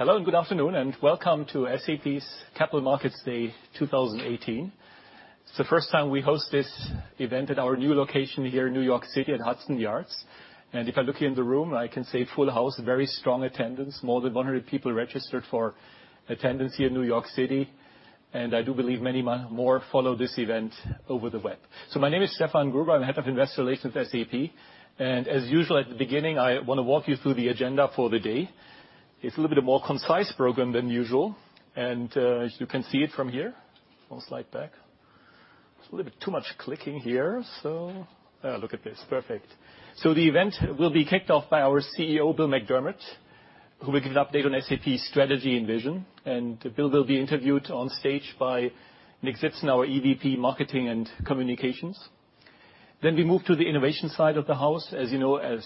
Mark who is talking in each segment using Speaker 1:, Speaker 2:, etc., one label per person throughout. Speaker 1: Hello, good afternoon, and welcome to SAP's Capital Markets Day 2018. It's the first time we host this event at our new location here in New York City at Hudson Yards. If I look in the room, I can say full house, very strong attendance. More than 100 people registered for attendance here in New York City, I do believe many more follow this event over the web. My name is Stefan Gruber, I'm Head of Investor Relations, SAP. As usual, at the beginning, I want to walk you through the agenda for the day. It's a little bit of a more concise program than usual, as you can see it from here. One slide back. It's a little bit too much clicking here. Look at this. Perfect. The event will be kicked off by our CEO, Bill McDermott, who will give an update on SAP's strategy and vision. Bill will be interviewed on stage by Nick Tzitzon, our EVP, Marketing and Communications. We move to the innovation side of the house. As you know, at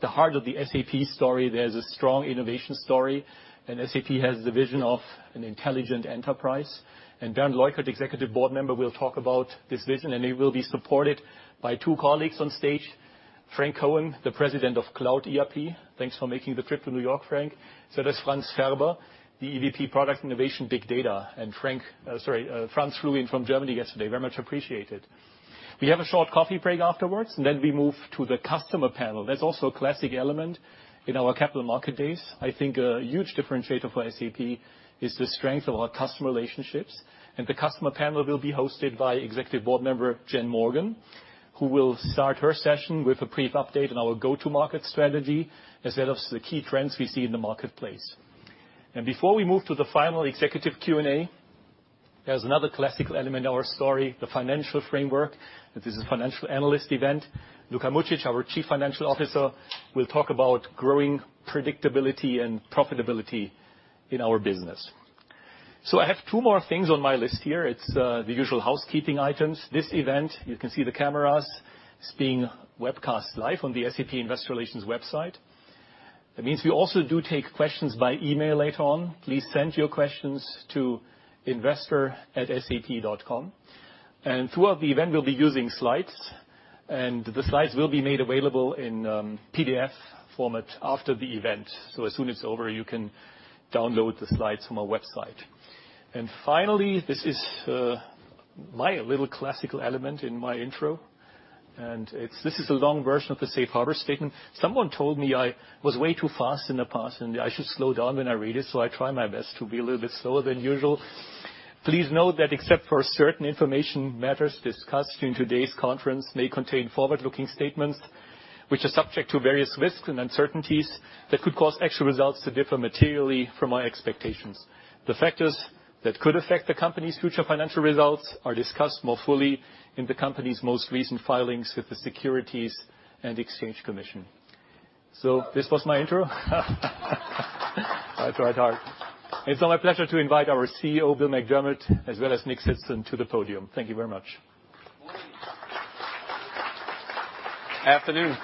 Speaker 1: the heart of the SAP story, there is a strong innovation story, SAP has the vision of an Intelligent Enterprise. Bernd Leukert, Executive Board Member, will talk about this vision, he will be supported by two colleagues on stage, Franck Cohen, the President of Cloud ERP. Thanks for making the trip to New York, Franck. Does Franz Färber, the EVP, Product Innovation Big Data. Franz flew in from Germany yesterday. Very much appreciated. We have a short coffee break afterwards, we move to the customer panel. That's also a classic element in our Capital Markets Day. I think a huge differentiator for SAP is the strength of our customer relationships. The customer panel will be hosted by Executive Board Member Jen Morgan, who will start her session with a brief update on our go-to-market strategy, as well as the key trends we see in the marketplace. Before we move to the final executive Q&A, there's another classical element in our story, the financial framework, that is a financial analyst event. Luka Mucic, our Chief Financial Officer, will talk about growing predictability and profitability in our business. I have two more things on my list here. It's the usual housekeeping items. This event, you can see the cameras, is being webcast live on the SAP Investor Relations website. That means we also do take questions by email later on. Please send your questions to investor@sap.com. Throughout the event, we'll be using slides, the slides will be made available in PDF format after the event. As soon as it's over, you can download the slides from our website. Finally, this is my little classical element in my intro, this is a long version of the safe harbor statement. Someone told me I was way too fast in the past, I should slow down when I read it, I try my best to be a little bit slower than usual. Please note that except for certain information, matters discussed in today's conference may contain forward-looking statements, which are subject to various risks and uncertainties that could cause actual results to differ materially from our expectations. The factors that could affect the company's future financial results are discussed more fully in the company's most recent filings with the Securities and Exchange Commission. This was my intro. I tried hard. It's now my pleasure to invite our CEO, Bill McDermott, as well as Nick Tzitzon to the podium. Thank you very much.
Speaker 2: Afternoon,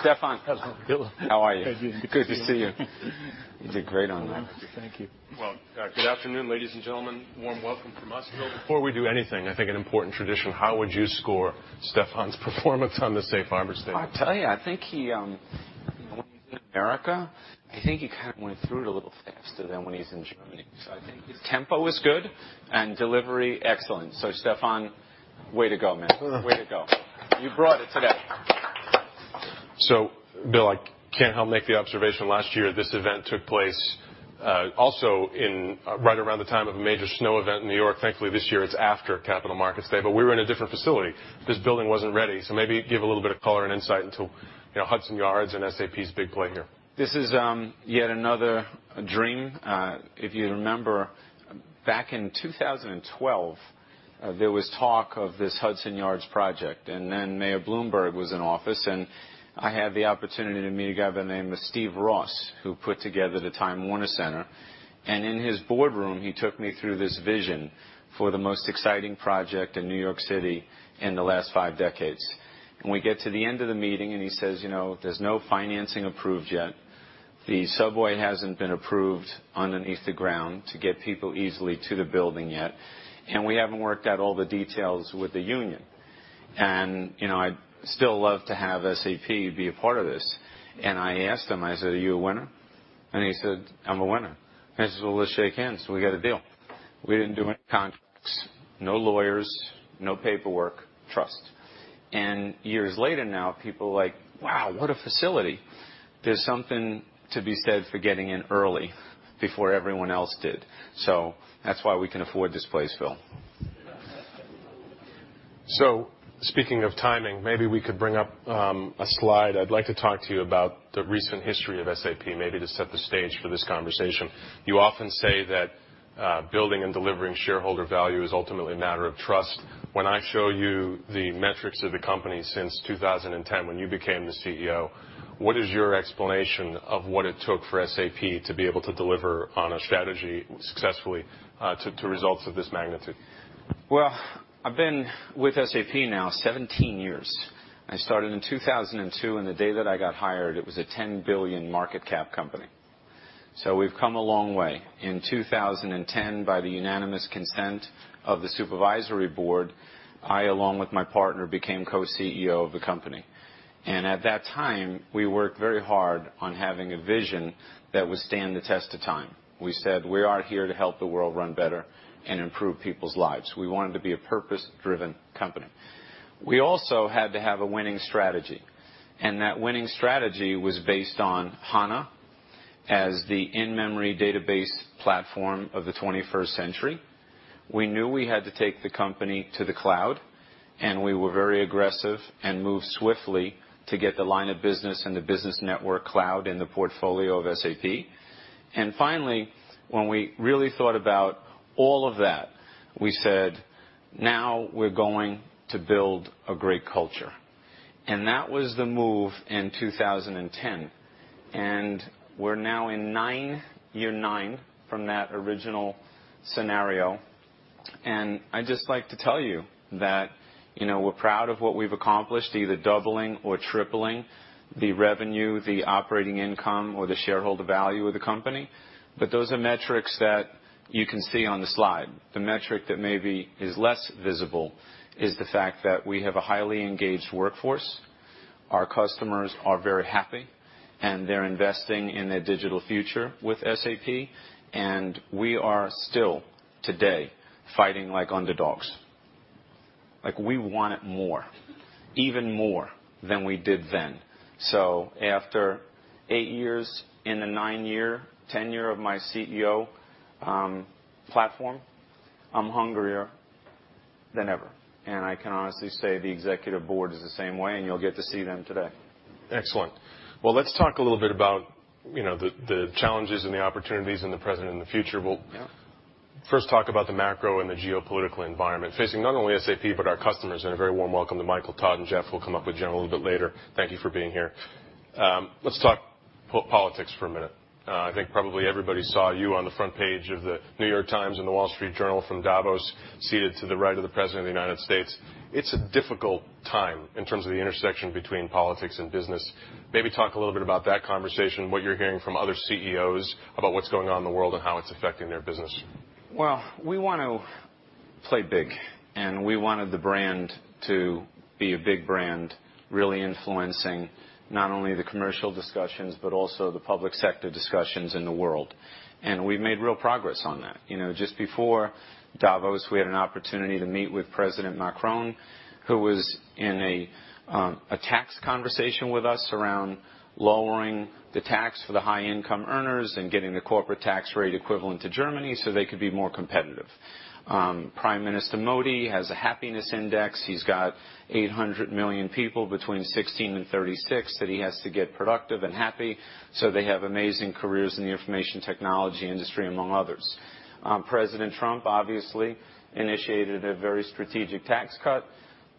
Speaker 2: Stefan.
Speaker 1: Hello, Bill.
Speaker 2: How are you?
Speaker 1: Good to see you.
Speaker 2: Good to see you. You did great on that.
Speaker 1: Thank you.
Speaker 3: Well, good afternoon, ladies and gentlemen. Warm welcome from us. Bill, before we do anything, I think an important tradition, how would you score Stefan's performance on the safe harbor statement?
Speaker 2: I'll tell you, when he's in America, I think he kind of went through it a little faster than when he's in Germany. I think his tempo was good, and delivery, excellent. Stefan, way to go, man. Way to go. You brought it today.
Speaker 3: Bill, I can't help make the observation, last year, this event took place, also right around the time of a major snow event in New York. Thankfully, this year it's after Capital Markets Day, but we were in a different facility. This building wasn't ready. Maybe give a little bit of color and insight into Hudson Yards and SAP's big play here.
Speaker 2: This is yet another dream. If you remember back in 2012, there was talk of this Hudson Yards project. Then Mayor Bloomberg was in office, and I had the opportunity to meet a guy by the name of Steve Ross, who put together the Time Warner Center. In his boardroom, he took me through this vision for the most exciting project in New York City in the last five decades. We get to the end of the meeting, and he says, "There's no financing approved yet. The subway hasn't been approved underneath the ground to get people easily to the building yet. We haven't worked out all the details with the union. I'd still love to have SAP be a part of this." I asked him, I said, "Are you a winner?" And he said, "I'm a winner." I said, "Well, let's shake hands. We got a deal." We didn't do any contracts, no lawyers, no paperwork, trust. Years later now, people are like, "Wow, what a facility." There's something to be said for getting in early before everyone else did. That's why we can afford this place, Phil.
Speaker 3: Speaking of timing, maybe we could bring up a slide. I'd like to talk to you about the recent history of SAP, maybe to set the stage for this conversation. You often say that building and delivering shareholder value is ultimately a matter of trust. When I show you the metrics of the company since 2010, when you became the CEO, what is your explanation of what it took for SAP to be able to deliver on a strategy successfully, to results of this magnitude?
Speaker 2: Well, I've been with SAP now 17 years. I started in 2002, the day that I got hired, it was a 10 billion market cap company. We've come a long way. In 2010, by the unanimous consent of the Supervisory Board, I, along with my partner, became co-CEO of the company. At that time, we worked very hard on having a vision that would stand the test of time. We said, "We are here to help the world run better and improve people's lives." We wanted to be a purpose-driven company. We also had to have a winning strategy, and that winning strategy was based on HANA as the in-memory database platform of the 21st century. We knew we had to take the company to the cloud, we were very aggressive and moved swiftly to get the line of business and the business network cloud in the portfolio of SAP. Finally, when we really thought about all of that, we said, "Now we're going to build a great culture." That was the move in 2010. We're now in year nine from that original scenario, I'd just like to tell you that we're proud of what we've accomplished, either doubling or tripling the revenue, the operating income, or the shareholder value of the company. Those are metrics that you can see on the slide. The metric that maybe is less visible is the fact that we have a highly engaged workforce. Our customers are very happy, and they're investing in their digital future with SAP. We are still today fighting like underdogs. We want it more, even more than we did then. After eight years in the nine-year tenure of my CEO platform, I'm hungrier than ever. I can honestly say the Executive Board is the same way, and you'll get to see them today.
Speaker 3: Excellent. Well, let's talk a little bit about the challenges and the opportunities in the present and the future.
Speaker 2: Yeah
Speaker 3: We'll first talk about the macro and the geopolitical environment facing not only SAP, but our customers, a very warm welcome to Michael, Todd, and Jeff, who will come up with Jen a little bit later. Thank you for being here. Let's talk politics for a minute. I think probably everybody saw you on the front page of "The New York Times" and "The Wall Street Journal" from Davos, seated to the right of the President of the United States. It's a difficult time in terms of the intersection between politics and business. Maybe talk a little bit about that conversation, what you're hearing from other CEOs about what's going on in the world, and how it's affecting their business.
Speaker 2: Well, we want to play big, and we wanted the brand to be a big brand, really influencing not only the commercial discussions, but also the public sector discussions in the world. We've made real progress on that. Just before Davos, we had an opportunity to meet with President Macron, who was in a tax conversation with us around lowering the tax for the high income earners and getting the corporate tax rate equivalent to Germany so they could be more competitive. Prime Minister Modi has a happiness index. He's got 800 million people between 16 and 36 that he has to get productive and happy, so they have amazing careers in the information technology industry, among others. President Trump obviously initiated a very strategic tax cut,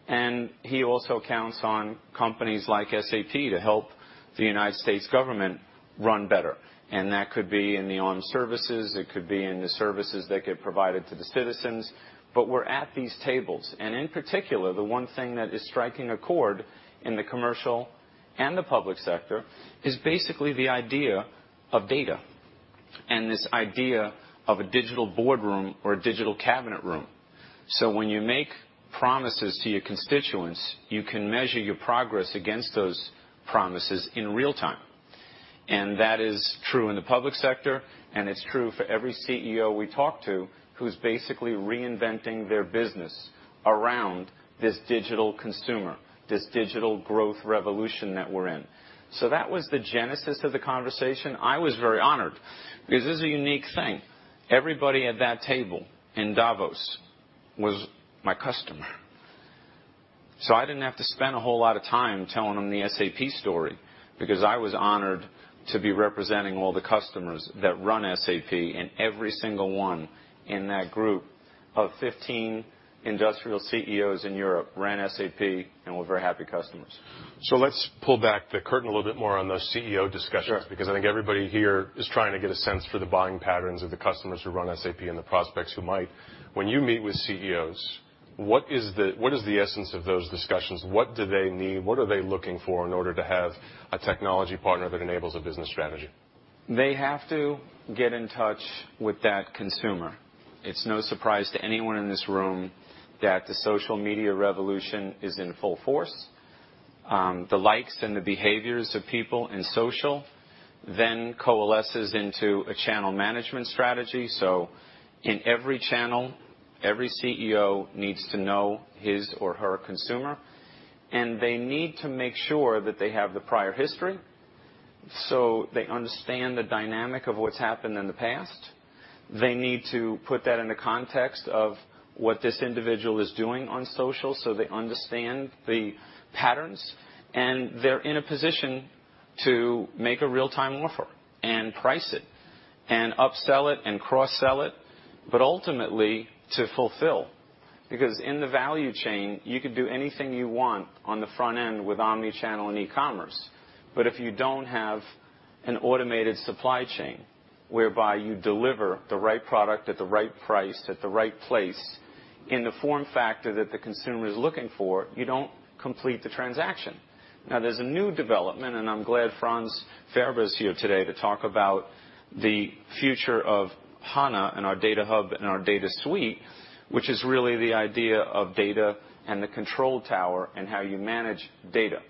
Speaker 2: and he also counts on companies like SAP to help the U.S. government run better. That could be in the armed services, it could be in the services that get provided to the citizens. We're at these tables, and in particular, the one thing that is striking a chord in the commercial and the public sector is basically the idea of data, and this idea of a digital boardroom or a digital cabinet room. When you make promises to your constituents, you can measure your progress against those promises in real time. That is true in the public sector, and it's true for every CEO we talk to who's basically reinventing their business around this digital consumer, this digital growth revolution that we're in. That was the genesis of the conversation. I was very honored because this is a unique thing. Everybody at that table in Davos was my customer. I didn't have to spend a whole lot of time telling them the SAP story because I was honored to be representing all the customers that run SAP, and every single one in that group of 15 industrial CEOs in Europe ran SAP and were very happy customers.
Speaker 3: Let's pull back the curtain a little bit more on those CEO discussions.
Speaker 2: Sure
Speaker 3: I think everybody here is trying to get a sense for the buying patterns of the customers who run SAP and the prospects who might. When you meet with CEOs, what is the essence of those discussions? What do they need? What are they looking for in order to have a technology partner that enables a business strategy?
Speaker 2: They have to get in touch with that consumer. It's no surprise to anyone in this room that the social media revolution is in full force. The likes and the behaviors of people in social then coalesces into a channel management strategy. In every channel, every CEO needs to know his or her consumer, and they need to make sure that they have the prior history so they understand the dynamic of what's happened in the past. They need to put that in the context of what this individual is doing on social so they understand the patterns, and they're in a position to make a real-time offer and price it, and upsell it and cross-sell it, but ultimately to fulfill. In the value chain, you could do anything you want on the front end with omni-channel and e-commerce. If you don't have an automated supply chain whereby you deliver the right product at the right price at the right place in the form factor that the consumer is looking for, you don't complete the transaction. Now there's a new development, and I'm glad Franz Färber is here today to talk about the future of HANA and our data hub and our data suite, which is really the idea of data and the control tower and how you manage data.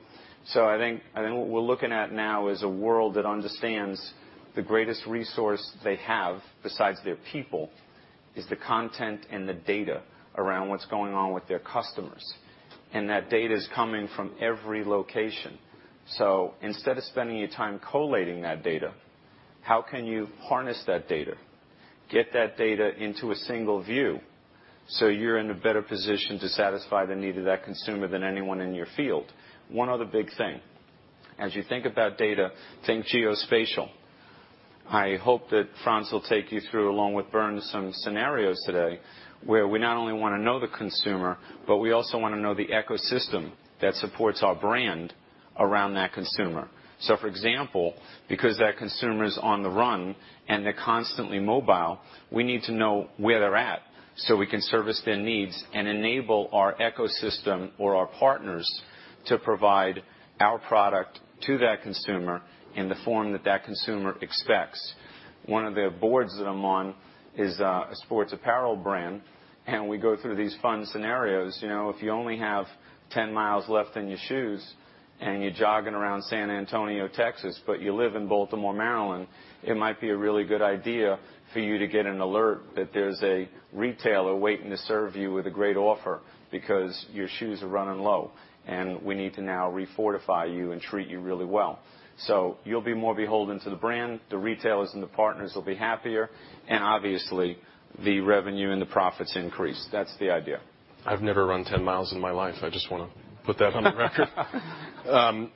Speaker 2: I think what we're looking at now is a world that understands the greatest resource they have, besides their people, is the content and the data around what's going on with their customers. That data is coming from every location. Instead of spending your time collating that data, how can you harness that data, get that data into a single view, so you're in a better position to satisfy the need of that consumer than anyone in your field? One other big thing. As you think about data, think geospatial. I hope that Franz will take you through, along with Bernd, some scenarios today where we not only want to know the consumer, but we also want to know the ecosystem that supports our brand around that consumer. For example, because that consumer is on the run and they're constantly mobile, we need to know where they're at so we can service their needs and enable our ecosystem or our partners to provide our product to that consumer in the form that consumer expects. One of the boards that I'm on is a sports apparel brand, we go through these fun scenarios. If you only have 10 miles left in your shoes and you're jogging around San Antonio, Texas, but you live in Baltimore, Maryland, it might be a really good idea for you to get an alert that there's a retailer waiting to serve you with a great offer because your shoes are running low, and we need to now refortify you and treat you really well. You'll be more beholden to the brand, the retailers and the partners will be happier, and obviously, the revenue and the profits increase. That's the idea.
Speaker 3: I've never run 10 miles in my life. I just want to put that on the record.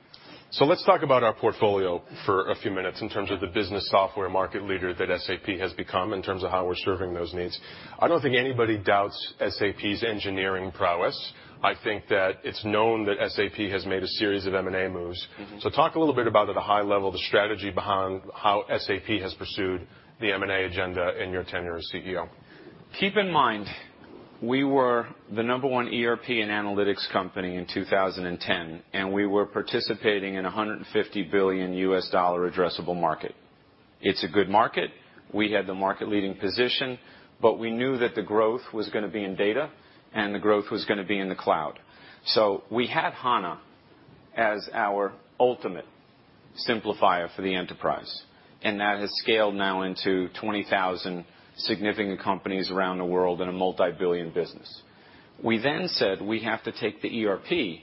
Speaker 3: Let's talk about our portfolio for a few minutes in terms of the business software market leader that SAP has become in terms of how we're serving those needs. I don't think anybody doubts SAP's engineering prowess. I think that it's known that SAP has made a series of M&A moves. Talk a little bit about, at a high level, the strategy behind how SAP has pursued the M&A agenda in your tenure as CEO.
Speaker 2: Keep in mind, we were the number one ERP and analytics company in 2010, we were participating in EUR 150 billion addressable market. It's a good market. We had the market leading position, we knew that the growth was going to be in data and the growth was going to be in the cloud. We had HANA as our ultimate simplifier for the enterprise, that has scaled now into 20,000 significant companies around the world in a multi-billion business. We then said we have to take the ERP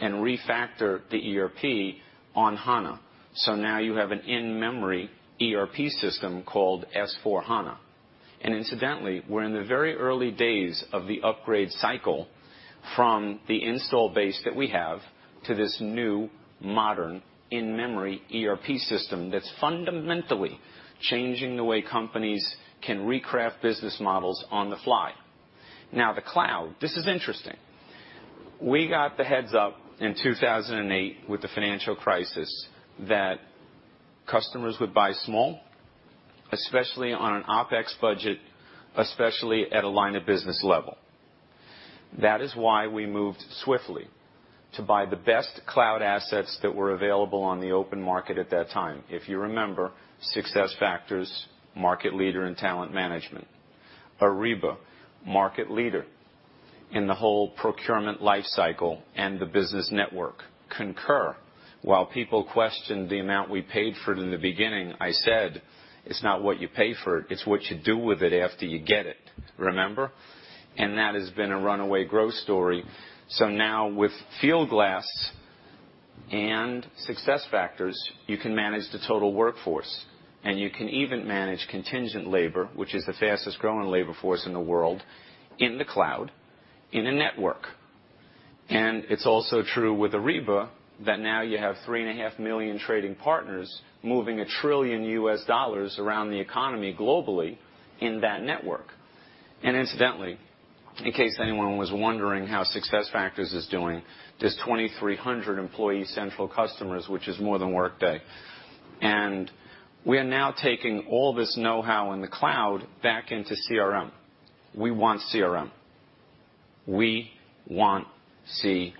Speaker 2: and refactor the ERP on HANA. Now you have an in-memory ERP system called S/4HANA. Incidentally, we're in the very early days of the upgrade cycle from the install base that we have to this new, modern in-memory ERP system that's fundamentally changing the way companies can recraft business models on the fly. The cloud, this is interesting. We got the heads-up in 2008 with the financial crisis that customers would buy small, especially on an OpEx budget, especially at a line of business level. That is why we moved swiftly to buy the best cloud assets that were available on the open market at that time. If you remember, SuccessFactors, market leader in talent management. Ariba, market leader in the whole procurement life cycle and the business network. Concur, while people questioned the amount we paid for it in the beginning, I said, "It's not what you pay for, it's what you do with it after you get it." Remember? That has been a runaway growth story. Now with Fieldglass and SuccessFactors, you can manage the total workforce, you can even manage contingent labor, which is the fastest growing labor force in the world, in the cloud, in a network. It's also true with Ariba that now you have 3.5 million trading partners moving $1 trillion around the economy globally in that network. Incidentally, in case anyone was wondering how SuccessFactors is doing, there's 2,300 Employee Central customers, which is more than Workday. We are now taking all this know-how in the cloud back into CRM. We want CRM. We want CRM.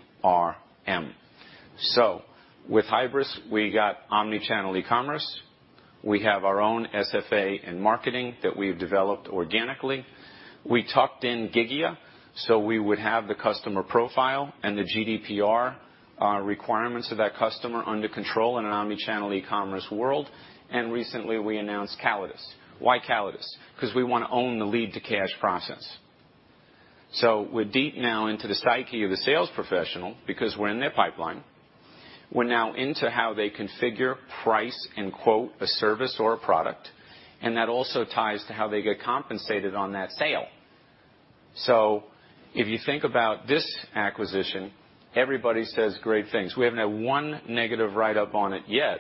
Speaker 2: With Hybris, we got omni-channel e-commerce. We have our own SFA and marketing that we've developed organically. We tucked in Gigya, so we would have the customer profile and the GDPR requirements of that customer under control in an omni-channel e-commerce world. Recently we announced Callidus. Why Callidus? Because we want to own the lead-to-cash process. We're deep now into the psyche of the sales professional because we're in their pipeline. We're now into how they configure, price, and quote a service or a product, and that also ties to how they get compensated on that sale. If you think about this acquisition, everybody says great things. We haven't had one negative write-up on it yet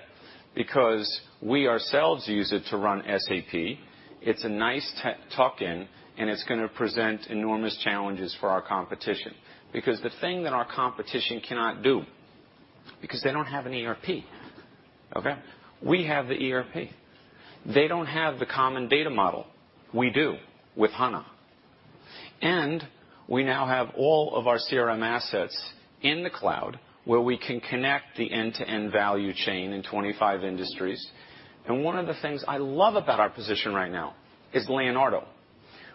Speaker 2: because we ourselves use it to run SAP. It's a nice tuck-in, and it's going to present enormous challenges for our competition. They don't have an ERP. Okay? We have the ERP. They don't have the common data model. We do with HANA. We now have all of our CRM assets in the cloud, where we can connect the end-to-end value chain in 25 industries. One of the things I love about our position right now is Leonardo.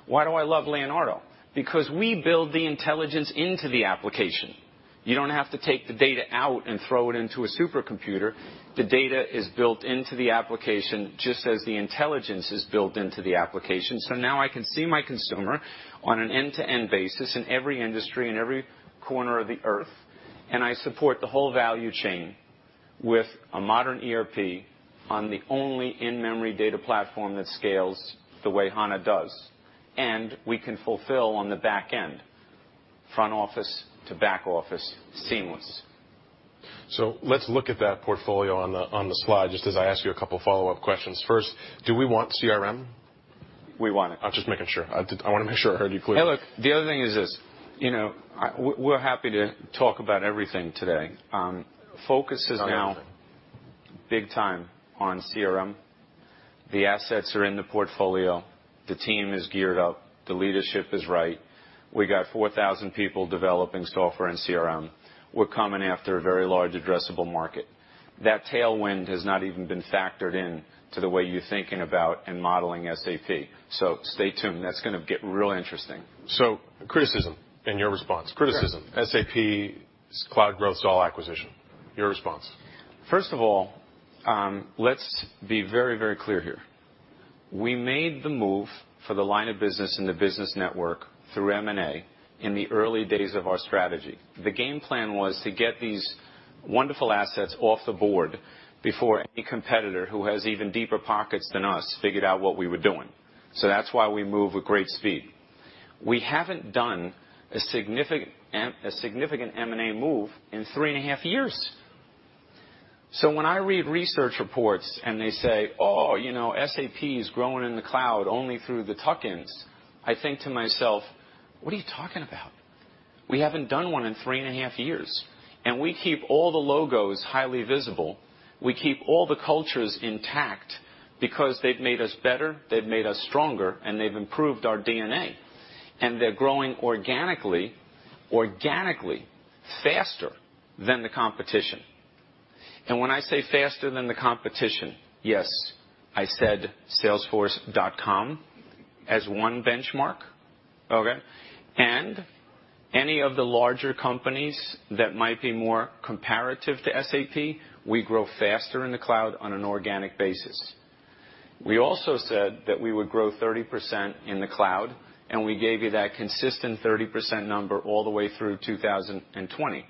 Speaker 2: Why do I love Leonardo? Because we build the intelligence into the application. You don't have to take the data out and throw it into a supercomputer. The data is built into the application just as the intelligence is built into the application. Now I can see my consumer on an end-to-end basis in every industry, in every corner of the earth, and I support the whole value chain with a modern ERP on the only in-memory data platform that scales the way HANA does. We can fulfill on the back end, front office to back office seamless.
Speaker 3: Let's look at that portfolio on the slide, just as I ask you a couple of follow-up questions. First, do we want CRM?
Speaker 2: We want it.
Speaker 3: I was just making sure. I wanted to make sure I heard you clearly.
Speaker 2: Hey, look, the other thing is this. We're happy to talk about everything today. Focus is now-
Speaker 3: It's on everything
Speaker 2: big time on CRM. The assets are in the portfolio. The team is geared up. The leadership is right. We got 4,000 people developing software in CRM. We're coming after a very large addressable market. That tailwind has not even been factored in to the way you're thinking about and modeling SAP. Stay tuned. That's going to get real interesting.
Speaker 3: Criticism and your response. Criticism. SAP's cloud growth is all acquisition. Your response.
Speaker 2: First of all, let's be very clear here. We made the move for the line of business and the business network through M&A in the early days of our strategy. The game plan was to get these wonderful assets off the board before any competitor who has even deeper pockets than us figured out what we were doing. That's why we move with great speed. We haven't done a significant M&A move in three and a half years. When I read research reports and they say, "Oh, SAP is growing in the cloud only through the tuck-ins," I think to myself, "What are you talking about?" We haven't done one in three and a half years, and we keep all the logos highly visible. We keep all the cultures intact because they've made us better, they've made us stronger, and they've improved our DNA. They're growing organically faster than the competition. When I say faster than the competition, yes, I said salesforce.com as one benchmark. Okay? Any of the larger companies that might be more comparative to SAP, we grow faster in the cloud on an organic basis. We also said that we would grow 30% in the cloud, and we gave you that consistent 30% number all the way through 2020,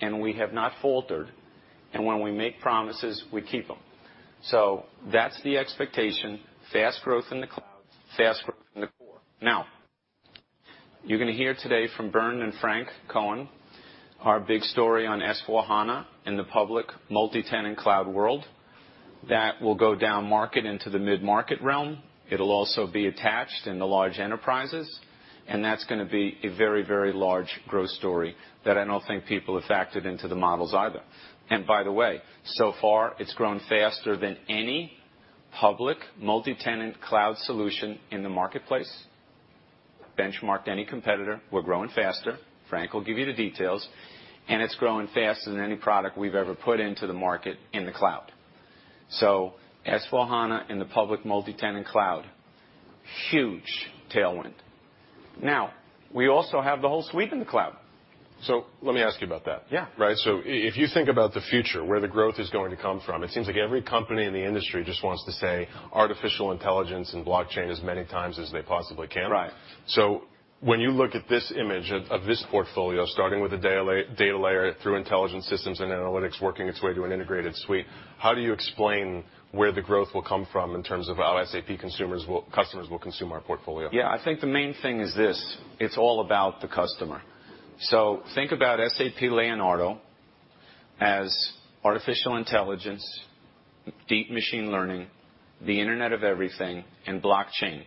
Speaker 2: and we have not faltered. When we make promises, we keep them. That's the expectation. Fast growth in the cloud, fast growth in the core. You're going to hear today from Bernd and Franck Cohen, our big story on S/4HANA in the public multi-tenant cloud world. That will go down market into the mid-market realm. It'll also be attached in the large enterprises, and that's going to be a very large growth story that I don't think people have factored into the models either. By the way, so far, it's grown faster than any public multi-tenant cloud solution in the marketplace. Benchmarked any competitor, we're growing faster. Franck will give you the details. It's growing faster than any product we've ever put into the market in the cloud. S/4HANA in the public multi-tenant cloud, huge tailwind. We also have the whole suite in the cloud.
Speaker 3: Let me ask you about that.
Speaker 2: Yeah.
Speaker 3: Right. If you think about the future, where the growth is going to come from, it seems like every company in the industry just wants to say artificial intelligence and blockchain as many times as they possibly can.
Speaker 2: Right.
Speaker 3: When you look at this image of this portfolio, starting with the data layer through intelligence systems and analytics, working its way to an integrated suite, how do you explain where the growth will come from in terms of how SAP customers will consume our portfolio?
Speaker 2: Yeah. I think the main thing is this: It's all about the customer. Think about SAP Leonardo as artificial intelligence, deep machine learning, the Internet of Everything, and blockchain.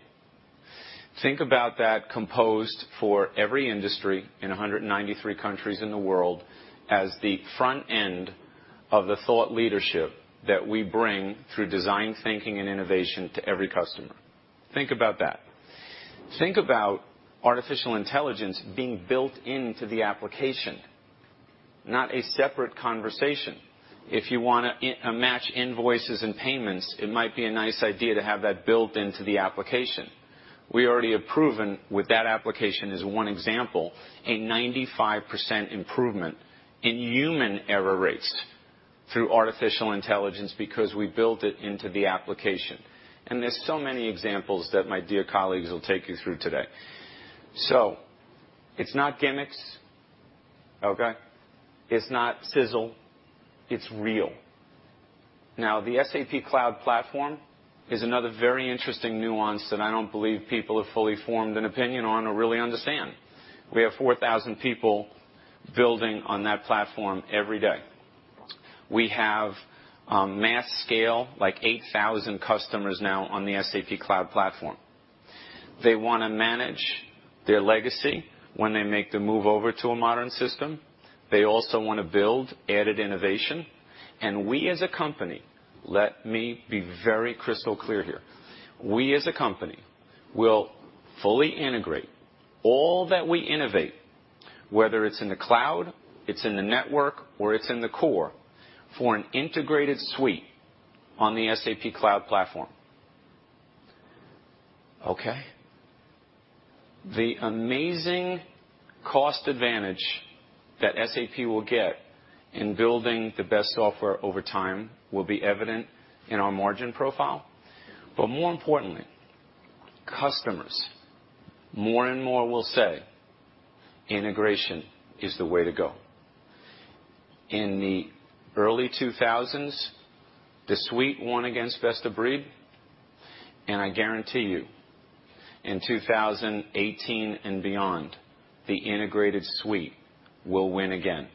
Speaker 2: Think about that composed for every industry in 193 countries in the world as the front end of the thought leadership that we bring through design thinking and innovation to every customer. Think about that. Think about artificial intelligence being built into the application, not a separate conversation. If you want to match invoices and payments, it might be a nice idea to have that built into the application. We already have proven with that application as one example, a 95% improvement in human error rates through artificial intelligence because we built it into the application. There's so many examples that my dear colleagues will take you through today. It's not gimmicks. Okay? It's not sizzle. It's real. The SAP Cloud Platform is another very interesting nuance that I don't believe people have fully formed an opinion on or really understand. We have 4,000 people building on that platform every day. We have mass scale, like 8,000 customers now on the SAP Cloud Platform. They want to manage their legacy when they make the move over to a modern system. They also want to build added innovation. We as a company, let me be very crystal clear here. We as a company will fully integrate all that we innovate, whether it's in the cloud, it's in the network, or it's in the core, for an integrated suite on the SAP Cloud Platform. Okay. The amazing cost advantage that SAP will get in building the best software over time will be evident in our margin profile. More importantly, customers more and more will say integration is the way to go. In the early 2000s, the suite won against best of breed, I guarantee you, in 2018 and beyond, the integrated suite will win again.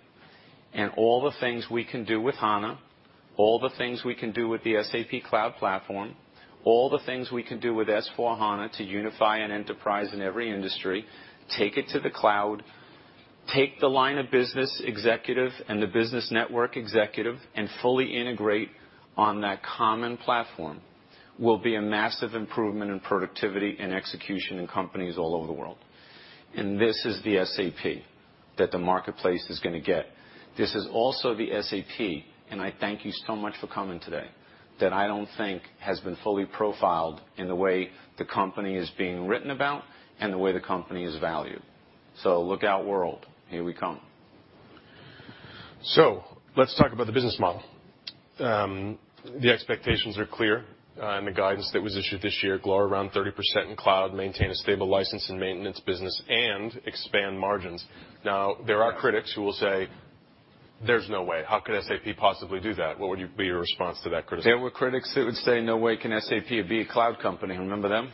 Speaker 2: All the things we can do with HANA, all the things we can do with the SAP Cloud Platform, all the things we can do with S/4HANA to unify an enterprise in every industry, take it to the cloud, take the line of business executive and the business network executive, and fully integrate on that common platform, will be a massive improvement in productivity and execution in companies all over the world. This is the SAP that the marketplace is going to get. This is also the SAP, and I thank you so much for coming today, that I don't think has been fully profiled in the way the company is being written about and the way the company is valued. Look out world, here we come.
Speaker 3: Let's talk about the business model. The expectations are clear in the guidance that was issued this year. Grow around 30% in cloud, maintain a stable license and maintenance business, and expand margins. There are critics who will say, "There's no way. How could SAP possibly do that?" What would be your response to that critic?
Speaker 2: There were critics who would say, "No way can SAP be a cloud company." Remember them?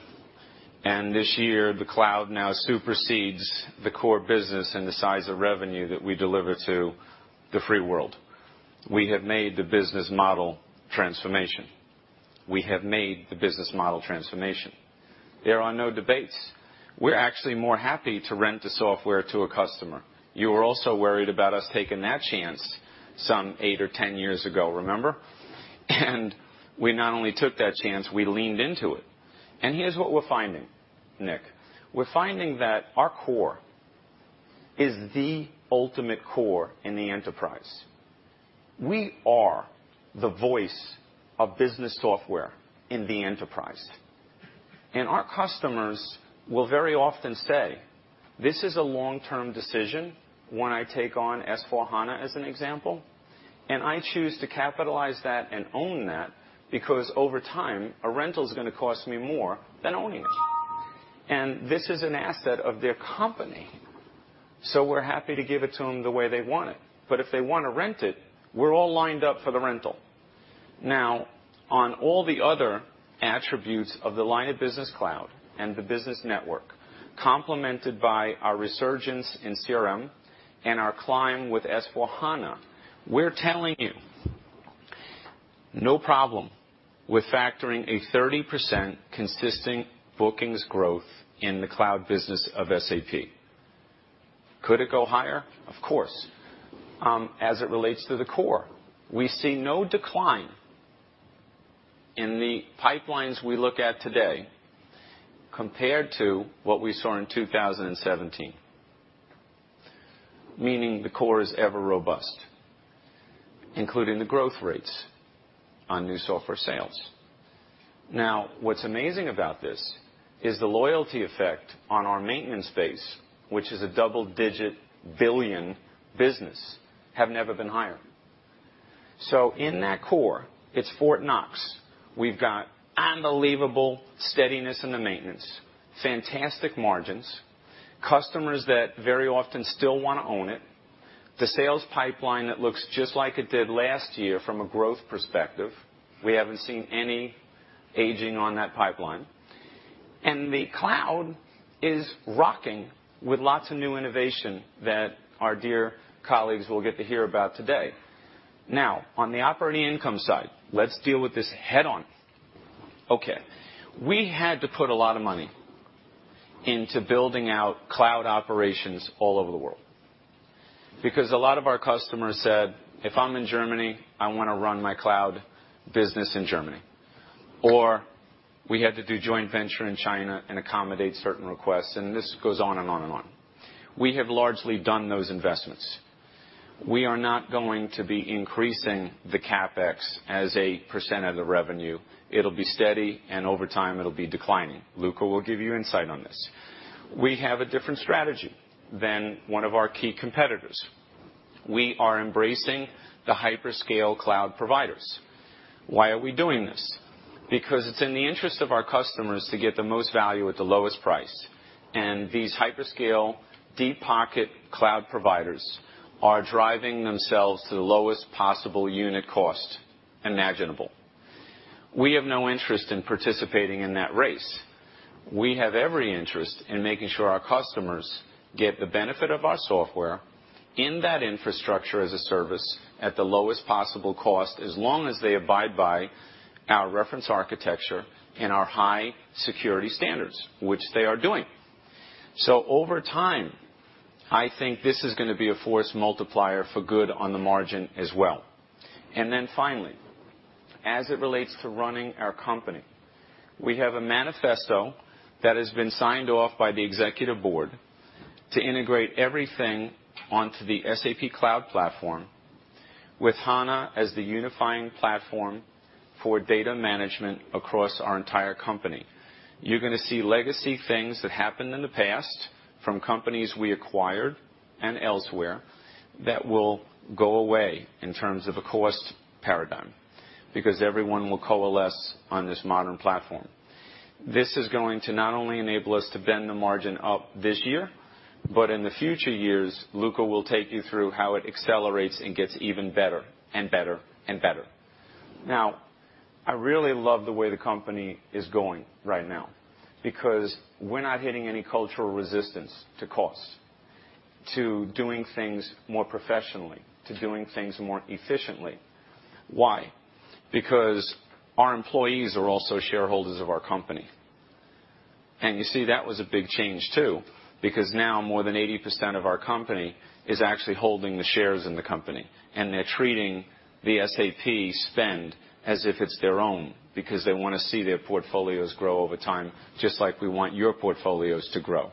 Speaker 2: This year, the cloud now supersedes the core business and the size of revenue that we deliver to the free world. We have made the business model transformation. There are no debates. We're actually more happy to rent the software to a customer. You were also worried about us taking that chance some eight or 10 years ago, remember? We not only took that chance, we leaned into it. Here's what we're finding, Nick. We're finding that our core is the ultimate core in the enterprise. We are the voice of business software in the enterprise. Our customers will very often say, "This is a long-term decision when I take on S/4HANA as an example, and I choose to capitalize that and own that, because over time, a rental is going to cost me more than owning it." This is an asset of their company, so we're happy to give it to them the way they want it. If they want to rent it, we're all lined up for the rental. On all the other attributes of the line of business cloud and the business network, complemented by our resurgence in CRM and our climb with S/4HANA, we're telling you, no problem with factoring a 30% consisting bookings growth in the cloud business of SAP. Could it go higher? Of course. As it relates to the core, we see no decline in the pipelines we look at today compared to what we saw in 2017. Meaning the core is ever robust, including the growth rates on new software sales. What's amazing about this is the loyalty effect on our maintenance base, which is a double-digit billion business, have never been higher. In that core, it's Fort Knox. We've got unbelievable steadiness in the maintenance, fantastic margins, customers that very often still want to own it. The sales pipeline that looks just like it did last year from a growth perspective. We haven't seen any aging on that pipeline. The cloud is rocking with lots of new innovation that our dear colleagues will get to hear about today. On the operating income side, let's deal with this head on. Okay. We had to put a lot of money into building out cloud operations all over the world. A lot of our customers said, "If I'm in Germany, I want to run my cloud business in Germany." We had to do joint venture in China and accommodate certain requests, this goes on and on and on. We have largely done those investments. We are not going to be increasing the CapEx as a % of the revenue. It'll be steady, and over time, it'll be declining. Luka will give you insight on this. We have a different strategy than one of our key competitors. We are embracing the hyperscale cloud providers. Why are we doing this? Because it's in the interest of our customers to get the most value at the lowest price. These hyperscale, deep pocket cloud providers are driving themselves to the lowest possible unit cost imaginable. We have no interest in participating in that race. We have every interest in making sure our customers get the benefit of our software in that infrastructure as a service at the lowest possible cost, as long as they abide by our reference architecture and our high security standards, which they are doing. Over time, I think this is going to be a force multiplier for good on the margin as well. Finally, as it relates to running our company, we have a manifesto that has been signed off by the executive board to integrate everything onto the SAP Cloud Platform with HANA as the unifying platform for data management across our entire company. You're going to see legacy things that happened in the past from companies we acquired and elsewhere that will go away in terms of a cost paradigm, because everyone will coalesce on this modern platform. This is going to not only enable us to bend the margin up this year, but in the future years, Luka will take you through how it accelerates and gets even better and better and better. I really love the way the company is going right now, because we're not hitting any cultural resistance to cost, to doing things more professionally, to doing things more efficiently. Why? Because our employees are also shareholders of our company. You see, that was a big change, too. Now more than 80% of our company is actually holding the shares in the company, and they're treating the SAP spend as if it's their own, because they want to see their portfolios grow over time, just like we want your portfolios to grow.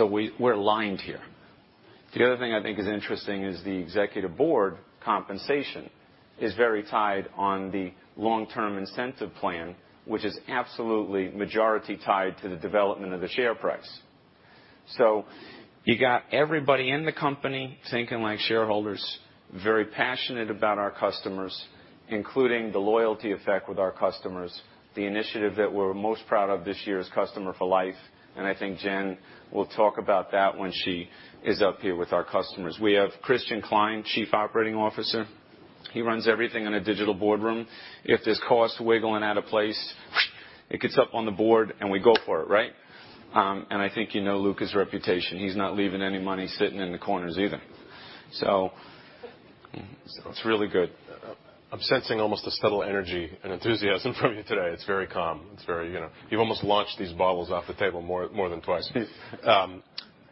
Speaker 2: We're aligned here. The other thing I think is interesting is the executive board compensation is very tied on the long-term incentive plan, which is absolutely majority tied to the development of the share price. You got everybody in the company thinking like shareholders, very passionate about our customers, including the loyalty effect with our customers. The initiative that we're most proud of this year is Customer for Life, and I think Jen will talk about that when she is up here with our customers. We have Christian Klein, Chief Operating Officer. He runs everything in a Digital Boardroom. If there's cost wiggling out of place, it gets up on the board, and we go for it. Right? I think you know Luka's reputation. He's not leaving any money sitting in the corners either. It's really good.
Speaker 3: I'm sensing almost a subtle energy and enthusiasm from you today. It's very calm. You've almost launched these bottles off the table more than twice.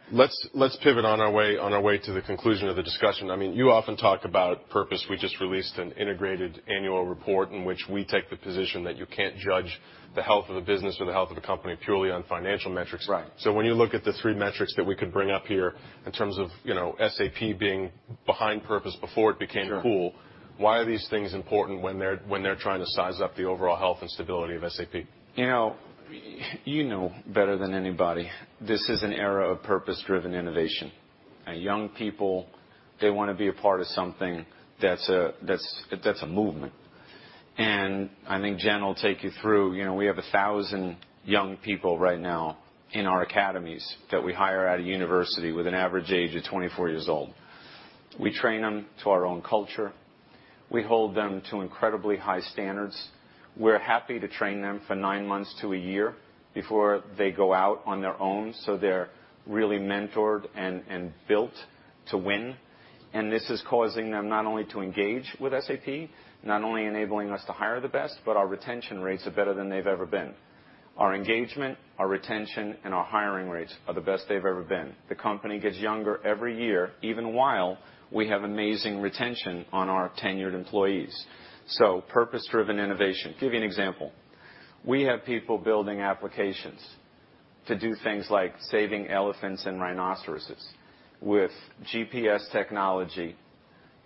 Speaker 3: Let's pivot on our way to the conclusion of the discussion. You often talk about purpose. We just released an integrated annual report in which we take the position that you can't judge the health of a business or the health of a company purely on financial metrics.
Speaker 2: Right.
Speaker 3: When you look at the three metrics that we could bring up here in terms of SAP being behind purpose before it became cool.
Speaker 2: Sure
Speaker 3: Why are these things important when they're trying to size up the overall health and stability of SAP?
Speaker 2: You know better than anybody, this is an era of purpose-driven innovation. Young people, they want to be a part of something that's a movement. I think Jen will take you through. We have 1,000 young people right now in our academies that we hire out of university with an average age of 24 years old. We train them to our own culture. We hold them to incredibly high standards. We're happy to train them for nine months to a year before they go out on their own, so they're really mentored and built to win. This is causing them not only to engage with SAP, not only enabling us to hire the best, but our retention rates are better than they've ever been. Our engagement, our retention, and our hiring rates are the best they've ever been. The company gets younger every year, even while we have amazing retention on our tenured employees. Purpose-driven innovation. Give you an example. We have people building applications to do things like saving elephants and rhinoceroses with GPS technology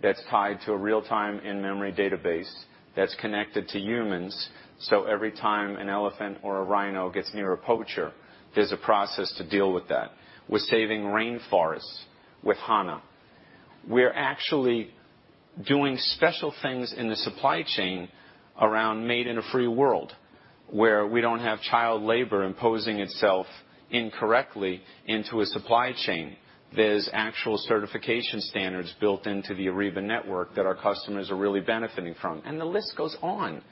Speaker 2: that is tied to a real-time in-memory database that is connected to humans, so every time an elephant or a rhino gets near a poacher, there is a process to deal with that. We are saving rainforests with SAP HANA. We are actually doing special things in the supply chain around Made In A Free World, where we do not have child labor imposing itself incorrectly into a supply chain. There is actual certification standards built into the SAP Ariba network that our customers are really benefiting from, and the list goes on.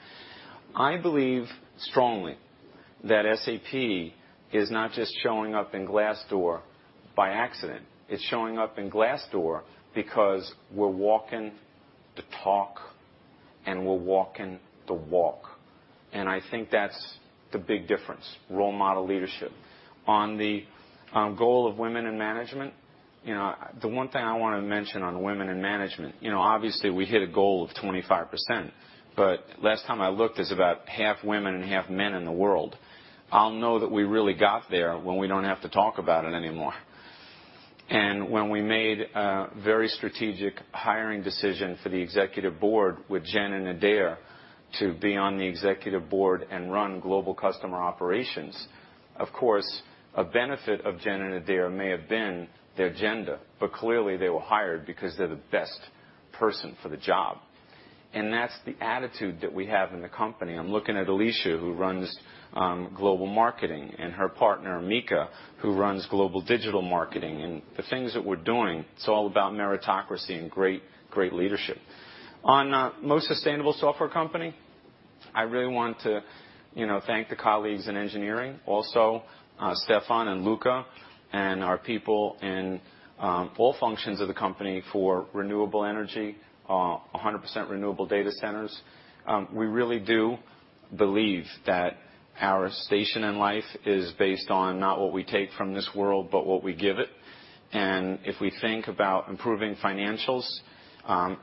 Speaker 2: I believe strongly that SAP is not just showing up in Glassdoor by accident. It's showing up in Glassdoor because we're walking the talk and we're walking the walk, and I think that's the big difference. Role model leadership. The one thing I want to mention on women in management, obviously, we hit a goal of 25%, but last time I looked, there's about half women and half men in the world. I'll know that we really got there when we don't have to talk about it anymore. When we made a very strategic hiring decision for the Executive Board with Jen and Adaire to be on the Executive Board and run Global Customer Operations, of course, a benefit of Jen and Adaire may have been their gender, but clearly, they were hired because they're the best person for the job. That's the attitude that we have in the company. I'm looking at Alicia, who runs Global Marketing, and her partner, Mika, who runs Global Digital Marketing, and the things that we're doing, it's all about meritocracy and great leadership. Most sustainable software company. I really want to thank the colleagues in engineering, also, Stefan and Luka. Our people in all functions of the company for renewable energy, 100% renewable data centers. We really do believe that our station in life is based on not what we take from this world, but what we give it. If we think about improving financials,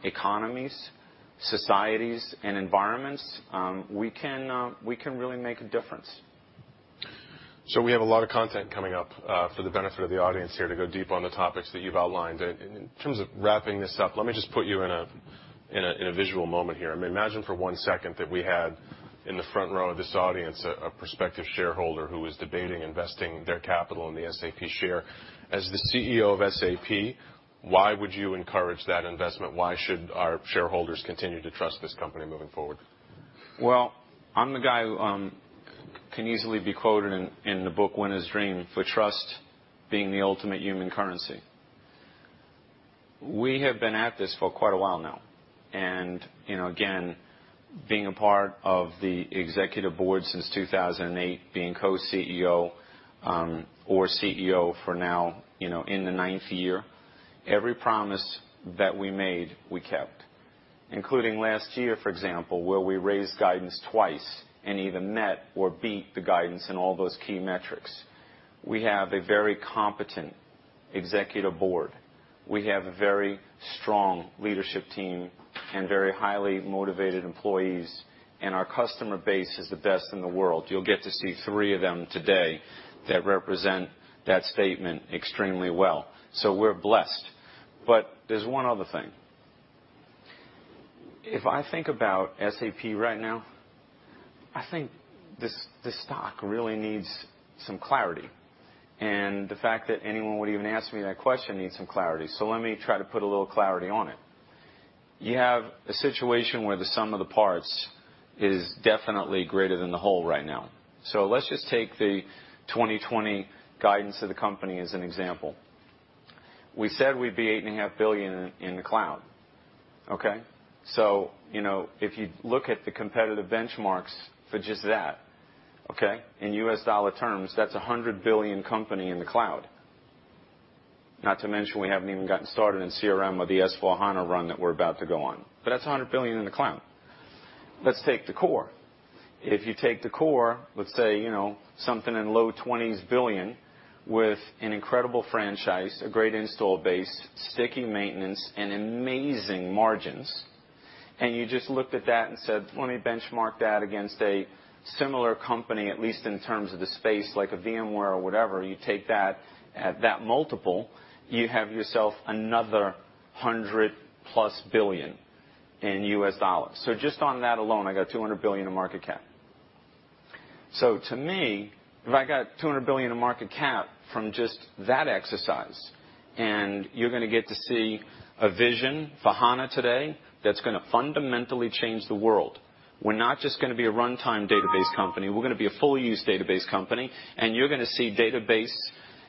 Speaker 2: economies, societies, and environments, we can really make a difference.
Speaker 3: We have a lot of content coming up for the benefit of the audience here to go deep on the topics that you've outlined. In terms of wrapping this up, let me just put you in a visual moment here. Imagine for one second that we had, in the front row of this audience, a prospective shareholder who was debating investing their capital in the SAP share. As the CEO of SAP, why would you encourage that investment? Why should our shareholders continue to trust this company moving forward?
Speaker 2: I'm the guy who can easily be quoted in the book, "Winners Dream," for trust being the ultimate human currency. We have been at this for quite a while now, again, being a part of the executive board since 2008, being co-CEO, or CEO for now in the ninth year. Every promise that we made, we kept, including last year, for example, where we raised guidance twice and either met or beat the guidance on all those key metrics. We have a very competent executive board. We have a very strong leadership team and very highly motivated employees, and our customer base is the best in the world. You'll get to see three of them today that represent that statement extremely well. We're blessed. There's one other thing. If I think about SAP right now, I think the stock really needs some clarity, the fact that anyone would even ask me that question needs some clarity. Let me try to put a little clarity on it. You have a situation where the sum of the parts is definitely greater than the whole right now. Let's just take the 2020 guidance of the company as an example. We said we'd be 8.5 billion in the cloud. Okay? If you look at the competitive benchmarks for just that, okay, in US dollar terms, that's a $100 billion company in the cloud. Not to mention, we haven't even gotten started in CRM with the S/4HANA run that we're about to go on, but that's $100 billion in the cloud. Let's take the core. If you take the core, let's say, something in low $20 billion with an incredible franchise, a great install base, sticky maintenance, and amazing margins. You just looked at that and said, "Let me benchmark that against a similar company," at least in terms of the space, like a VMware or whatever. You take that at that multiple, you have yourself another $100-plus billion in US dollars. Just on that alone, I got $200 billion in market cap. To me, if I got $200 billion in market cap from just that exercise, and you're going to get to see a vision for HANA today that's going to fundamentally change the world. We're not just going to be a runtime database company, we're going to be a full use database company, you're going to see database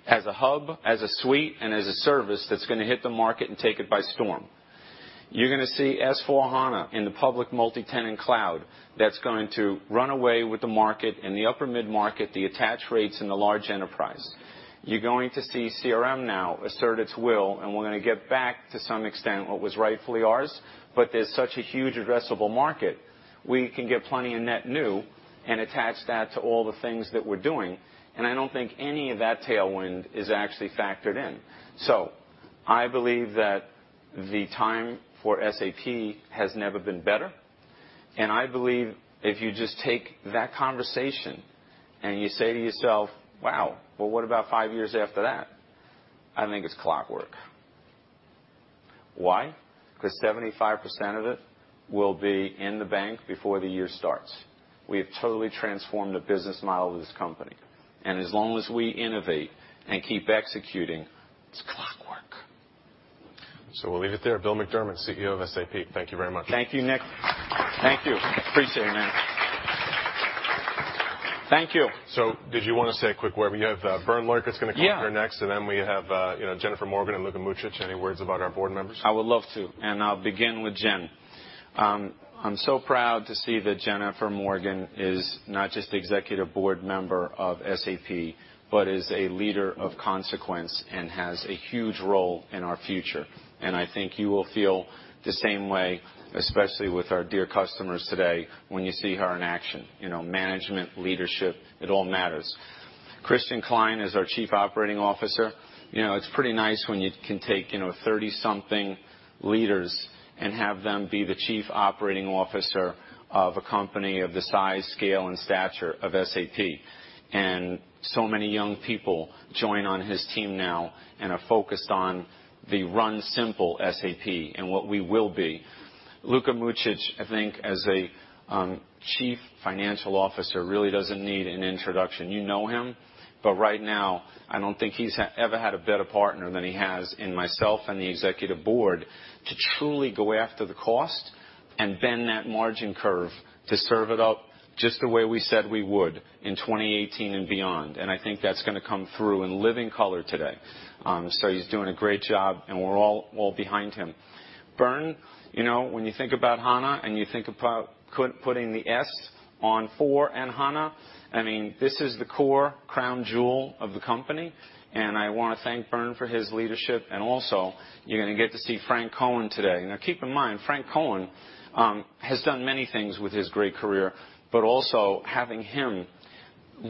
Speaker 2: as a hub, as a suite, and as a service that's going to hit the market and take it by storm. You're going to see S/4HANA in the public multi-tenant cloud that's going to run away with the market in the upper midmarket, the attach rates in the large enterprise. You're going to see CRM now assert its will, we're going to get back to some extent what was rightfully ours, there's such a huge addressable market. We can get plenty in net new and attach that to all the things that we're doing. I don't think any of that tailwind is actually factored in. I believe that the time for SAP has never been better. I believe if you just take that conversation and you say to yourself, "Wow. Well, what about five years after that?" I think it's clockwork. Why? Because 75% of it will be in the bank before the year starts. We have totally transformed the business model of this company, and as long as we innovate and keep executing, it's clockwork.
Speaker 3: We'll leave it there. Bill McDermott, CEO of SAP. Thank you very much.
Speaker 2: Thank you, Nick. Thank you. Appreciate it, man. Thank you.
Speaker 3: Did you want to say a quick word? We have Bernd Leukert's going to come up here next.
Speaker 2: Yeah
Speaker 3: Then we have Jennifer Morgan and Luka Mucic. Any words about our board members?
Speaker 2: I would love to. I'll begin with Jen. I'm so proud to see that Jennifer Morgan is not just Executive Board Member of SAP, but is a leader of consequence and has a huge role in our future. I think you will feel the same way, especially with our dear customers today, when you see her in action. Management, leadership, it all matters. Christian Klein is our Chief Operating Officer. It's pretty nice when you can take 30-something leaders and have them be the Chief Operating Officer of a company of the size, scale, and stature of SAP. So many young people join on his team now and are focused on the Run Simple SAP and what we will be. Luka Mucic, I think as a Chief Financial Officer, really doesn't need an introduction. You know him. Right now, I don't think he's ever had a better partner than he has in myself and the executive board to truly go after the cost and bend that margin curve to serve it up just the way we said we would in 2018 and beyond. I think that's going to come through in living color today. He's doing a great job, and we're all behind him. Bernd, when you think about HANA and you think about putting the S on four and HANA, this is the core crown jewel of the company, and I want to thank Bernd for his leadership. Also, you're going to get to see Franck Cohen today. Keep in mind, Franck Cohen has done many things with his great career, but also having him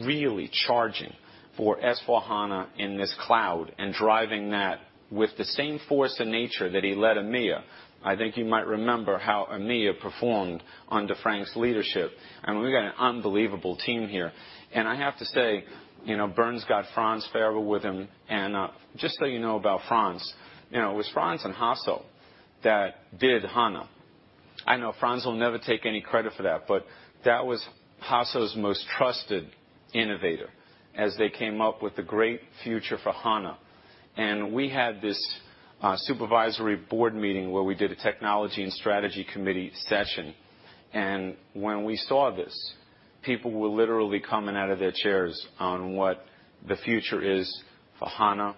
Speaker 2: really charging for S/4HANA in this cloud and driving that with the same force of nature that he led EMEA. I think you might remember how EMEA performed under Franck's leadership. We got an unbelievable team here. I have to say, Bernd's got Franz Färber with him, and just so you know about Franz, it was Franz and Hasso that did HANA. I know Franz will never take any credit for that, but that was Hasso's most trusted innovator as they came up with the great future for HANA. We had this supervisory board meeting where we did a technology and strategy committee session. When we saw this, people were literally coming out of their chairs on what the future is for SAP HANA,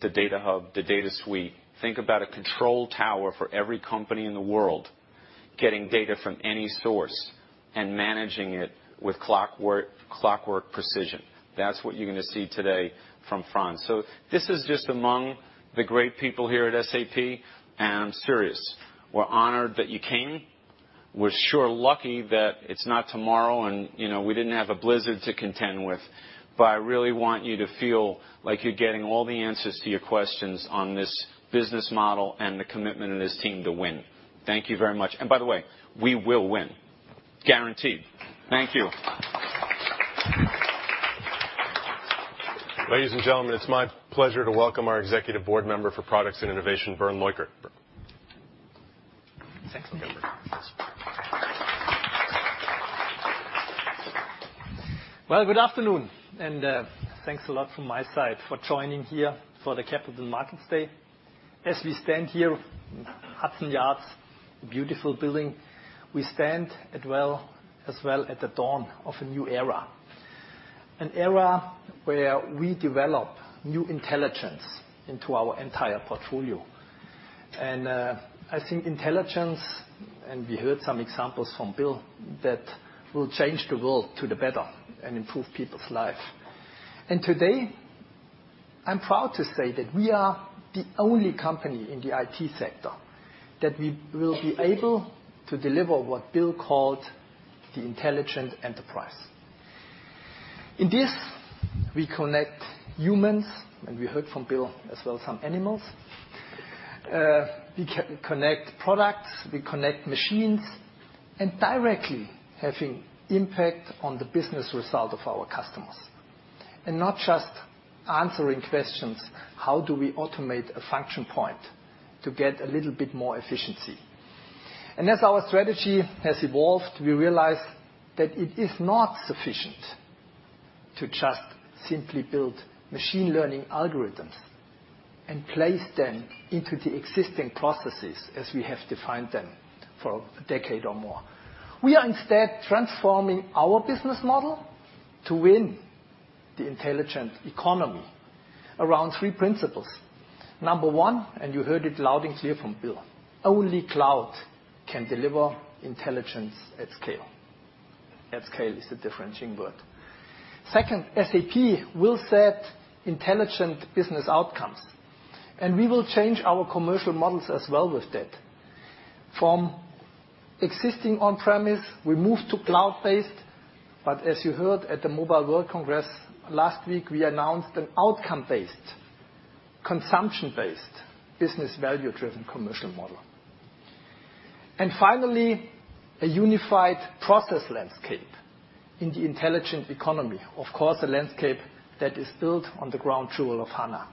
Speaker 2: the SAP Data Hub, the Data Suite. Think about a control tower for every company in the world, getting data from any source and managing it with clockwork precision. That's what you're going to see today from Franz. This is just among the great people here at SAP, and I'm serious. We're honored that you came. We're sure lucky that it's not tomorrow and we didn't have a blizzard to contend with. I really want you to feel like you're getting all the answers to your questions on this business model and the commitment of this team to win. Thank you very much. By the way, we will win. Guaranteed. Thank you.
Speaker 3: Ladies and gentlemen, it's my pleasure to welcome our Executive Board Member for Products and Innovation, Bernd Leukert. Bernd.
Speaker 4: Thanks, Bill. Well, good afternoon, thanks a lot from my side for joining here for the Capital Markets Day. As we stand here, Hudson Yards, beautiful building, we stand as well at the dawn of a new era. An era where we develop new intelligence into our entire portfolio. I think intelligence, and we heard some examples from Bill, that will change the world to the better and improve people's life. Today, I'm proud to say that we are the only company in the IT sector that we will be able to deliver what Bill called the Intelligent Enterprise. In this, we connect humans, and we heard from Bill as well some animals. We connect products, we connect machines, and directly having impact on the business result of our customers. Not just answering questions, how do we automate a function point to get a little bit more efficiency? As our strategy has evolved, we realize that it is not sufficient to just simply build machine learning algorithms and place them into the existing processes as we have defined them for a decade or more. We are instead transforming our business model to win the intelligent economy around three principles. Number one, you heard it loud and clear from Bill McDermott, only cloud can deliver intelligence at scale. At scale is the differentiating word. Second, SAP will set intelligent business outcomes, and we will change our commercial models as well with that. From existing on-premise, we move to cloud-based, but as you heard at the Mobile World Congress last week, we announced an outcome-based, consumption-based business value-driven commercial model. Finally, a unified process landscape in the intelligent economy. Of course, a landscape that is built on the crown jewel of SAP HANA.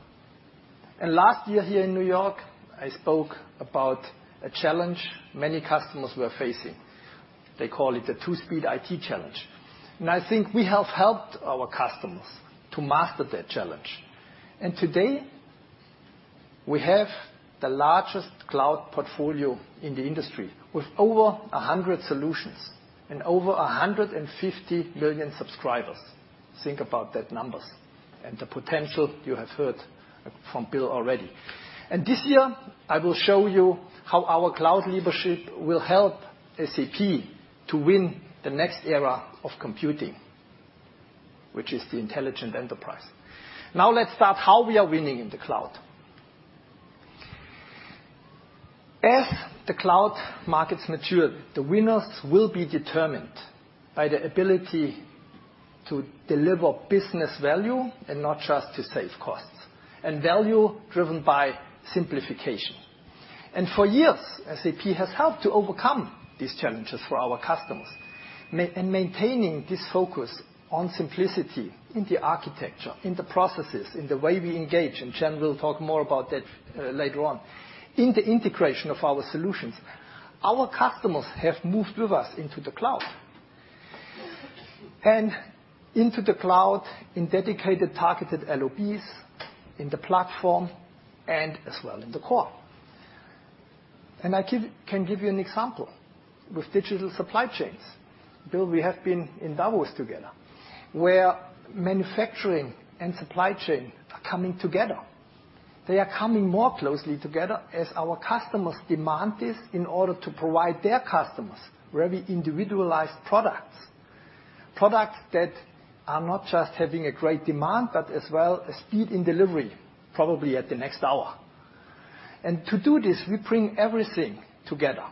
Speaker 4: Last year here in New York, I spoke about a challenge many customers were facing. They call it the two-speed IT challenge. I think we have helped our customers to master that challenge. Today, we have the largest cloud portfolio in the industry with over 100 solutions and over 150 million subscribers. Think about that numbers and the potential you have heard from Bill McDermott already. This year, I will show you how our cloud leadership will help SAP to win the next era of computing, which is the intelligent enterprise. Now let's start how we are winning in the cloud. As the cloud markets mature, the winners will be determined by the ability to deliver business value and not just to save costs, and value driven by simplification. For years, SAP has helped to overcome these challenges for our customers. Maintaining this focus on simplicity in the architecture, in the processes, in the way we engage, and Jen Morgan will talk more about that later on. In the integration of our solutions, our customers have moved with us into the cloud. Into the cloud in dedicated targeted LOBs, in the platform, and as well in the core. I can give you an example. With digital supply chains, Bill McDermott, we have been in Davos together, where manufacturing and supply chain are coming together. They are coming more closely together as our customers demand this in order to provide their customers very individualized products that are not just having a great demand, but as well a speed in delivery, probably at the next hour. To do this, we bring everything together.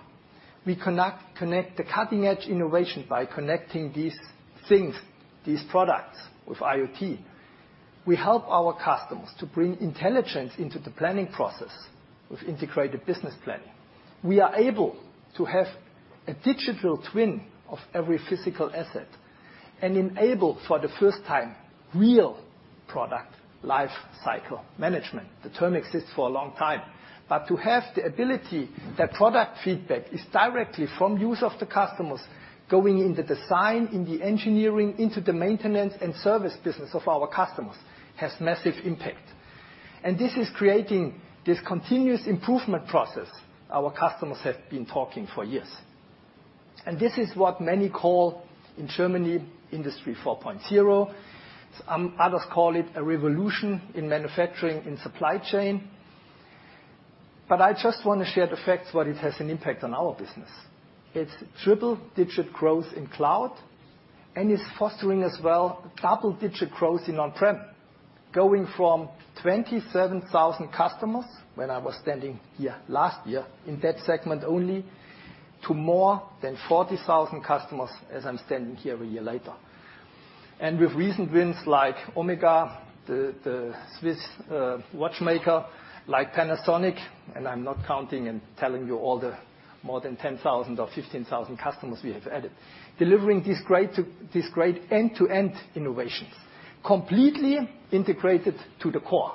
Speaker 4: We connect the cutting edge innovation by connecting these things, these products with IoT. We help our customers to bring intelligence into the planning process with SAP Integrated Business Planning. We are able to have a digital twin of every physical asset and enable, for the first time, real product life cycle management. The term exists for a long time, but to have the ability, that product feedback is directly from use of the customers going in the design, in the engineering, into the maintenance and service business of our customers, has massive impact. This is creating this continuous improvement process our customers have been talking for years. This is what many call, in Germany, Industry 4.0. Others call it a revolution in manufacturing, in supply chain. I just want to share the facts, what it has an impact on our business. It's triple-digit growth in cloud and is fostering as well double-digit growth in on-prem, going from 27,000 customers, when I was standing here last year, in that segment only, to more than 40,000 customers as I'm standing here a year later. With recent wins like OMEGA, the Swiss watchmaker, like Panasonic, I'm not counting and telling you all the more than 10,000 or 15,000 customers we have added, delivering these great end-to-end innovations, completely integrated to the core.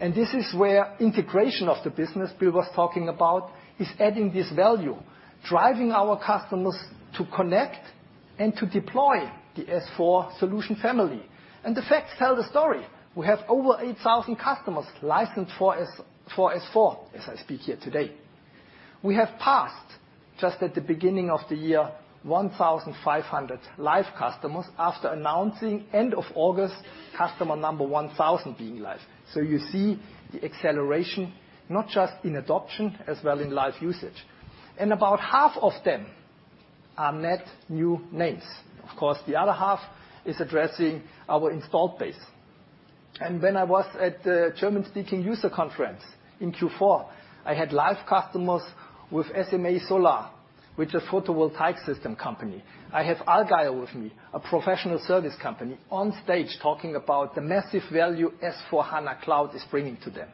Speaker 4: This is where integration of the business Bill was talking about is adding this value, driving our customers to connect and to deploy the S/4 solution family. The facts tell the story. We have over 8,000 customers licensed for S/4 as I speak here today. We have passed, just at the beginning of the year, 1,500 live customers after announcing end of August, customer number 1,000 being live. You see the acceleration, not just in adoption, as well in live usage. About half of them are net new names. Of course, the other half is addressing our installed base. When I was at the German Speaking User Conference in Q4, I had live customers with SMA Solar, which is a photovoltaic system company. I have Adaire with me, a professional service company, on stage talking about the massive value S/4HANA Cloud is bringing to them.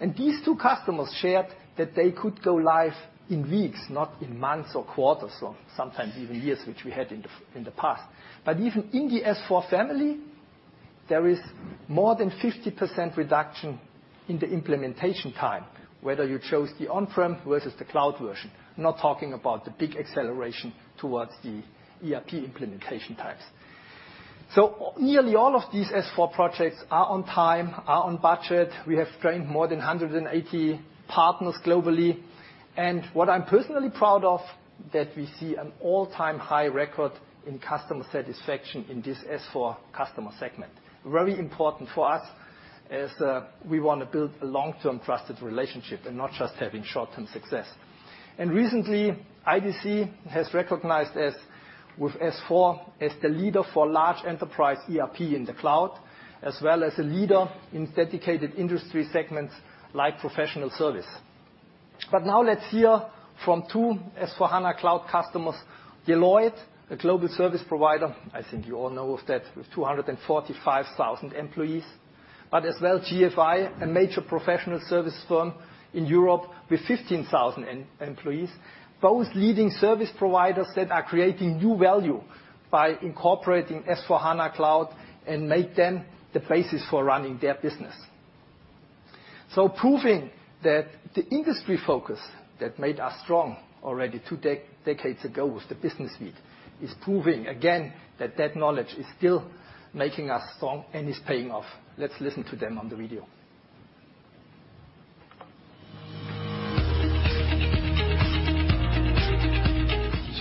Speaker 4: These two customers shared that they could go live in weeks, not in months or quarters, or sometimes even years, which we had in the past. Even in the S/4 family, there is more than 50% reduction in the implementation time, whether you chose the on-prem versus the cloud version. Not talking about the big acceleration towards the ERP implementation times. Nearly all of these S/4 projects are on time, are on budget. We have trained more than 180 partners globally. What I'm personally proud of, that we see an all-time high record in customer satisfaction in this S/4 customer segment. Very important for us, as we want to build a long-term trusted relationship and not just having short-term success. Recently, IDC has recognized us with S/4 as the leader for large enterprise ERP in the cloud, as well as a leader in dedicated industry segments like professional service. Now let's hear from two S/4HANA Cloud customers, Deloitte, a global service provider, I think you all know of that, with 245,000 employees. As well, GFI, a major professional service firm in Europe with 15,000 employees. Both leading service providers that are creating new value by incorporating S/4HANA Cloud and make them the basis for running their business. Proving that the industry focus that made us strong already two decades ago with the Business Suite, is proving again that knowledge is still making us strong and is paying off. Let's listen to them on the video.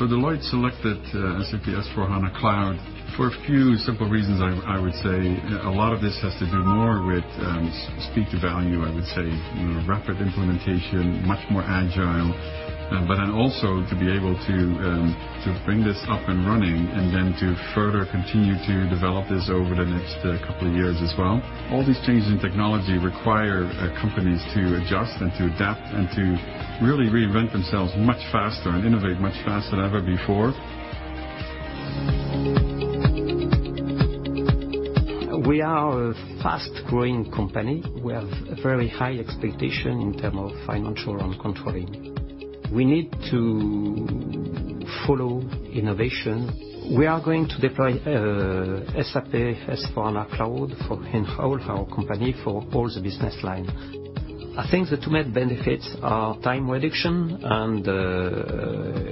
Speaker 5: Deloitte selected SAP S/4HANA Cloud for a few simple reasons, I would say. A lot of this has to do more with speed to value, I would say, rapid implementation, much more agile. Also to be able to bring this up and running and then to further continue to develop this over the next couple of years as well. All these changes in technology require companies to adjust and to adapt and to really reinvent themselves much faster and innovate much faster than ever before. We are a fast-growing company. We have a very high expectation in term of financial around controlling. We need to follow innovation. We are going to deploy SAP S/4HANA Cloud for all our company, for all the business line. I think the two main benefits are time reduction and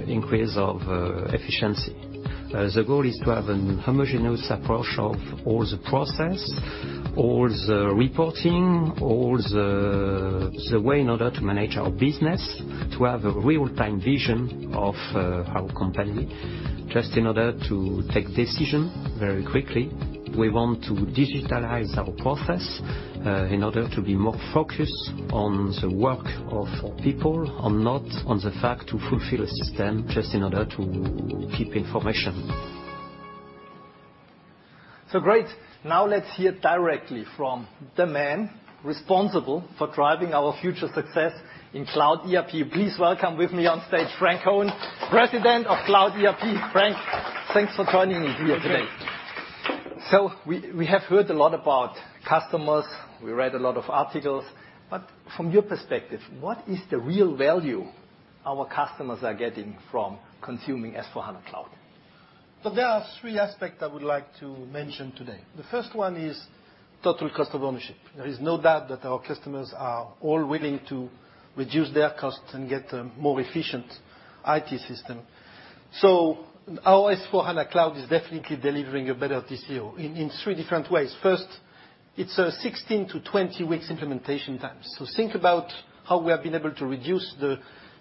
Speaker 5: increase of efficiency. The goal is to have a homogeneous approach of all the process, all the reporting, all the way in order to manage our business, to have a real-time vision of our company, just in order to take decision very quickly. We want to digitalize our process, in order to be more focused on the work of people and not on the fact to fulfill a system just in order to keep information.
Speaker 4: Great. Now let's hear directly from the man responsible for driving our future success in cloud ERP. Please welcome with me on stage, Franck Cohen, President of Cloud ERP. Franck, thanks for joining me here today.
Speaker 6: Okay.
Speaker 4: We have heard a lot about customers. We read a lot of articles. From your perspective, what is the real value our customers are getting from consuming S/4HANA Cloud?
Speaker 6: There are three aspects I would like to mention today. The first one is total cost of ownership. There is no doubt that our customers are all willing to reduce their costs and get a more efficient IT system. Our SAP S/4HANA Cloud is definitely delivering a better TCO, in three different ways. First, it is a 16 to 20 weeks implementation time. Think about how we have been able to reduce the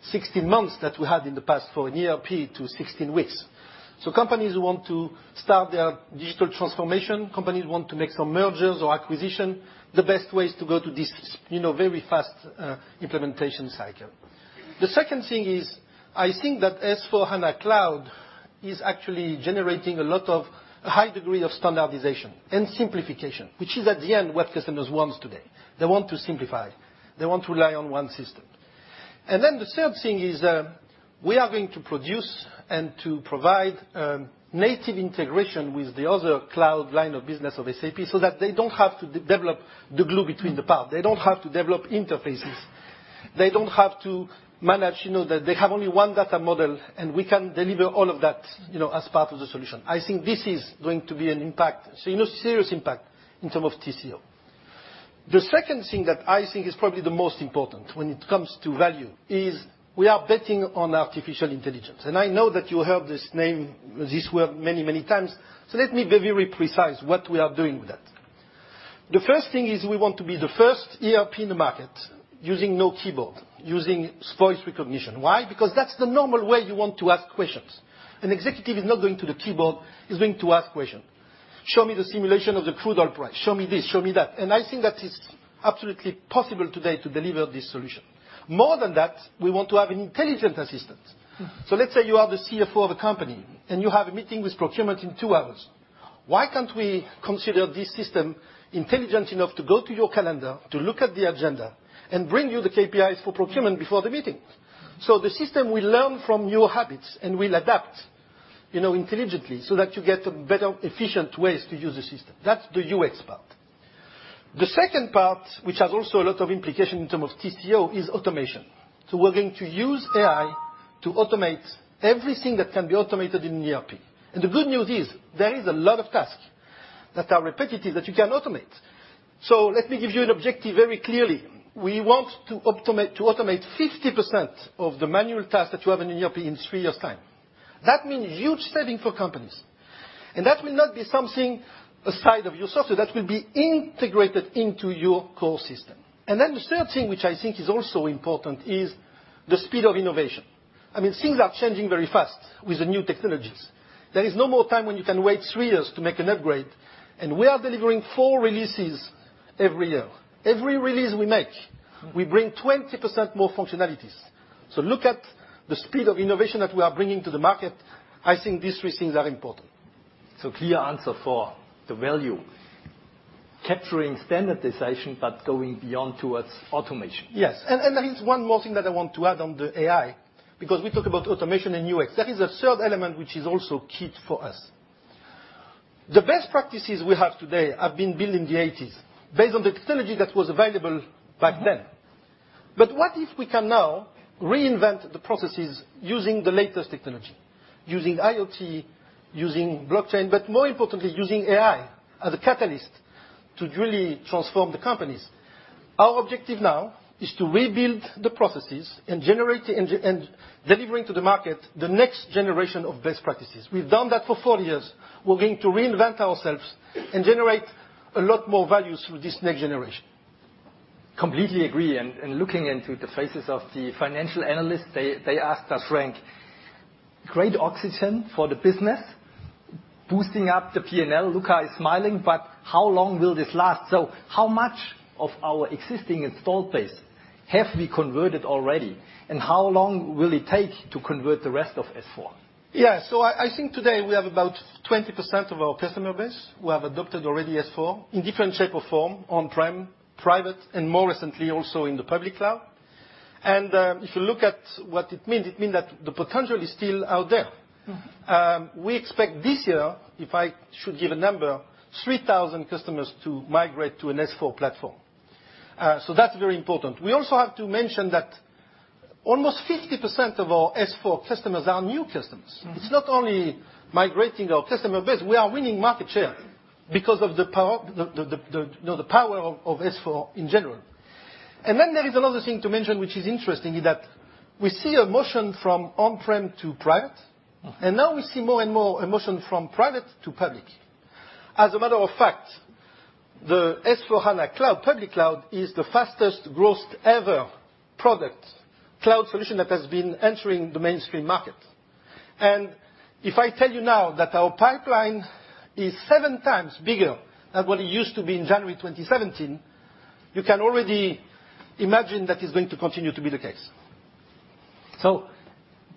Speaker 6: 16 months that we had in the past for an ERP to 16 weeks. Companies who want to start their digital transformation, companies who want to make some mergers or acquisition, the best way is to go to this, very fast implementation cycle. The second thing is, I think that SAP S/4HANA Cloud is actually generating a lot of high degree of standardization and simplification, which is, at the end, what customers want today. They want to simplify. They want to rely on one system. The third thing is, we are going to produce and to provide native integration with the other cloud line of business of SAP, so that they don't have to develop the glue between the parts. They don't have to develop interfaces. They don't have to manage that they have only one data model, and we can deliver all of that, as part of the solution. I think this is going to be an impact, serious impact, in terms of TCO. The second thing that I think is probably the most important when it comes to value is, we are betting on artificial intelligence. I know that you heard this name, this word many, many times, so let me be very precise what we are doing with that. The first thing is, we want to be the first ERP in the market using no keyboard, using voice recognition. Why? Because that's the normal way you want to ask questions. An executive is not going to the keyboard, he is going to ask questions. "Show me the simulation of the crude oil price. Show me this, show me that." I think that is absolutely possible today to deliver this solution. More than that, we want to have intelligent assistants. Let's say you are the CFO of a company, and you have a meeting with procurement in two hours. Why can't we consider this system intelligent enough to go to your calendar, to look at the agenda, and bring you the KPIs for procurement before the meeting? The system will learn from your habits and will adapt intelligently so that you get better, efficient ways to use the system. That's the UX part. The second part, which has also a lot of implication in terms of TCO, is automation. We are going to use AI to automate everything that can be automated in an ERP. The good news is, there is a lot of tasks that are repetitive that you can automate. Let me give you an objective very clearly. We want to automate 50% of the manual tasks that you have in an ERP in three years' time. That means huge savings for companies. That will not be something aside of your software. That will be integrated into your core system. The third thing, which I think is also important, is the speed of innovation. I mean, things are changing very fast with the new technologies. There is no more time when you can wait three years to make an upgrade, and we are delivering four releases every year. Every release we make, we bring 20% more functionalities. Look at the speed of innovation that we are bringing to the market. I think these three things are important.
Speaker 4: Clear answer for the value. Capturing standardization, but going beyond towards automation.
Speaker 6: Yes. There is one more thing that I want to add on the AI, because we talk about automation and UX. There is a third element which is also key for us. The best practices we have today have been built in the '80s, based on the technology that was available back then. What if we can now reinvent the processes using the latest technology, using IoT, using blockchain, but more importantly, using AI as a catalyst to truly transform the companies? Our objective now is to rebuild the processes and delivering to the market the next generation of best practices. We've done that for four years. We're going to reinvent ourselves and generate a lot more value through this next generation.
Speaker 4: Completely agree. Looking into the faces of the financial analysts, they asked us, "Franck, great oxygen for the business, boosting up the P&L," Luka is smiling, "How long will this last?" How much of our existing installed base have we converted already, and how long will it take to convert the rest of S/4?
Speaker 6: I think today, we have about 20% of our customer base who have adopted already S/4 in different shape or form, on-prem, private, and more recently, also in the public cloud. If you look at what it means, it means that the potential is still out there. We expect this year, if I should give a number, 3,000 customers to migrate to an S/4 platform. That's very important. We also have to mention that almost 50% of our S/4 customers are new customers. It's not only migrating our customer base, we are winning market share because of the power of S/4 in general. Then there is another thing to mention, which is interesting, is that we see a motion from on-prem to private. Now we see more and more a motion from private to public. As a matter of fact, the S/4HANA Cloud, public cloud, is the fastest growth ever product cloud solution that has been entering the mainstream market. If I tell you now that our pipeline is seven times bigger than what it used to be in January 2017, you can already imagine that it's going to continue to be the case.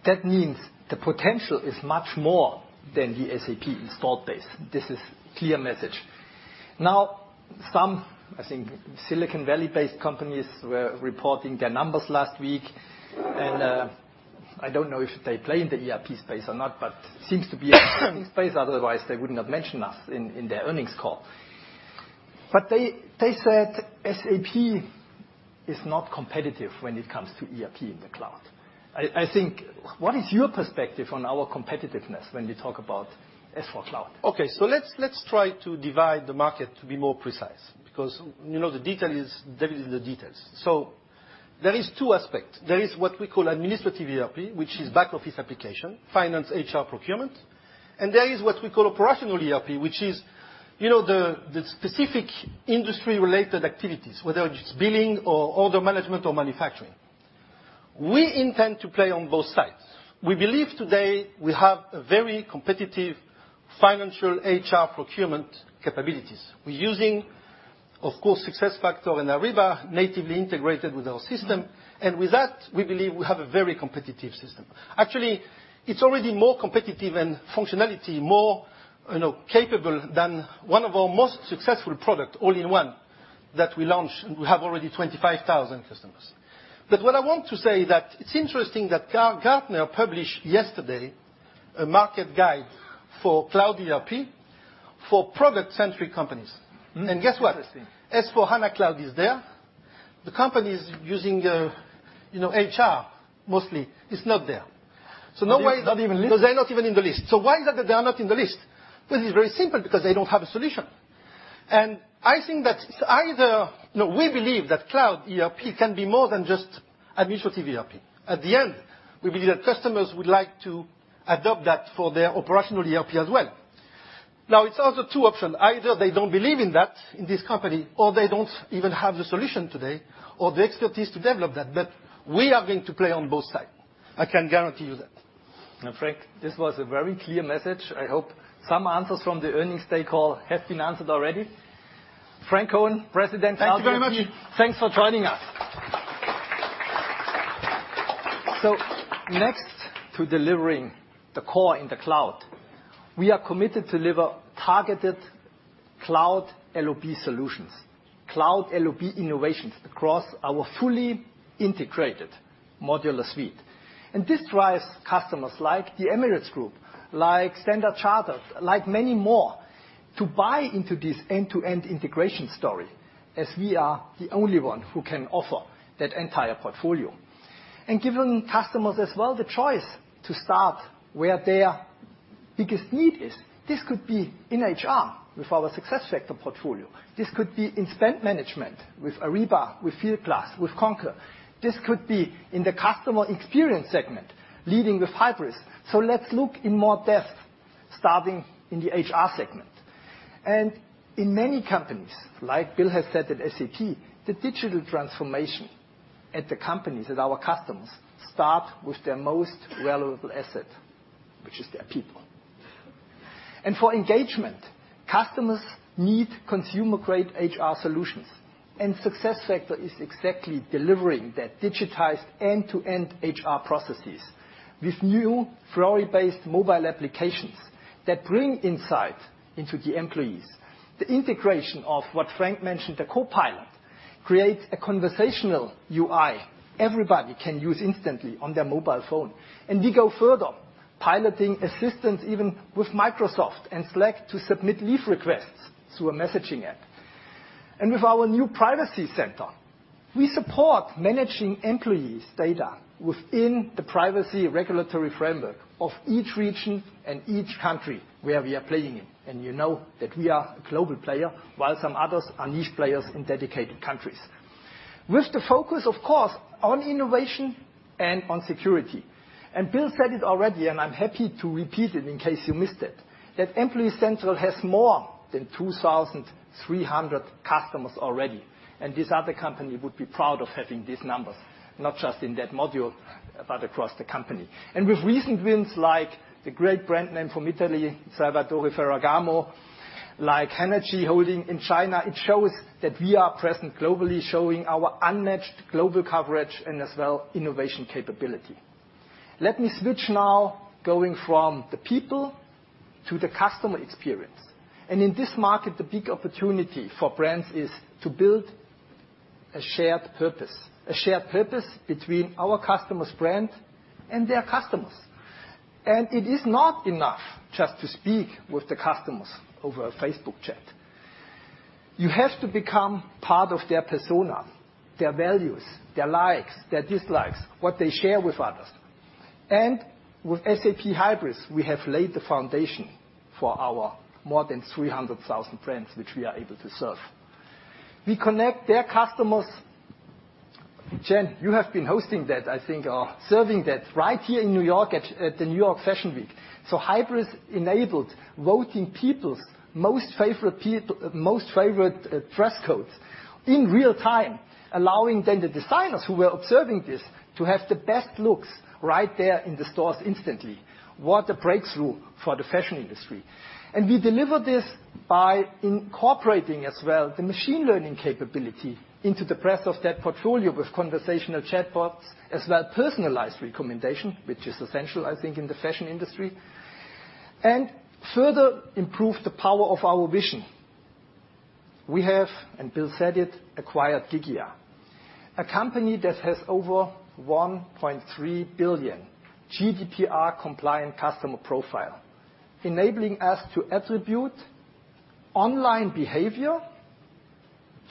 Speaker 4: That means the potential is much more than the SAP installed base. This is clear message. Now, some, I think, Silicon Valley-based companies were reporting their numbers last week, I don't know if they play in the ERP space or not, seems to be in the ERP space. Otherwise, they would not mention us in their earnings call. They said SAP is not competitive when it comes to ERP in the cloud. I think, what is your perspective on our competitiveness when we talk about S/4 Cloud?
Speaker 6: Okay, let's try to divide the market to be more precise, because the devil is in the details. There is two aspect. There is what we call administrative ERP, which is back office application, finance, HR, procurement. There is what we call operational ERP, which is the specific industry-related activities, whether it is billing or order management or manufacturing. We intend to play on both sides. We believe today we have a very competitive financial HR procurement capabilities. We are using, of course, SAP SuccessFactors and SAP Ariba natively integrated with our system. With that, we believe we have a very competitive system. Actually, it is already more competitive and functionality, more capable than one of our most successful product, All-in-One, that we launched, and we have already 25,000 customers. What I want to say is that it is interesting that Gartner published yesterday a market guide for cloud ERP for product-centric companies.
Speaker 4: Interesting.
Speaker 6: Guess what? S/4HANA Cloud is there. The companies using, HR mostly, is not there. Now why-
Speaker 4: They're not even listed?
Speaker 6: No, they're not even in the list. Why is it that they are not in the list? This is very simple, because they don't have a solution. No, we believe that cloud ERP can be more than just administrative ERP. At the end, we believe that customers would like to adopt that for their operational ERP as well. Now, it's also two option. Either they don't believe in that, in this company, or they don't even have the solution today or the expertise to develop that. We are going to play on both side. I can guarantee you that.
Speaker 4: Franck, this was a very clear message. I hope some answers from the earnings call have been answered already. Franck Cohen, President, SAP.
Speaker 6: Thank you very much.
Speaker 4: Thanks for joining us. Next to delivering the core in the cloud, we are committed to deliver targeted cloud LOB solutions, cloud LOB innovations across our fully integrated modular suite. This drives customers like the Emirates Group, like Standard Chartered, like many more, to buy into this end-to-end integration story, as we are the only one who can offer that entire portfolio. Giving customers as well the choice to start where their biggest need is. This could be in HR with our SuccessFactors portfolio. This could be in spend management with Ariba, with Fieldglass, with Concur. This could be in the customer experience segment, leading with Hybris. Let's look in more depth, starting in the HR segment. In many companies, like Bill has said at SAP, the digital transformation at the companies, at our customers, start with their most valuable asset, which is their people. For engagement, customers need consumer-grade HR solutions. SuccessFactor is exactly delivering that digitized end-to-end HR processes with new Fiori-based mobile applications that bring insight into the employees. The integration of what Frank mentioned, the CoPilot, creates a conversational UI everybody can use instantly on their mobile phone. We go further, piloting assistance even with Microsoft and Slack to submit leave requests through a messaging app. With our new privacy center, we support managing employees' data within the privacy regulatory framework of each region and each country where we are playing in. You know that we are a global player, while some others are niche players in dedicated countries. With the focus, of course, on innovation and on security. Bill said it already, and I'm happy to repeat it in case you missed it, that Employee Central has more than 2,300 customers already. This other company would be proud of having these numbers, not just in that module, but across the company. With recent wins like the great brand name from Italy, Salvatore Ferragamo, like Hanergy Holding in China, it shows that we are present globally, showing our unmatched global coverage and as well innovation capability. Let me switch now, going from the people to the customer experience. In this market, the big opportunity for brands is to build a shared purpose, a shared purpose between our customer's brand and their customers. It is not enough just to speak with the customers over a Facebook chat. You have to become part of their persona, their values, their likes, their dislikes, what they share with others. With SAP Hybris, we have laid the foundation for our more than 300,000 friends, which we are able to serve. We connect their customers. Jen, you have been hosting that, I think, or serving that right here in New York at the New York Fashion Week. Hybris enabled voting people's most favorite dress codes in real time, allowing then the designers who were observing this to have the best looks right there in the stores instantly. What a breakthrough for the fashion industry. We deliver this by incorporating as well the machine learning capability into the breadth of that portfolio with conversational chatbots, as well personalized recommendation, which is essential, I think, in the fashion industry, and further improve the power of our vision. We have, and Bill said it, acquired Gigya, a company that has over 1.3 billion GDPR compliant customer profile, enabling us to attribute online behavior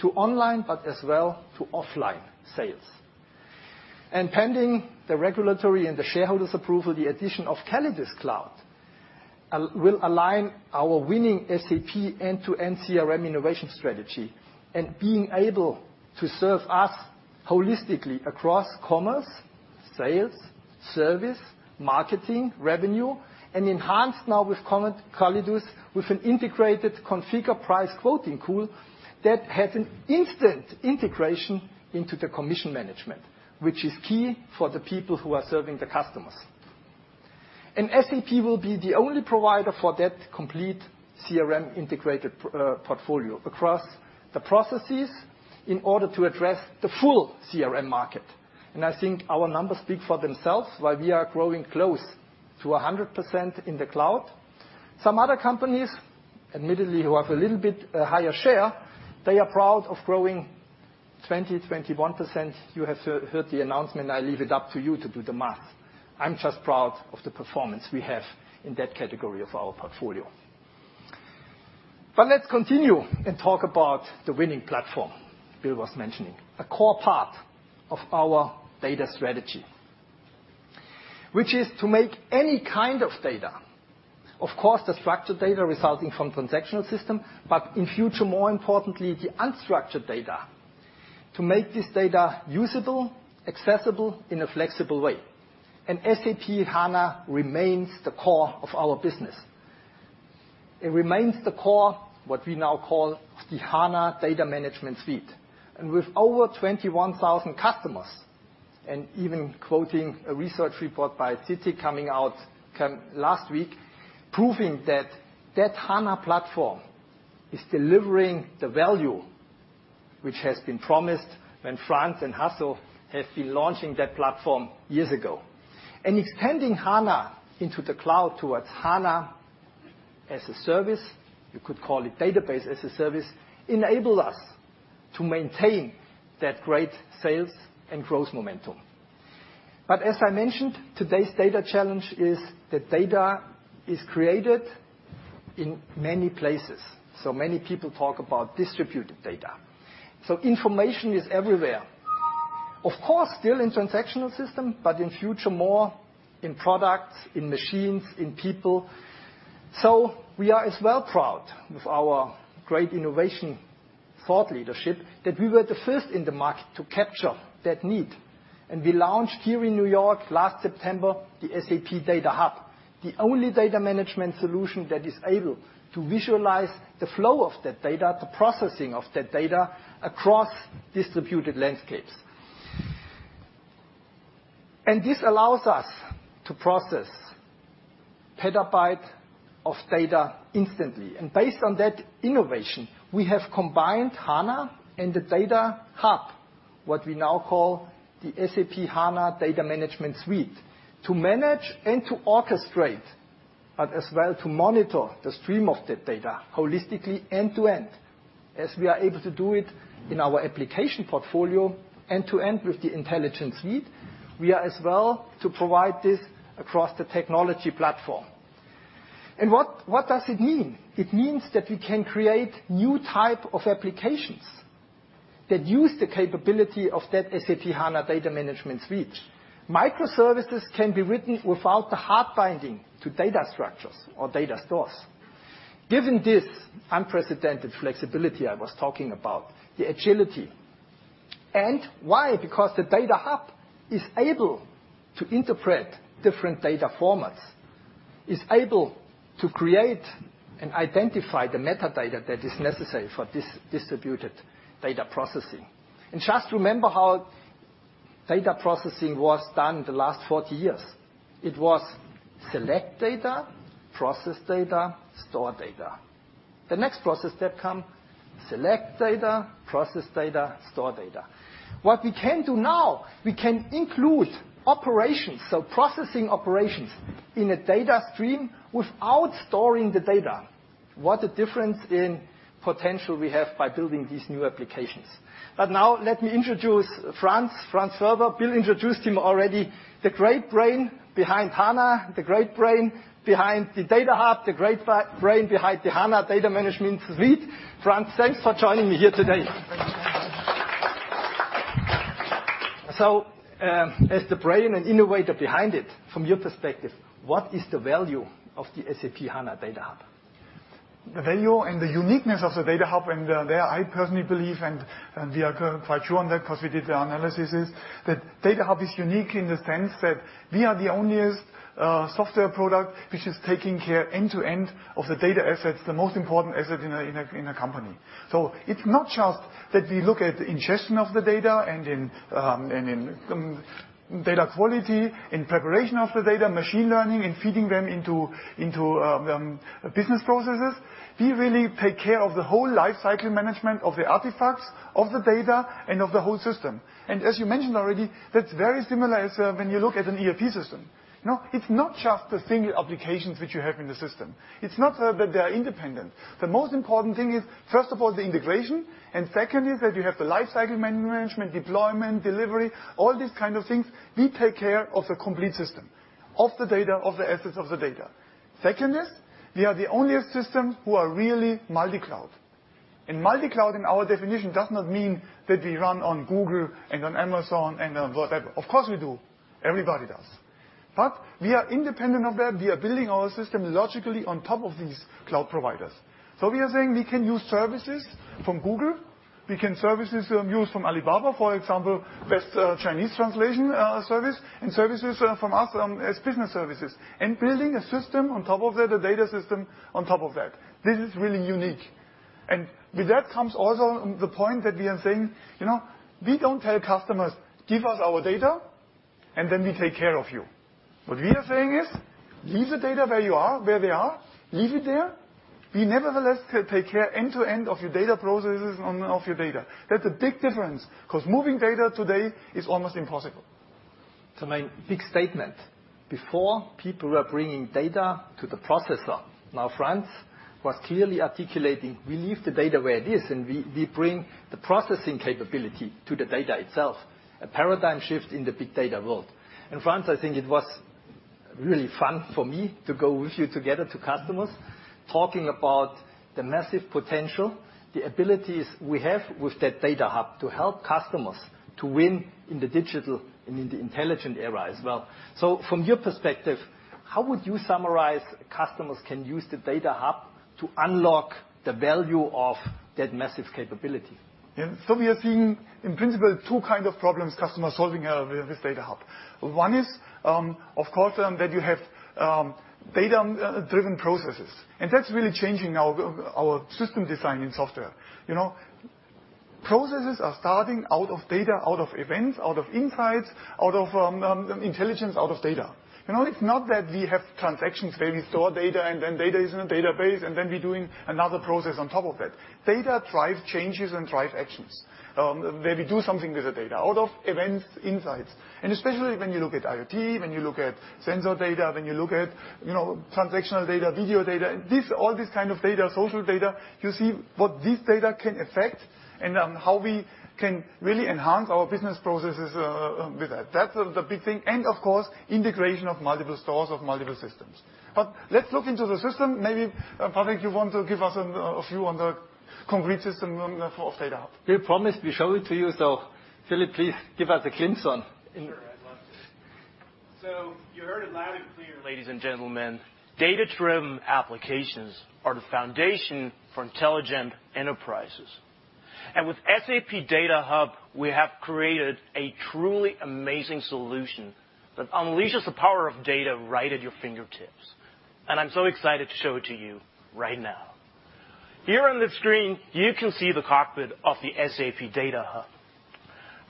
Speaker 4: to online, but as well to offline sales. Pending the regulatory and the shareholders approval, the addition of CallidusCloud will align our winning SAP end-to-end CRM innovation strategy and being able to serve us holistically across commerce, sales, service, marketing, revenue, and enhanced now with Callidus, with an integrated configure price quoting tool that has an instant integration into the commission management, which is key for the people who are serving the customers. SAP will be the only provider for that complete CRM integrated portfolio across the processes in order to address the full CRM market. I think our numbers speak for themselves. While we are growing close to 100% in the cloud, some other companies, admittedly, who have a little bit higher share, they are proud of growing 20%, 21%. You have heard the announcement. I leave it up to you to do the math. I'm just proud of the performance we have in that category of our portfolio. Let's continue and talk about the winning platform Bill was mentioning, a core part of our data strategy, which is to make any kind of data, of course, the structured data resulting from transactional system, but in future, more importantly, the unstructured data, to make this data usable, accessible in a flexible way. SAP HANA remains the core of our business. It remains the core, what we now call the HANA Data Management Suite. With over 21,000 customers, and even quoting a research report by TT coming out last week, proving that that HANA platform is delivering the value which has been promised when Franz and Hasso have been launching that platform years ago. Extending HANA into the cloud towards HANA as a service, you could call it database as a service, enable us to maintain that great sales and growth momentum. As I mentioned, today's data challenge is that data is created in many places. Many people talk about distributed data. Information is everywhere, of course, still in transactional system, but in future, more in products, in machines, in people. We are as well proud with our great innovation thought leadership, that we were the first in the market to capture that need. We launched here in New York last September, the SAP Data Hub, the only data management solution that is able to visualize the flow of that data, the processing of that data across distributed landscapes. This allows us to process petabyte of data instantly. Based on that innovation, we have combined HANA and the Data Hub, what we now call the SAP HANA Data Management Suite, to manage and to orchestrate, but as well to monitor the stream of that data holistically end-to-end. As we are able to do it in our application portfolio end-to-end with the Intelligent Suite, we are as well to provide this across the technology platform. What does it mean? It means that we can create new type of applications that use the capability of that SAP HANA Data Management Suite. Microservices can be written without the hard binding to data structures or data stores. Given this unprecedented flexibility I was talking about, the agility. Why? Because the Data Hub is able to interpret different data formats, is able to create and identify the metadata that is necessary for distributed data processing. Just remember how data processing was done the last 40 years. It was select data, process data, store data. The next process step come, select data, process data, store data. What we can do now, we can include operations, processing operations in a data stream without storing the data. What a difference in potential we have by building these new applications. Now let me introduce Franz Färber. Bill introduced him already, the great brain behind HANA, the great brain behind the Data Hub, the great brain behind the HANA Data Management Suite. Franz, thanks for joining me here today. As the brain and innovator behind it, from your perspective, what is the value of the SAP HANA Data Hub?
Speaker 7: The value and the uniqueness of the Data Hub, and there I personally believe, and we are quite sure on that because we did the analysis, is that Data Hub is unique in the sense that we are the only software product which is taking care end to end of the data assets, the most important asset in a company. It's not just that we look at ingestion of the data and in data quality, in preparation of the data, machine learning, and feeding them into business processes. We really take care of the whole life cycle management of the artifacts, of the data, and of the whole system. As you mentioned already, that's very similar as when you look at an ERP system. Now, it's not just the single applications which you have in the system. It's not that they are independent. The most important thing is, first of all, the integration, and second is that you have the life cycle management, deployment, delivery, all these kind of things. We take care of the complete system, of the data, of the assets of the data. Second is, we are the only system who are really multi-cloud. Multi-cloud in our definition does not mean that we run on Google and on Amazon and on whatever. Of course we do. Everybody does. We are independent of that. We are building our system logically on top of these cloud providers. We are saying we can use services from Google. We can services use from Alibaba, for example, best Chinese translation service, and services from us, as business services. Building a system on top of that, a data system on top of that. This is really unique. With that comes also the point that we are saying, we don't tell customers, "Give us our data, and then we take care of you." What we are saying is, "Leave the data where you are, where they are. Leave it there. We nevertheless take care end to end of your data processes and of your data." That's a big difference, because moving data today is almost impossible.
Speaker 4: To make big statement, before, people were bringing data to the processor. Franz was clearly articulating, we leave the data where it is, and we bring the processing capability to the data itself. A paradigm shift in the big data world. Franz, I think it was really fun for me to go with you together to customers, talking about the massive potential, the abilities we have with that Data Hub to help customers to win in the digital and in the intelligent era as well. From your perspective, how would you summarize customers can use the Data Hub to unlock the value of that massive capability?
Speaker 7: We are seeing, in principle, two kind of problems customers solving with Data Hub. One is, of course, that you have data-driven processes. That's really changing our system design in software. Processes are starting out of data, out of events, out of insights, out of intelligence, out of data. It's not that we have transactions where we store data, and then data is in a database, and then we're doing another process on top of that. Data drive changes and drive actions, where we do something with the data, out of events, insights. Especially when you look at IoT, when you look at sensor data, when you look at transactional data, video data, all this kind of data, social data, you see what this data can affect and how we can really enhance our business processes with that. That's the big thing. Of course, integration of multiple stores, of multiple systems. Let's look into the system. Maybe, Philipp, you want to give us a view on the concrete system for Data Hub.
Speaker 4: We promised we show it to you. Philipp, please give us a glimpse on.
Speaker 8: Sure, I'd love to. You heard it loud and clear, ladies and gentlemen. Data-driven applications are the foundation for intelligent enterprises. With SAP Data Hub, we have created a truly amazing solution that unleashes the power of data right at your fingertips. I'm so excited to show it to you right now. Here on the screen, you can see the cockpit of the SAP Data Hub.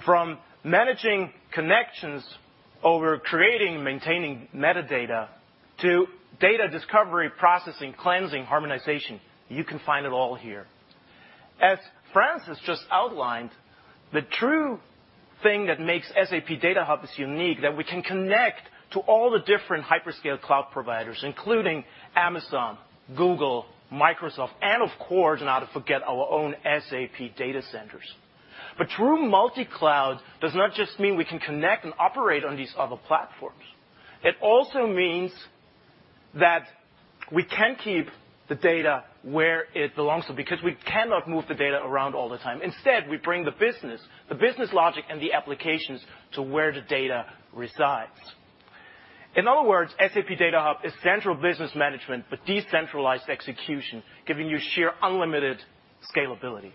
Speaker 8: From managing connections over creating and maintaining metadata to data discovery, processing, cleansing, harmonization. You can find it all here. As Franz has just outlined, the true thing that makes SAP Data Hub unique, that we can connect to all the different hyperscale cloud providers, including Amazon, Google, Microsoft, and of course, not to forget our own SAP data centers. True multi-cloud does not just mean we can connect and operate on these other platforms. It also means that we can keep the data where it belongs to, because we cannot move the data around all the time. Instead, we bring the business, the business logic and the applications to where the data resides. In other words, SAP Data Hub is central business management, but decentralized execution, giving you sheer unlimited scalability.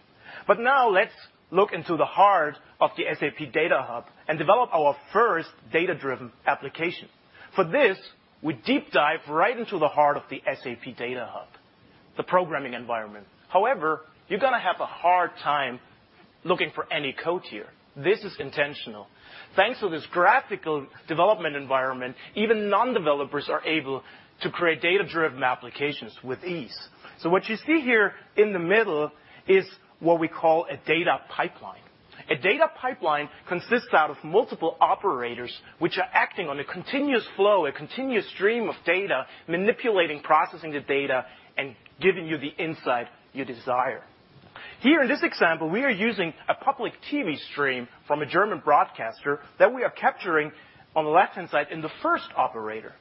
Speaker 8: Now let's look into the heart of the SAP Data Hub and develop our first data-driven application. For this, we deep dive right into the heart of the SAP Data Hub, the programming environment. However, you're going to have a hard time looking for any code here. This is intentional. Thanks to this graphical development environment, even non-developers are able to create data-driven applications with ease. What you see here in the middle is what we call a data pipeline. A data pipeline consists out of multiple operators, which are acting on a continuous flow, a continuous stream of data, manipulating, processing the data, and giving you the insight you desire. Here in this example, we are using a public TV stream from a German broadcaster that we are capturing on the left-hand side in the first operator.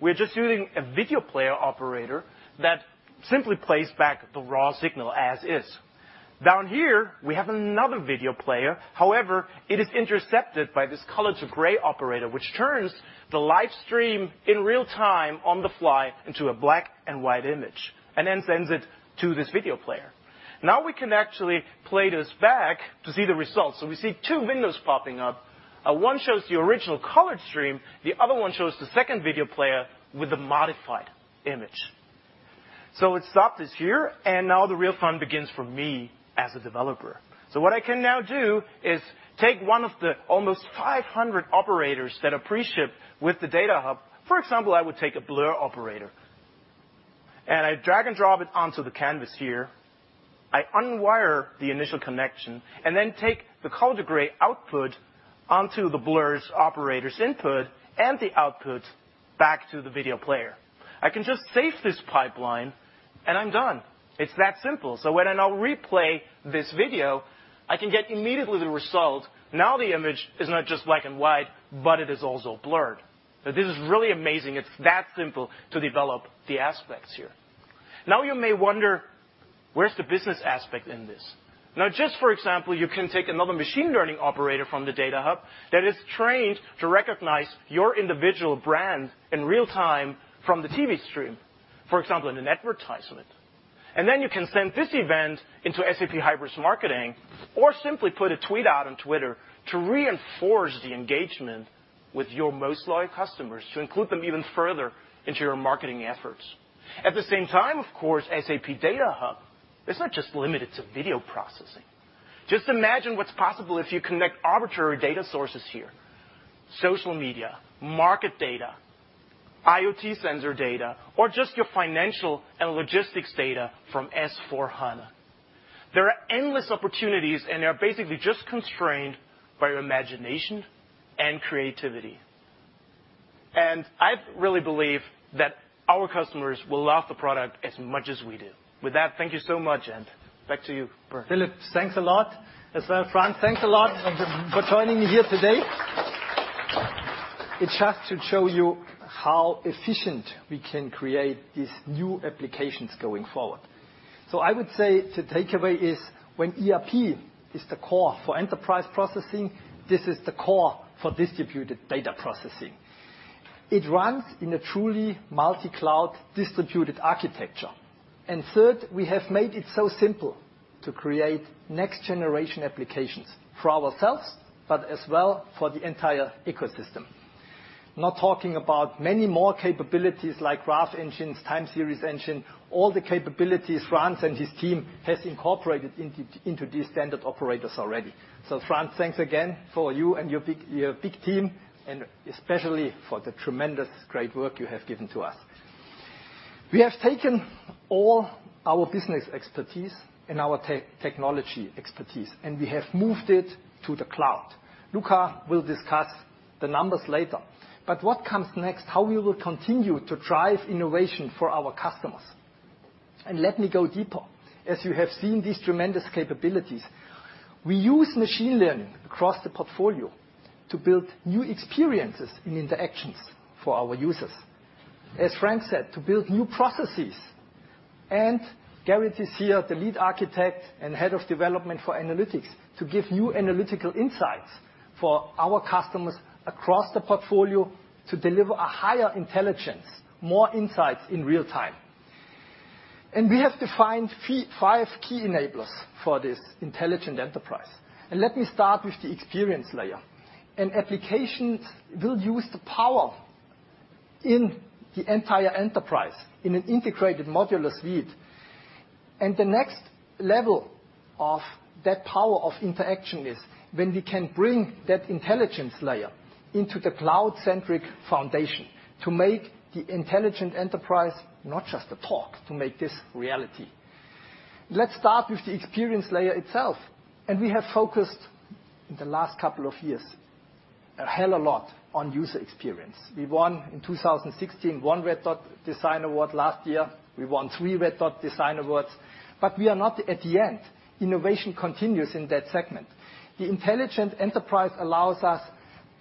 Speaker 8: We're just using a video player operator that simply plays back the raw signal as is. Down here, we have another video player. However, it is intercepted by this color-to-gray operator, which turns the live stream in real-time, on-the-fly, into a black and white image, and then sends it to this video player. We can actually play this back to see the results. We see two windows popping up. One shows the original colored stream, the other one shows the second video player with the modified image. Let's stop this here, the real fun begins for me as a developer. What I can now do is take one of the almost 500 operators that are pre-shipped with the Data Hub. For example, I would take a blur operator, I drag and drop it onto the canvas here. I unwire the initial connection, then take the color-to-gray output onto the blur's operator's input, the output back to the video player. I can just save this pipeline, I'm done. It's that simple. When I now replay this video, I can get immediately the result. The image is not just black and white, but it is also blurred. This is really amazing. It's that simple to develop the aspects here. You may wonder, where's the business aspect in this? Just for example, you can take another machine learning operator from the Data Hub that is trained to recognize your individual brand in real time from the TV stream. For example, in an advertisement. You can send this event into SAP Hybris Marketing, or simply put a tweet out on Twitter to reinforce the engagement with your most loyal customers, to include them even further into your marketing efforts. At the same time, SAP Data Hub is not just limited to video processing. Just imagine what's possible if you connect arbitrary data sources here. Social media, market data, IoT sensor data, or just your financial and logistics data from S/4HANA. There are endless opportunities, and they are basically just constrained by your imagination and creativity. I really believe that our customers will love the product as much as we do. With that, thank you so much, back to you, Bernd.
Speaker 4: Philipp, thanks a lot. As well, Franz, thanks a lot. Thank you. Thank you for joining me here today. It's just to show you how efficient we can create these new applications going forward. I would say the takeaway is when ERP is the core for enterprise processing, this is the core for distributed data processing. It runs in a truly multi-cloud distributed architecture. Third, we have made it so simple to create next-generation applications for ourselves, but as well for the entire ecosystem. Not talking about many more capabilities like graph engines, time series engine, all the capabilities Franz and his team has incorporated into these standard operators already. Franz, thanks again for you and your big team, and especially for the tremendous great work you have given to us. We have taken all our business expertise and our technology expertise, and we have moved it to the cloud. Luka will discuss the numbers later. What comes next, how we will continue to drive innovation for our customers? Let me go deeper. As you have seen these tremendous capabilities, we use machine learning across the portfolio to build new experiences and interactions for our users. As Franz said, to build new processes. Garrett is here, the lead architect and head of development for analytics, to give new analytical insights for our customers across the portfolio to deliver a higher intelligence, more insights in real time. We have defined five key enablers for this intelligent enterprise. Let me start with the experience layer. An application will use the power in the entire enterprise in an integrated modular suite. The next level of that power of interaction is when we can bring that intelligence layer into the cloud-centric foundation to make the intelligent enterprise, not just a talk, to make this reality. Let's start with the experience layer itself. We have focused, in the last couple of years, a hell of a lot on user experience. We won in 2016, one Red Dot design award. Last year, we won three Red Dot design awards. We are not at the end. Innovation continues in that segment. The intelligent enterprise allows us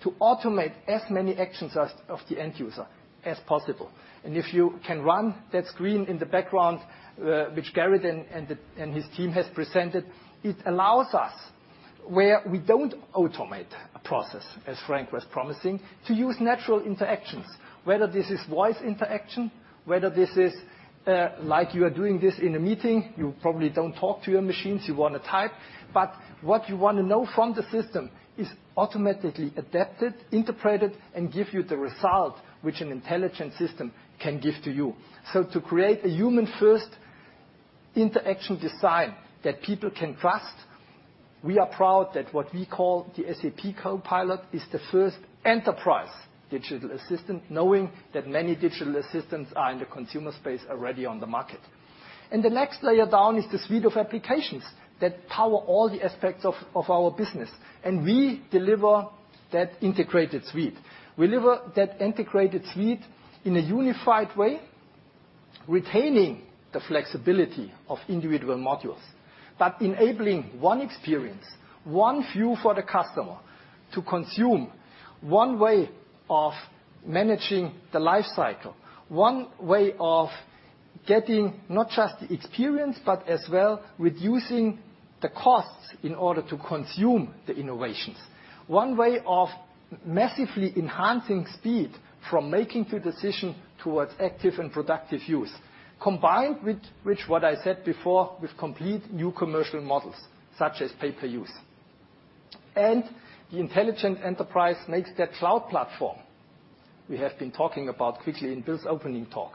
Speaker 4: to automate as many actions of the end user as possible. If you can run that screen in the background, which Garrett and his team has presented, it allows us, where we don't automate a process, as Franz was promising, to use natural interactions, whether this is voice interaction, whether this is, like you are doing this in a meeting, you probably don't talk to your machines, you want to type. What you want to know from the system is automatically adapted, interpreted, and give you the result which an intelligent system can give to you. To create a human-first interaction design that people can trust, we are proud that what we call the SAP Copilot is the first enterprise digital assistant, knowing that many digital assistants are in the consumer space already on the market. The next layer down is the suite of applications that power all the aspects of our business. We deliver that integrated suite. We deliver that integrated suite in a unified way, retaining the flexibility of individual modules. Enabling one experience, one view for the customer to consume, one way of managing the life cycle. One way of getting not just the experience, but as well reducing the costs in order to consume the innovations. One way of massively enhancing speed from making the decision towards active and productive use, combined with what I said before, with complete new commercial models such as pay per use. The Intelligent Enterprise makes that Cloud Platform, we have been talking about quickly in Bill's opening talk,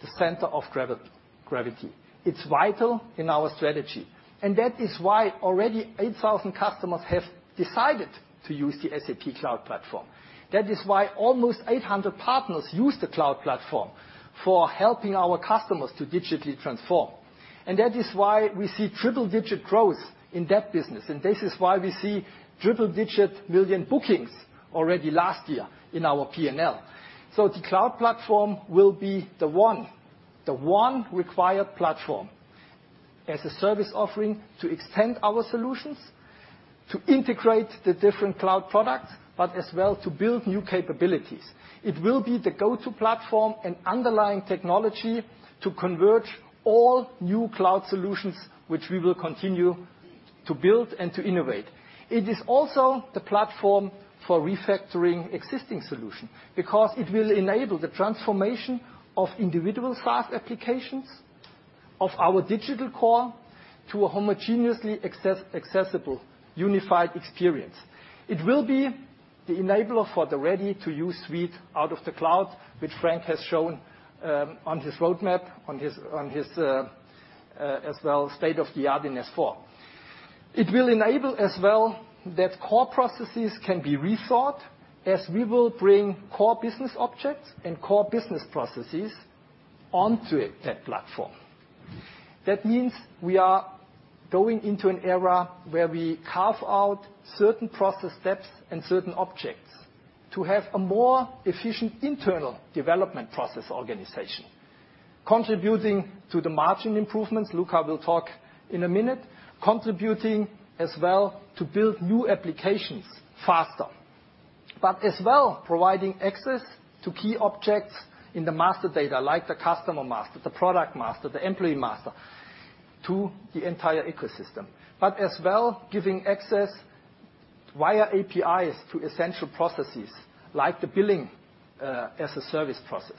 Speaker 4: the center of gravity. It's vital in our strategy. That is why already 8,000 customers have decided to use the SAP Cloud Platform. That is why almost 800 partners use the Cloud Platform, for helping our customers to digitally transform. That is why we see triple digit growth in that business. This is why we see triple digit million bookings already last year in our P&L. The Cloud Platform will be the one required Platform as a Service offering to extend our solutions, to integrate the different cloud products, but as well, to build new capabilities. It will be the go-to platform and underlying technology to converge all new cloud solutions which we will continue to build and to innovate. It is also the platform for refactoring existing solutions. It will enable the transformation of individual SaaS applications of our digital core to a homogeneously accessible, unified experience. It will be the enabler for the ready-to-use suite out of the cloud, which Franck has shown on his roadmap, on his, as well, state of the art in S/4. It will enable as well that core processes can be rethought as we will bring core business objects and core business processes onto a tech platform. That means we are going into an era where we carve out certain process steps and certain objects to have a more efficient internal development process organization, contributing to the margin improvements, Luka will talk in a minute, contributing as well to build new applications faster. As well, providing access to key objects in the master data, like the customer master, the product master, the employee master, to the entire ecosystem. As well, giving access via APIs to essential processes like the billing as a service process.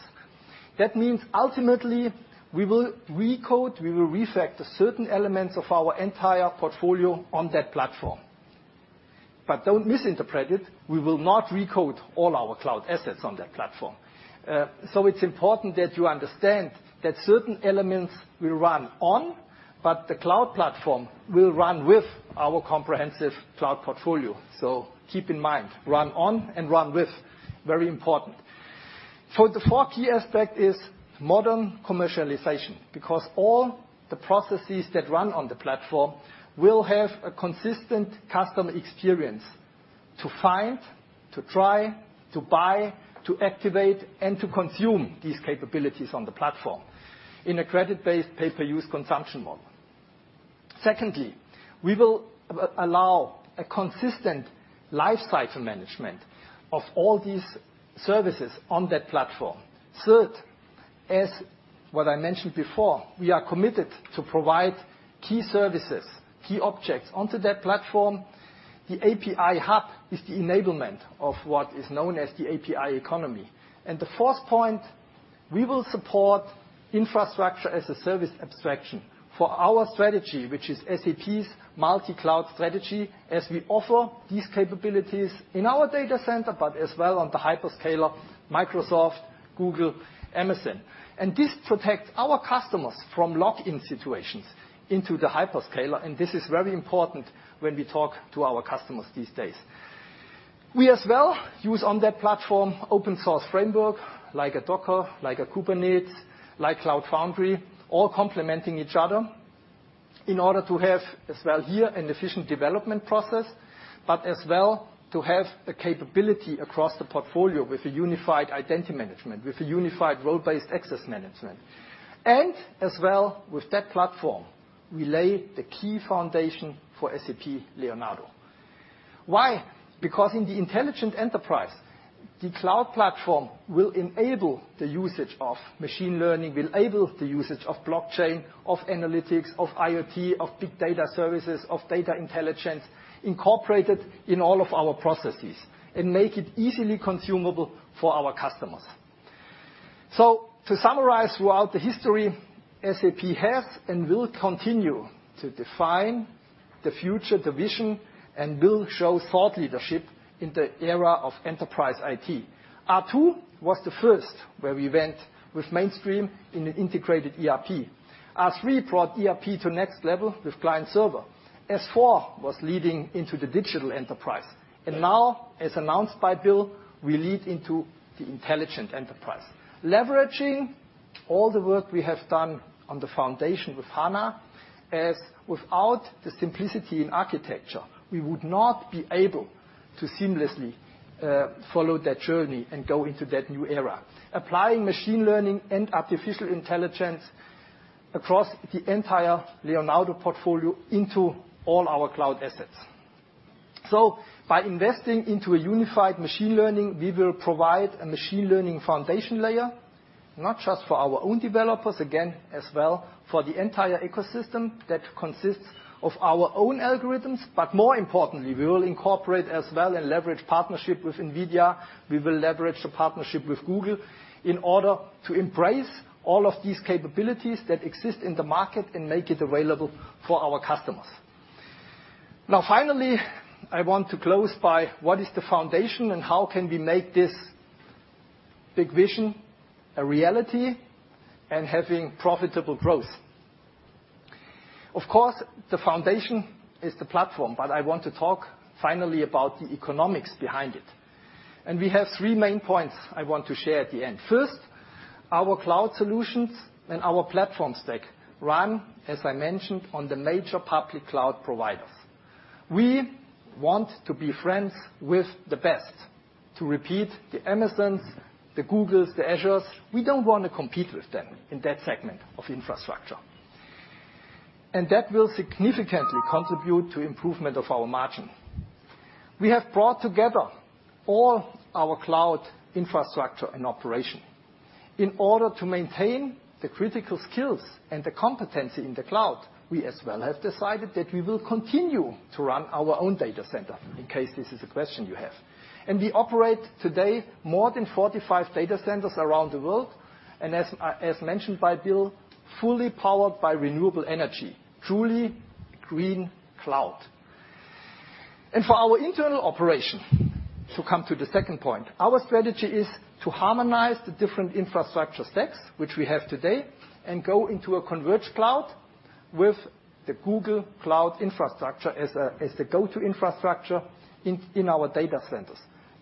Speaker 4: That means ultimately, we will refactor certain elements of our entire portfolio on that platform. Don't misinterpret it. We will not recode all our cloud assets on that platform. It's important that you understand that certain elements will run on. The Cloud Platform will run with our comprehensive cloud portfolio. Keep in mind, run on and run with, very important. The four key aspects are modern commercialization. All the processes that run on the platform will have a consistent customer experience to find, to try, to buy, to activate, and to consume these capabilities on the platform in a credit-based pay-per-use consumption model. Secondly, we will allow a consistent life cycle management of all these services on that platform. Third, as I mentioned before, we are committed to provide key services, key objects onto that platform. The API Hub is the enablement of what is known as the API economy. The fourth point, we will support infrastructure as a service abstraction for our strategy, which is SAP's multi-cloud strategy, as we offer these capabilities in our data center, but as well on the hyperscaler, Microsoft, Google, Amazon. This protects our customers from lock-in situations into the hyperscaler, and this is very important when we talk to our customers these days. We as well use on that platform open source framework like Docker, like Kubernetes, like Cloud Foundry, all complementing each other in order to have as well here an efficient development process, but as well, to have a capability across the portfolio with a unified identity management, with a unified role-based access management. As well, with that platform, we lay the key foundation for SAP Leonardo. Why? In the Intelligent Enterprise, the cloud platform will enable the usage of machine learning, will enable the usage of blockchain, of analytics, of IoT, of big data services, of data intelligence, incorporated in all of our processes, and make it easily consumable for our customers. To summarize throughout the history, SAP has and will continue to define the future, the vision, and will show thought leadership in the era of enterprise IT. R/2 was the first where we went with mainstream in an integrated ERP. R/3 brought ERP to next level with client server. S/4 was leading into the digital enterprise. Now, as announced by Bill, we lead into the Intelligent Enterprise, leveraging all the work we have done on the foundation with HANA, as without the simplicity in architecture, we would not be able to seamlessly follow that journey and go into that new era. Applying machine learning and artificial intelligence across the entire Leonardo portfolio into all our cloud assets. By investing into a unified machine learning, we will provide a machine learning foundation layer, not just for our own developers, again, as well for the entire ecosystem that consists of our own algorithms. More importantly, we will incorporate as well and leverage partnership with NVIDIA, we will leverage the partnership with Google in order to embrace all of these capabilities that exist in the market and make it available for our customers. Finally, I want to close by what is the foundation and how can we make this big vision a reality, and having profitable growth. Of course, the foundation is the platform, but I want to talk finally about the economics behind it. We have three main points I want to share at the end. First, our cloud solutions and our platform stack run, as I mentioned, on the major public cloud providers. We want to be friends with the best. To repeat, the Amazons, the Googles, the Azures. We don't want to compete with them in that segment of infrastructure. That will significantly contribute to improvement of our margin. We have brought together all our cloud infrastructure and operation. In order to maintain the critical skills and the competency in the cloud, we as well have decided that we will continue to run our own data center, in case this is a question you have. We operate today more than 45 data centers around the world. As mentioned by Bill, fully powered by renewable energy. Truly green cloud. For our internal operation, to come to the second point, our strategy is to harmonize the different infrastructure stacks which we have today, and go into a converged cloud with the Google Cloud infrastructure as the go-to infrastructure in our data centers.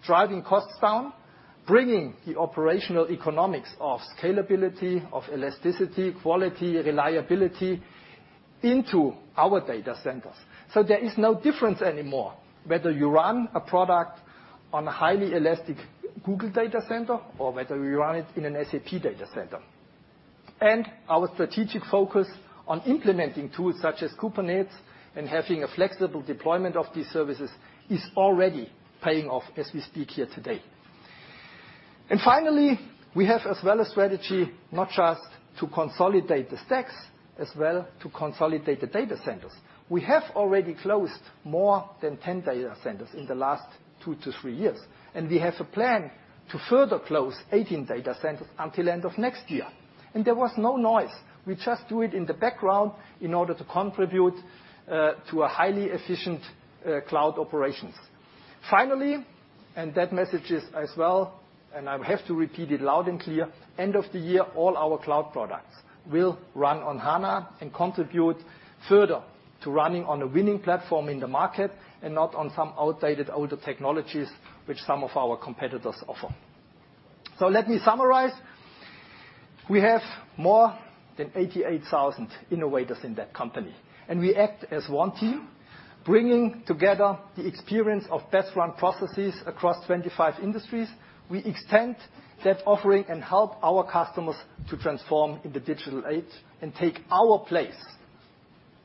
Speaker 4: Driving costs down, bringing the operational economics of scalability, of elasticity, quality, reliability into our data centers. There is no difference anymore whether you run a product on a highly elastic Google data center or whether you run it in an SAP data center. Our strategic focus on implementing tools such as Kubernetes and having a flexible deployment of these services is already paying off as we speak here today. Finally, we have as well a strategy not just to consolidate the stacks, as well to consolidate the data centers. We have already closed more than 10 data centers in the last 2 to 3 years. We have a plan to further close 18 data centers until end of next year. There was no noise. We just do it in the background in order to contribute to a highly efficient cloud operations. Finally, that message is as well, I have to repeat it loud and clear, end of the year, all our cloud products will run on HANA and contribute further to running on a winning platform in the market, and not on some outdated older technologies which some of our competitors offer. Let me summarize. We have more than 88,000 innovators in that company, and we act as one team, bringing together the experience of best-run processes across 25 industries. We extend that offering and help our customers to transform in the digital age and take our place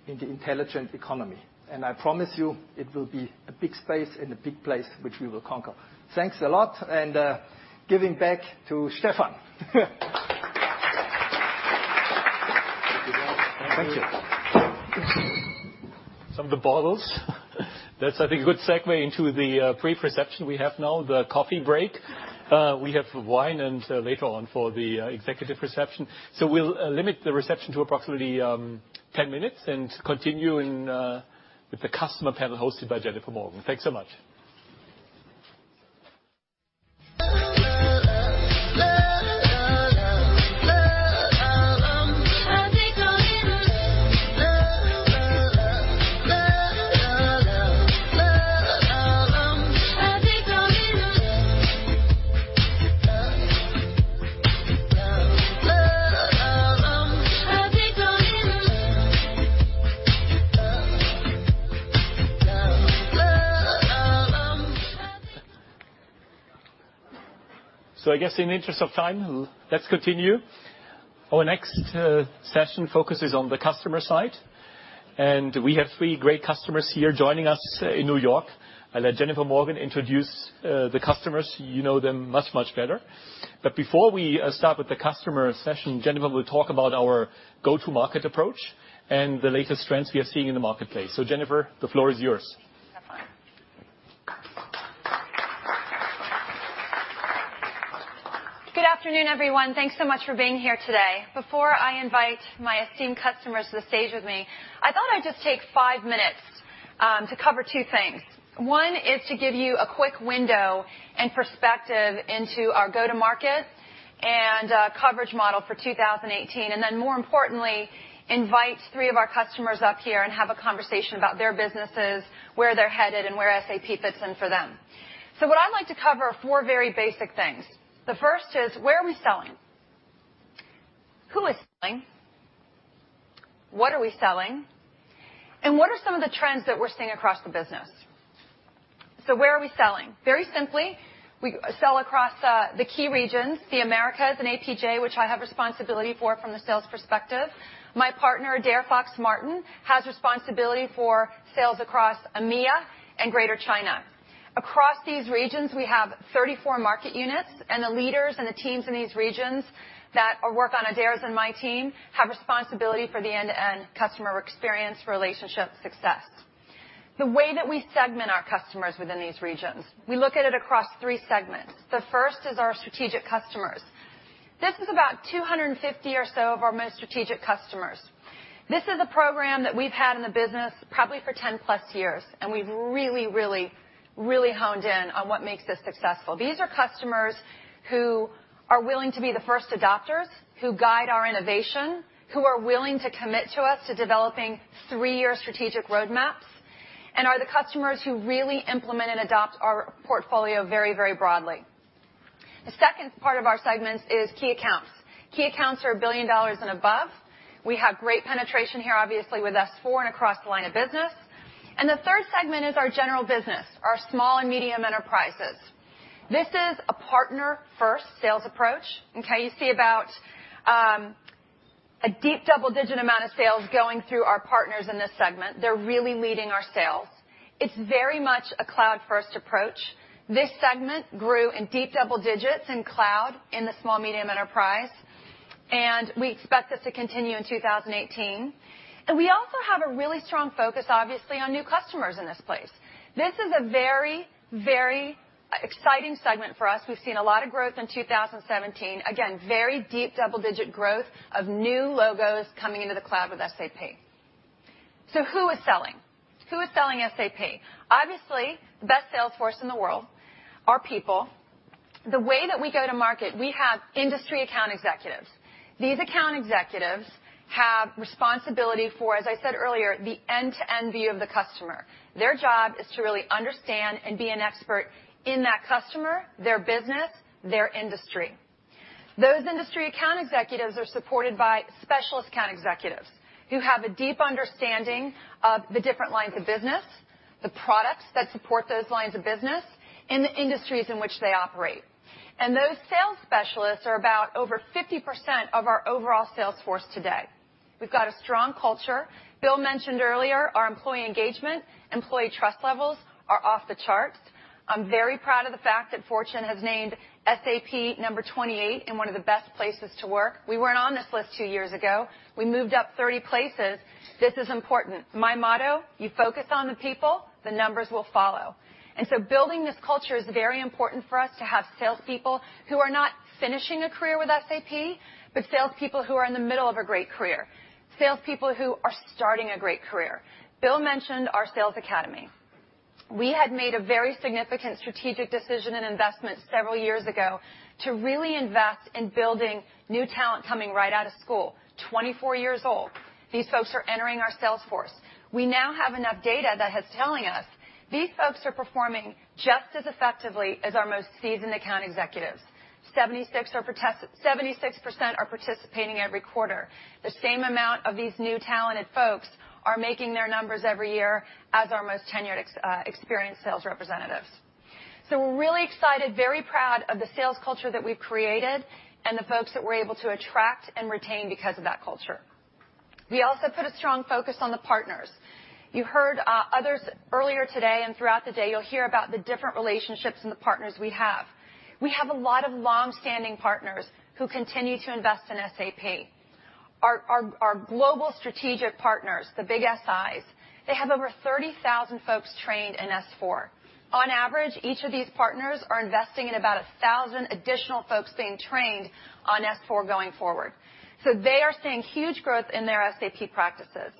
Speaker 4: in the intelligent economy. I promise you, it will be a big space and a big place which we will conquer. Thanks a lot, giving back to Stefan. Thank you.
Speaker 1: Some of the bottles. That's, I think, a good segue into the pre-reception we have now, the coffee break. We have wine and later on for the executive reception. We'll limit the reception to approximately 10 minutes and continue with the customer panel hosted by Jennifer Morgan. Thanks so much. I guess in the interest of time, let's continue. Our next session focuses on the customer side, and we have three great customers here joining us in New York. I'll let Jennifer Morgan introduce the customers. You know them much, much better. Before we start with the customer session, Jennifer will talk about our go-to-market approach and the latest trends we are seeing in the marketplace. Jennifer, the floor is yours.
Speaker 9: Have fun. Good afternoon, everyone. Thanks so much for being here today. Before I invite my esteemed customers to the stage with me, I thought I'd just take 5 minutes to cover two things. One is to give you a quick window and perspective into our go-to-market and coverage model for 2018, then, more importantly, invite three of our customers up here and have a conversation about their businesses, where they're headed, and where SAP fits in for them. What I'd like to cover are four very basic things. The first is: where are we selling? Who is selling? What are we selling? What are some of the trends that we're seeing across the business? Very simply, we sell across the key regions, the Americas and APJ, which I have responsibility for from the sales perspective. My partner, Adaire Fox-Martin, has responsibility for sales across EMEA and Greater China. Across these regions, we have 34 market units, and the leaders and the teams in these regions that work on Adaire's and my team have responsibility for the end-to-end customer experience relationship success. The way that we segment our customers within these regions, we look at it across three segments. The first is our strategic customers. This is about 250 or so of our most strategic customers. This is a program that we've had in the business probably for 10 plus years, and we've really honed in on what makes this successful. These are customers who are willing to be the first adopters, who guide our innovation, who are willing to commit to us to developing three-year strategic roadmaps, and are the customers who really implement and adopt our portfolio very broadly. The second part of our segments is key accounts. Key accounts are EUR 1 billion and above. We have great penetration here, obviously, with S/4 and across the line of business. The third segment is our general business, our small and medium enterprises. This is a partner-first sales approach, okay? You see about a deep double-digit amount of sales going through our partners in this segment. They're really leading our sales. It's very much a cloud-first approach. This segment grew in deep double digits in cloud in the small, medium enterprise, and we expect this to continue in 2018. We also have a really strong focus, obviously, on new customers in this place. This is a very exciting segment for us. We've seen a lot of growth in 2017. Again, very deep double-digit growth of new logos coming into the cloud with SAP. Who is selling? Who is selling SAP? Obviously, the best sales force in the world, our people. The way that we go to market, we have industry account executives. These account executives have responsibility for, as I said earlier, the end-to-end view of the customer. Their job is to really understand and be an expert in that customer, their business, their industry. Those industry account executives are supported by specialist account executives who have a deep understanding of the different lines of business, the products that support those lines of business, and the industries in which they operate. Those sales specialists are about over 50% of our overall sales force today. We've got a strong culture. Bill mentioned earlier our employee engagement. Employee trust levels are off the charts. I'm very proud of the fact that Fortune has named SAP number 28 in one of the best places to work. We weren't on this list two years ago. We moved up 30 places. This is important. My motto, you focus on the people, the numbers will follow. Building this culture is very important for us to have salespeople who are not finishing a career with SAP, but salespeople who are in the middle of a great career, salespeople who are starting a great career. Bill mentioned our sales academy. We had made a very significant strategic decision and investment several years ago to really invest in building new talent coming right out of school. 24 years old, these folks are entering our sales force. We now have enough data that is telling us these folks are performing just as effectively as our most seasoned account executives. 76% are participating every quarter. The same amount of these new talented folks are making their numbers every year as our most tenured experienced sales representatives. We're really excited, very proud of the sales culture that we've created and the folks that we're able to attract and retain because of that culture. We also put a strong focus on the partners. You heard others earlier today, and throughout the day, you'll hear about the different relationships and the partners we have. We have a lot of longstanding partners who continue to invest in SAP. Our global strategic partners, the big SIs, they have over 30,000 folks trained in S/4. On average, each of these partners are investing in about 1,000 additional folks being trained on S/4 going forward. They are seeing huge growth in their SAP practices.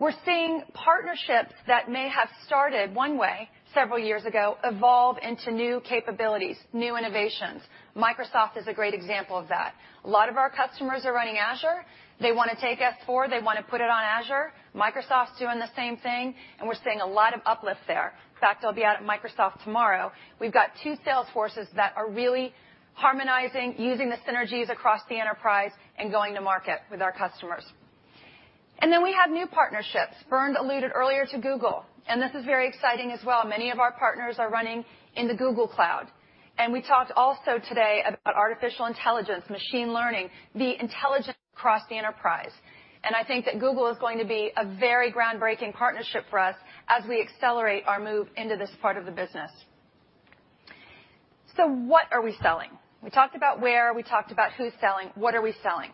Speaker 9: We're seeing partnerships that may have started one way several years ago evolve into new capabilities, new innovations. Microsoft is a great example of that. A lot of our customers are running Azure. They want to take S/4, they want to put it on Azure. Microsoft's doing the same thing. We're seeing a lot of uplifts there. In fact, I'll be out at Microsoft tomorrow. We've got two sales forces that are really harmonizing, using the synergies across the enterprise and going to market with our customers. We have new partnerships. Bernd alluded earlier to Google. This is very exciting as well. Many of our partners are running in the Google Cloud. We talked also today about artificial intelligence, machine learning, the intelligence across the enterprise. I think that Google is going to be a very groundbreaking partnership for us as we accelerate our move into this part of the business. What are we selling? We talked about where, we talked about who's selling. What are we selling?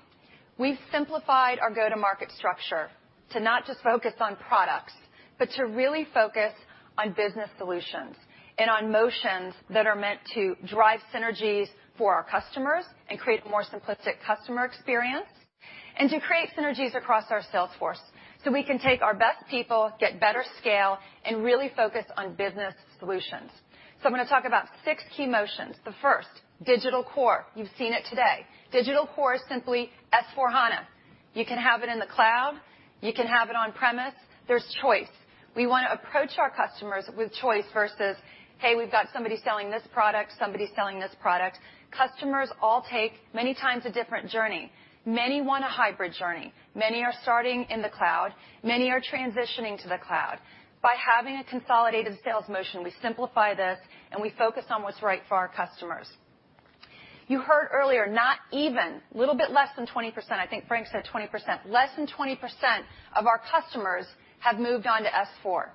Speaker 9: We've simplified our go-to-market structure to not just focus on products, but to really focus on business solutions and on motions that are meant to drive synergies for our customers and create more simplistic customer experience and to create synergies across our sales force so we can take our best people, get better scale, and really focus on business solutions. I'm going to talk about six key motions. The first, digital core. You've seen it today. Digital core is simply S/4HANA. You can have it in the cloud. You can have it on-premise. There's choice. We want to approach our customers with choice versus, hey, we've got somebody selling this product, somebody selling this product. Customers all take many times a different journey. Many want a hybrid journey. Many are starting in the cloud. Many are transitioning to the cloud. By having a consolidated sales motion, we simplify this, and we focus on what's right for our customers. You heard earlier, not even, a little bit less than 20%. I think Franck said 20%, less than 20% of our customers have moved on to S/4.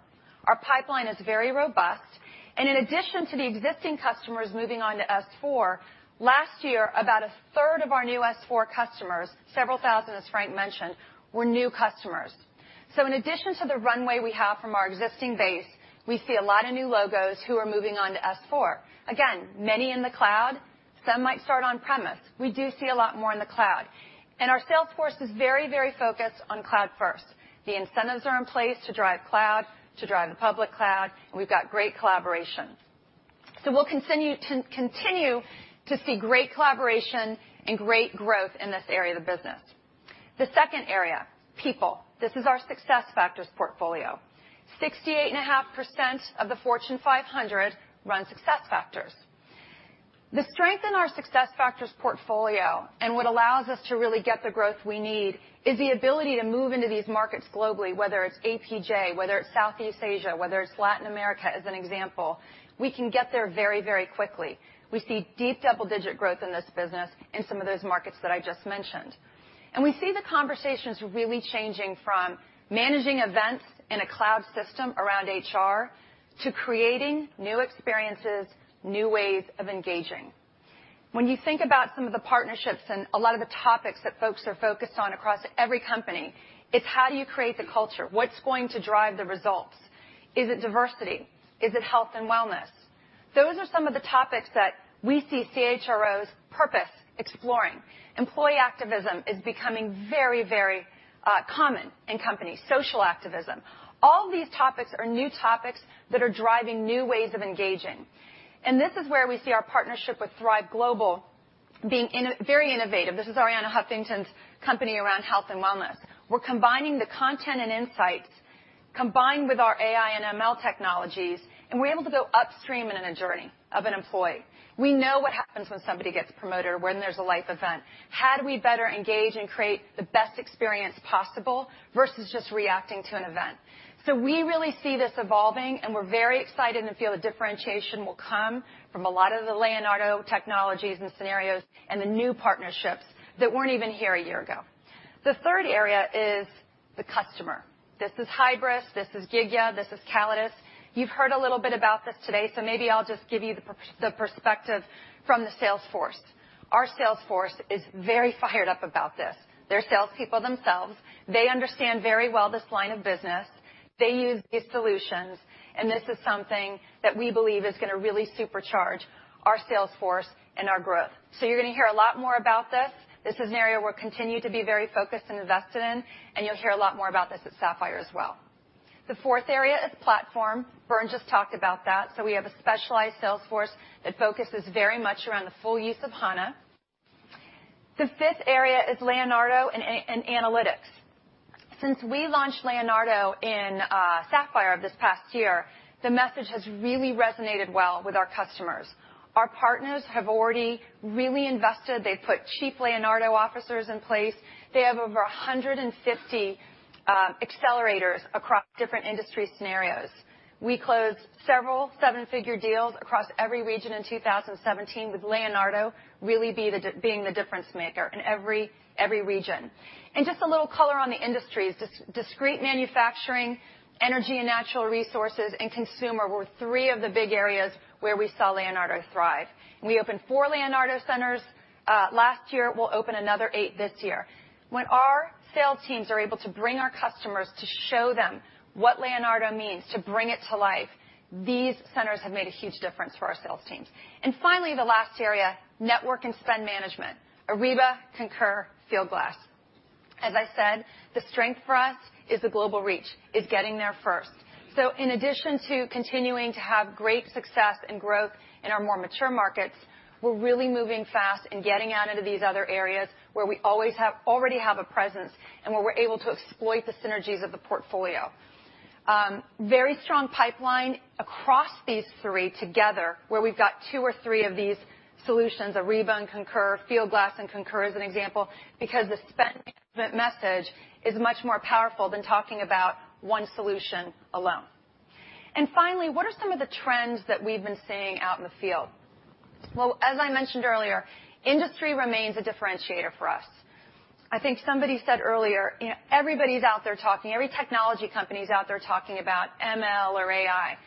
Speaker 9: Our pipeline is very robust, and in addition to the existing customers moving on to S/4, last year, about a third of our new S/4 customers, several thousand, as Franck mentioned, were new customers. In addition to the runway we have from our existing base, we see a lot of new logos who are moving on to S/4. Again, many in the cloud, some might start on-premise. We do see a lot more in the cloud. Our sales force is very focused on cloud first. The incentives are in place to drive cloud, to drive the public cloud, and we've got great collaborations. We'll continue to see great collaboration and great growth in this area of the business. The second area, people. This is our SuccessFactors portfolio. 68.5% of the Fortune 500 run SuccessFactors. The strength in our SuccessFactors portfolio and what allows us to really get the growth we need is the ability to move into these markets globally, whether it's APJ, whether it's Southeast Asia, whether it's Latin America, as an example. We can get there very quickly. We see deep double-digit growth in this business in some of those markets that I just mentioned. We see the conversations really changing from managing events in a cloud system around HR to creating new experiences, new ways of engaging. When you think about some of the partnerships and a lot of the topics that folks are focused on across every company, it's how do you create the culture? What's going to drive the results? Is it diversity? Is it health and wellness? Those are some of the topics that we see CHROs purpose exploring. Employee activism is becoming very common in companies. Social activism. All these topics are new topics that are driving new ways of engaging. This is where we see our partnership with Thrive Global being very innovative. This is Arianna Huffington's company around health and wellness. We're combining the content and insights combined with our AI and ML technologies, and we're able to go upstream in a journey of an employee. We know what happens when somebody gets promoted or when there's a life event. How do we better engage and create the best experience possible versus just reacting to an event? We really see this evolving, and we're very excited and feel the differentiation will come from a lot of the Leonardo technologies and scenarios and the new partnerships that weren't even here a year ago. The third area is the customer. This is Hybris, this is Gigya, this is Callidus. You've heard a little bit about this today, maybe I'll just give you the perspective from the sales force. Our sales force is very fired up about this. They're salespeople themselves. They understand very well this line of business. They use these solutions, and this is something that we believe is going to really supercharge our sales force and our growth. You're going to hear a lot more about this. This is an area we're continuing to be very focused and invested in, and you'll hear a lot more about this at Sapphire as well. The fourth area is platform. Bernd just talked about that. We have a specialized sales force that focuses very much around the full use of HANA. The fifth area is Leonardo and analytics. Since we launched Leonardo in Sapphire of this past year, the message has really resonated well with our customers. Our partners have already really invested. They've put chief Leonardo officers in place. They have over 150 accelerators across different industry scenarios. We closed several seven-figure deals across every region in 2017 with Leonardo really being the difference maker in every region. Just a little color on the industries. Discrete manufacturing, energy and natural resources, and consumer were three of the big areas where we saw Leonardo thrive. We opened four Leonardo centers last year. We'll open another eight this year. When our sales teams are able to bring our customers to show them what Leonardo means, to bring it to life, these centers have made a huge difference for our sales teams. Finally, the last area, network and spend management. Ariba, Concur, Fieldglass. As I said, the strength for us is the global reach, is getting there first. In addition to continuing to have great success and growth in our more mature markets, we're really moving fast and getting out into these other areas where we already have a presence and where we're able to exploit the synergies of the portfolio. Very strong pipeline across these three together, where we've got two or three of these solutions, Ariba and Concur, Fieldglass and Concur, as an example, because the spend management message is much more powerful than talking about one solution alone. Finally, what are some of the trends that we've been seeing out in the field? Well, as I mentioned earlier, industry remains a differentiator for us. I think somebody said earlier, everybody's out there talking. Every technology company is out there talking about ML or AI.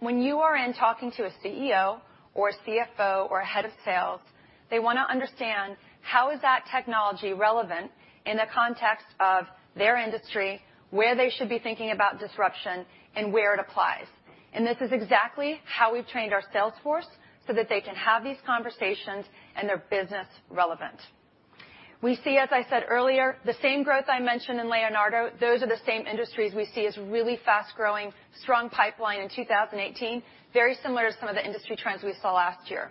Speaker 9: When you are in talking to a CEO or a CFO or a head of sales, they want to understand how is that technology relevant in the context of their industry, where they should be thinking about disruption, and where it applies. This is exactly how we've trained our sales force so that they can have these conversations, and they're business relevant. We see, as I said earlier, the same growth I mentioned in Leonardo. Those are the same industries we see as really fast-growing, strong pipeline in 2018. Very similar to some of the industry trends we saw last year.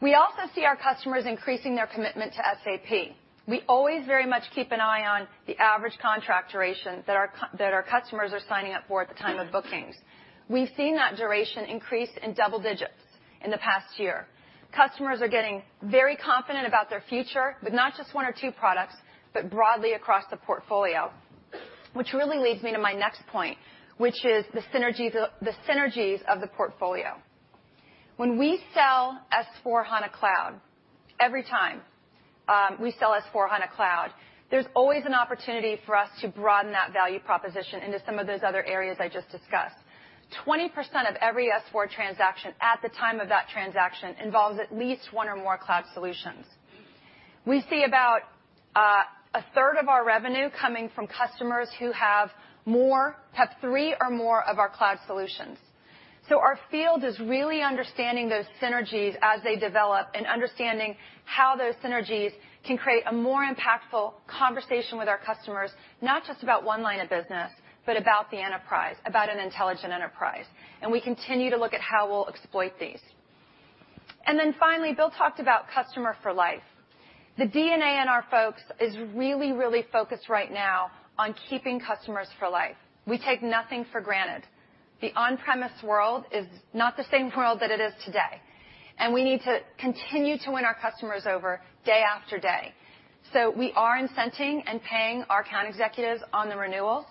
Speaker 9: We also see our customers increasing their commitment to SAP. We always very much keep an eye on the average contract duration that our customers are signing up for at the time of bookings. We've seen that duration increase in double digits in the past year. Customers are getting very confident about their future, with not just one or two products, but broadly across the portfolio. Which really leads me to my next point, which is the synergies of the portfolio. When we sell SAP S/4HANA Cloud, every time we sell SAP S/4HANA Cloud, there's always an opportunity for us to broaden that value proposition into some of those other areas I just discussed. 20% of every S/4 transaction at the time of that transaction involves at least one or more cloud solutions. We see about a third of our revenue coming from customers who have three or more of our cloud solutions. Our field is really understanding those synergies as they develop and understanding how those synergies can create a more impactful conversation with our customers, not just about one line of business, but about the enterprise, about an Intelligent Enterprise. We continue to look at how we'll exploit these. Finally, Bill talked about Customer for Life. The DNA in our folks is really, really focused right now on keeping customers for life. We take nothing for granted. The on-premise world is not the same world that it is today, we need to continue to win our customers over day after day. We are incenting and paying our account executives on the renewals.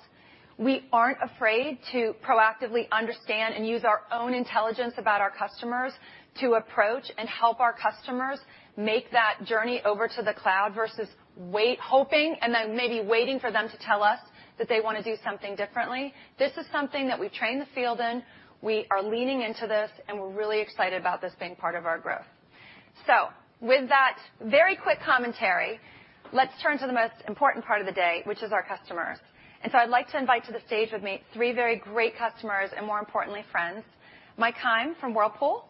Speaker 9: We aren't afraid to proactively understand and use our own intelligence about our customers to approach and help our customers make that journey over to the cloud versus wait, hoping, and then maybe waiting for them to tell us that they want to do something differently. This is something that we've trained the field in, we are leaning into this, and we're really excited about this being part of our growth. With that very quick commentary, let's turn to the most important part of the day, which is our customers. I'd like to invite to the stage with me three very great customers, and more importantly, friends. Mike Heim from Whirlpool,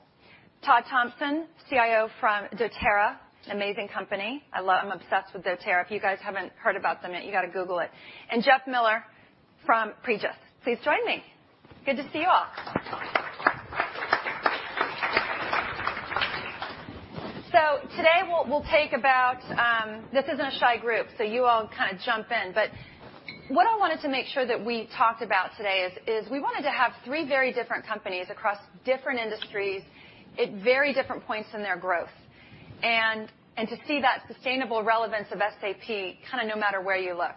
Speaker 9: Todd Thompson, CIO from doTERRA, an amazing company. I'm obsessed with doTERRA. If you guys haven't heard about them, you got to Google it. Jeff Mueller from Pregis. Please join me. Good to see you all. Today we'll take about This isn't a shy group, so you all kind of jump in. But what I wanted to make sure that we talked about today is we wanted to have three very different companies across different industries at very different points in their growth, and to see that sustainable relevance of SAP kind of no matter where you look.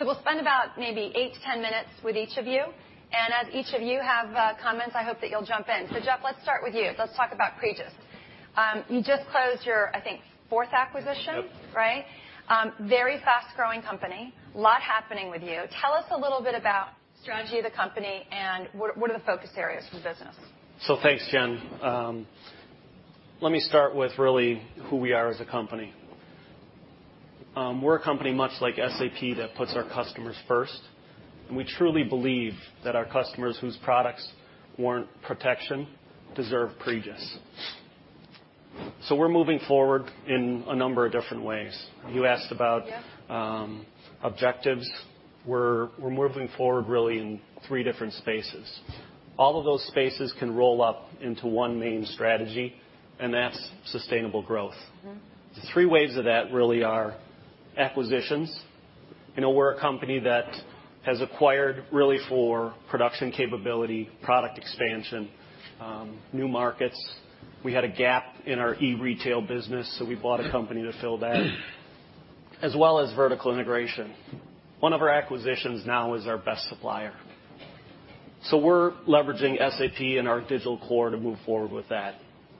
Speaker 9: We'll spend about maybe 8-10 minutes with each of you. As each of you have comments, I hope that you'll jump in. Jeff, let's start with you. Let's talk about Pregis. You just closed your, I think, fourth acquisition?
Speaker 10: Yep.
Speaker 9: Right? Very fast-growing company. Lot happening with you. Tell us a little bit about strategy of the company, what are the focus areas for the business?
Speaker 10: Thanks, Jen. Let me start with really who we are as a company. We're a company much like SAP that puts our customers first, and we truly believe that our customers whose products warrant protection deserve Pregis. We're moving forward in a number of different ways.
Speaker 9: Yeah
Speaker 10: Objectives. We're moving forward really in three different spaces. All of those spaces can roll up into one main strategy, and that's sustainable growth. The three ways of that really are acquisitions. We're a company that has acquired really for production capability, product expansion, new markets. We had a gap in our e-retail business, we bought a company to fill that, as well as vertical integration. One of our acquisitions now is our best supplier. We're leveraging SAP and our digital core to move forward with that.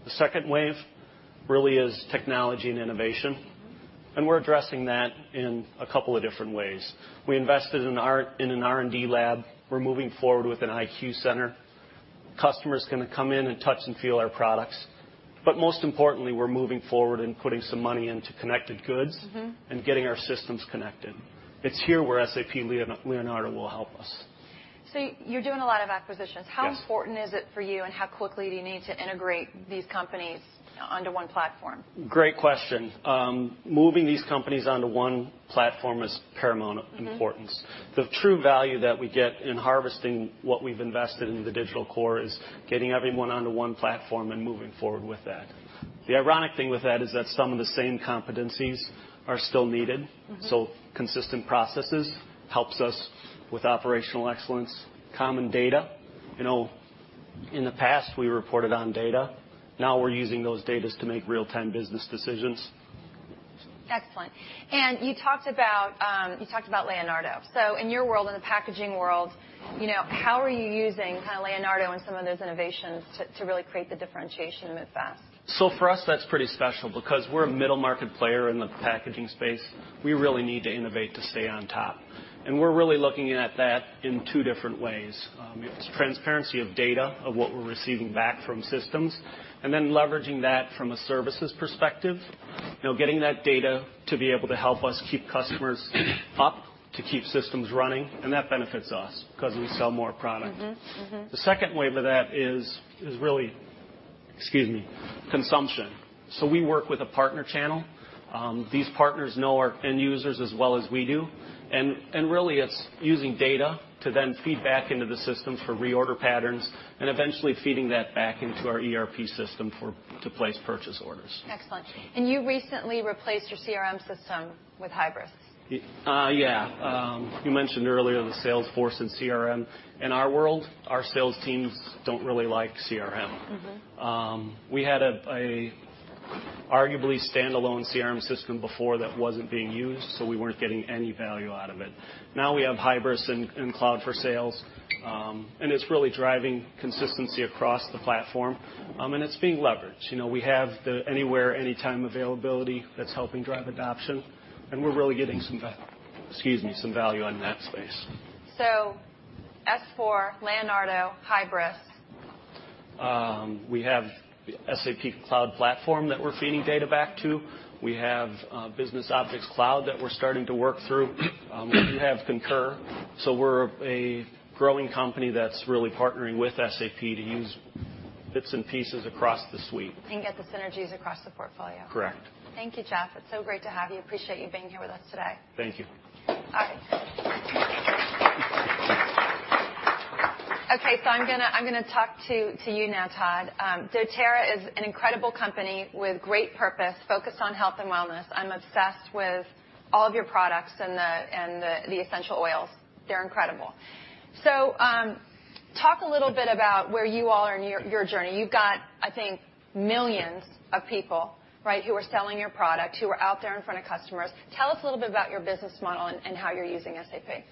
Speaker 10: The second wave really is technology and innovation, and we're addressing that in a couple of different ways. We invested in an R&D lab. We're moving forward with an IQ center. Customers can come in and touch and feel our products. Most importantly, we're moving forward and putting some money into connected goods. Getting our systems connected. It's here where SAP Leonardo will help us.
Speaker 9: You're doing a lot of acquisitions.
Speaker 10: Yes.
Speaker 9: How important is it for you, how quickly do you need to integrate these companies onto one platform?
Speaker 10: Great question. Moving these companies onto one platform is paramount importance. The true value that we get in harvesting what we've invested in the digital core is getting everyone onto one platform and moving forward with that. The ironic thing with that is that some of the same competencies are still needed. Consistent processes helps us with operational excellence. Common data. In the past, we reported on data. Now we're using those datas to make real-time business decisions.
Speaker 9: Excellent. You talked about Leonardo. In your world, in the packaging world, how are you using Leonardo and some of those innovations to really create the differentiation and move fast?
Speaker 10: For us, that's pretty special because we're a middle-market player in the packaging space. We really need to innovate to stay on top, and we're really looking at that in two different ways. It's transparency of data, of what we're receiving back from systems, and then leveraging that from a services perspective. Getting that data to be able to help us keep customers up, to keep systems running, and that benefits us because we sell more product. The second wave of that is really, excuse me, consumption. We work with a partner channel. These partners know our end users as well as we do, and really it's using data to then feed back into the system for reorder patterns, and eventually feeding that back into our ERP system to place purchase orders.
Speaker 9: Excellent. You recently replaced your CRM system with Hybris.
Speaker 10: Yeah. You mentioned earlier the sales force and CRM. In our world, our sales teams don't really like CRM. We had a arguably standalone CRM system before that wasn't being used, so we weren't getting any value out of it. Now we have Hybris and Cloud for Sales, and it's really driving consistency across the platform. It's being leveraged. We have the anywhere, anytime availability that's helping drive adoption, and we're really getting some value in that space.
Speaker 9: S/4, Leonardo, Hybris.
Speaker 10: We have SAP Cloud Platform that we're feeding data back to. We have SAP BusinessObjects Cloud that we're starting to work through. We do have Concur, we're a growing company that's really partnering with SAP to use bits and pieces across the suite.
Speaker 9: Get the synergies across the portfolio.
Speaker 10: Correct.
Speaker 9: Thank you, Jeff. It's so great to have you. Appreciate you being here with us today.
Speaker 10: Thank you.
Speaker 9: All right. Okay, I'm going to talk to you now, Todd. doTERRA is an incredible company with great purpose, focused on health and wellness. I'm obsessed with all of your products and the essential oils. They're incredible. Talk a little bit about where you all are in your journey. You've got, I think, millions of people who are selling your product, who are out there in front of customers. Tell us a little bit about your business model and how you're using SAP.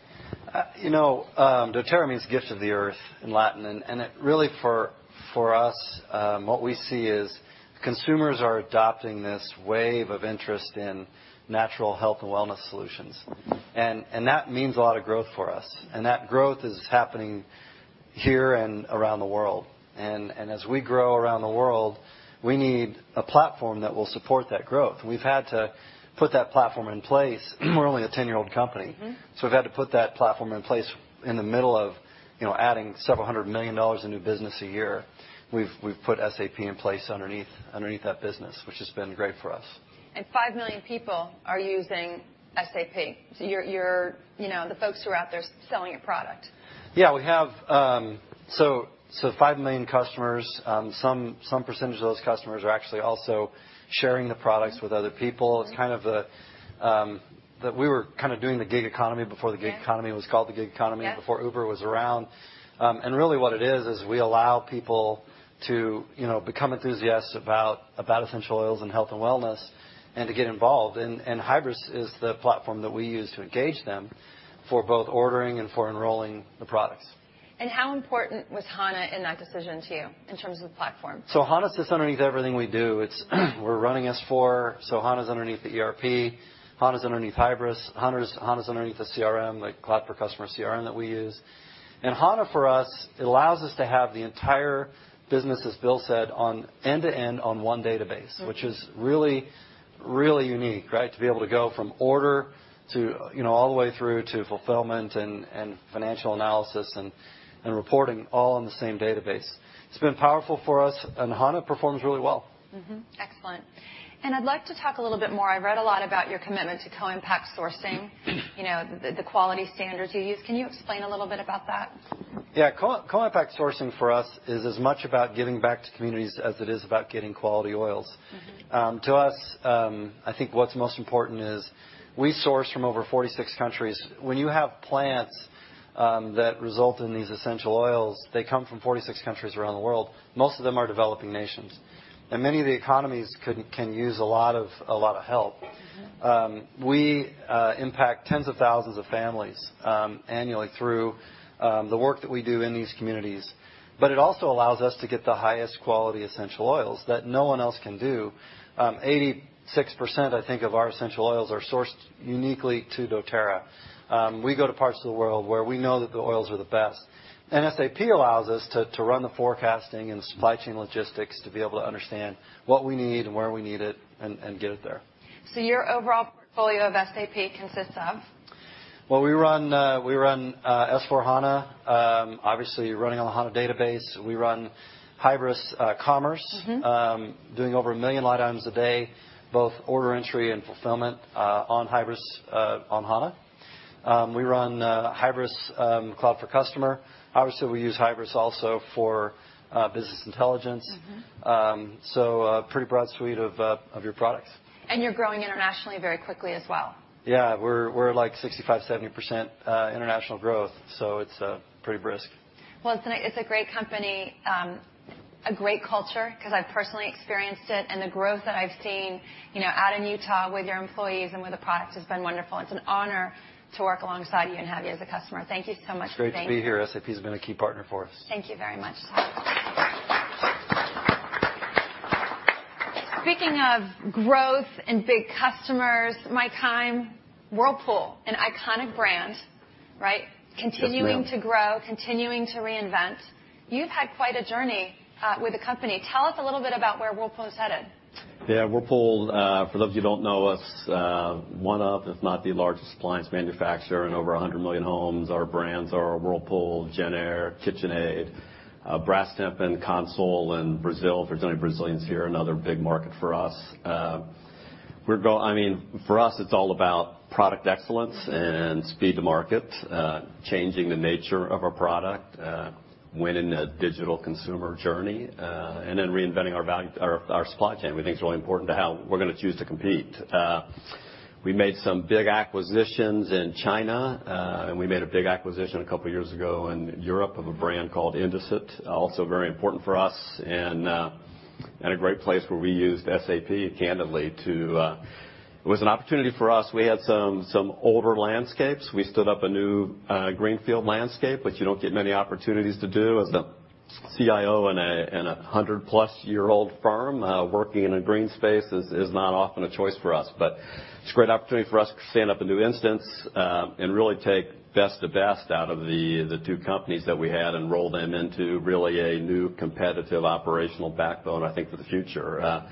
Speaker 11: doTERRA means gift of the earth in Latin, really for us, what we see is consumers are adopting this wave of interest in natural health and wellness solutions. That means a lot of growth for us. That growth is happening here and around the world. As we grow around the world, we need a platform that will support that growth, and we've had to put that platform in place. We're only a 10-year-old company. We've had to put that platform in place in the middle of adding several hundred million EUR in new business a year. We've put SAP in place underneath that business, which has been great for us.
Speaker 9: Five million people are using SAP, the folks who are out there selling your product.
Speaker 11: Yeah. 5 million customers. Some percentage of those customers are actually also sharing the products with other people. We were kind of doing the gig economy before the gig economy was called the gig economy, before Uber was around. Really what it is is we allow people to become enthusiasts about essential oils and health and wellness, and to get involved. Hybris is the platform that we use to engage them for both ordering and for enrolling the products.
Speaker 9: How important was HANA in that decision to you, in terms of the platform?
Speaker 11: HANA sits underneath everything we do. We're running S/4, HANA is underneath the ERP. HANA is underneath Hybris. HANA is underneath the CRM, like Cloud for Customer CRM that we use. HANA, for us, it allows us to have the entire business, as Bill said, end-to-end on one database. Which is really unique, right? To be able to go from order all the way through to fulfillment and financial analysis and reporting, all in the same database. It's been powerful for us, and HANA performs really well.
Speaker 9: Excellent. I'd like to talk a little bit more, I read a lot about your commitment to Co-Impact Sourcing, the quality standards you use. Can you explain a little bit about that?
Speaker 11: Co-impact sourcing for us is as much about giving back to communities as it is about getting quality oils. To us, I think what's most important is we source from over 46 countries. When you have plants that result in these essential oils, they come from 46 countries around the world. Most of them are developing nations. Many of the economies can use a lot of help. We impact tens of thousands of families annually through the work that we do in these communities. It also allows us to get the highest quality essential oils that no one else can do. 86%, I think, of our essential oils are sourced uniquely to doTERRA. We go to parts of the world where we know that the oils are the best. SAP allows us to run the forecasting and supply chain logistics to be able to understand what we need and where we need it, and get it there.
Speaker 9: Your overall portfolio of SAP consists of?
Speaker 11: Well, we run S/4HANA, obviously running on a HANA database. We run Hybris Commerce Doing over 1 million line items a day, both order entry and fulfillment on Hybris on HANA. We run Hybris Cloud for Customer. Obviously, we use Hybris also for business intelligence. A pretty broad suite of your products.
Speaker 9: You're growing internationally very quickly as well.
Speaker 11: We're like 65%, 70% international growth, so it's pretty brisk.
Speaker 9: Well, it's a great company. A great culture, because I've personally experienced it, and the growth that I've seen out in Utah with your employees and with the product has been wonderful. It's an honor to work alongside you and have you as a customer. Thank you so much. Thank you.
Speaker 11: It's great to be here. SAP's been a key partner for us.
Speaker 9: Thank you very much, Todd. Speaking of growth and big customers, Mike Heim, Whirlpool, an iconic brand, right?
Speaker 12: Yes, ma'am.
Speaker 9: Continuing to grow, continuing to reinvent. You've had quite a journey with the company. Tell us a little bit about where Whirlpool is headed.
Speaker 12: Yeah. Whirlpool, for those of you who don't know us, one of, if not the largest appliance manufacturer in over 100 million homes. Our brands are Whirlpool, JennAir, KitchenAid, Brastemp and Consul in Brazil. If there's any Brazilians here, another big market for us. For us, it's all about product excellence and speed to market, changing the nature of our product, winning the digital consumer journey, and then reinventing our supply chain. We think it's really important to how we're going to choose to compete. We made some big acquisitions in China, and we made a big acquisition a couple of years ago in Europe of a brand called Indesit. Also very important for us. A great place where we used SAP, candidly. It was an opportunity for us. We had some older landscapes. We stood up a new greenfield landscape, which you don't get many opportunities to do as a CIO in a 100-plus-year-old firm. Working in a green space is not often a choice for us. It's a great opportunity for us to stand up a new instance, and really take the best out of the two companies that we had and roll them into really a new competitive operational backbone, I think, for the future.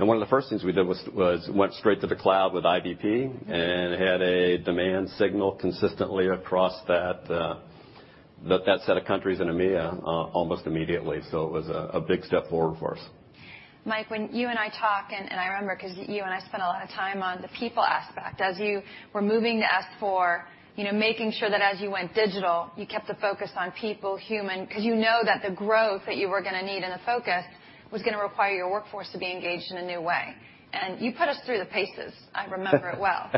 Speaker 12: One of the first things we did was went straight to the cloud with IBP and had a demand signal consistently across that set of countries in EMEA almost immediately. It was a big step forward for us.
Speaker 9: Mike, when you and I talk, and I remember because you and I spent a lot of time on the people aspect. As you were moving to S/4, making sure that as you went digital, you kept the focus on people, human, because you know that the growth that you were going to need and the focus was going to require your workforce to be engaged in a new way. You put us through the paces. I remember it well.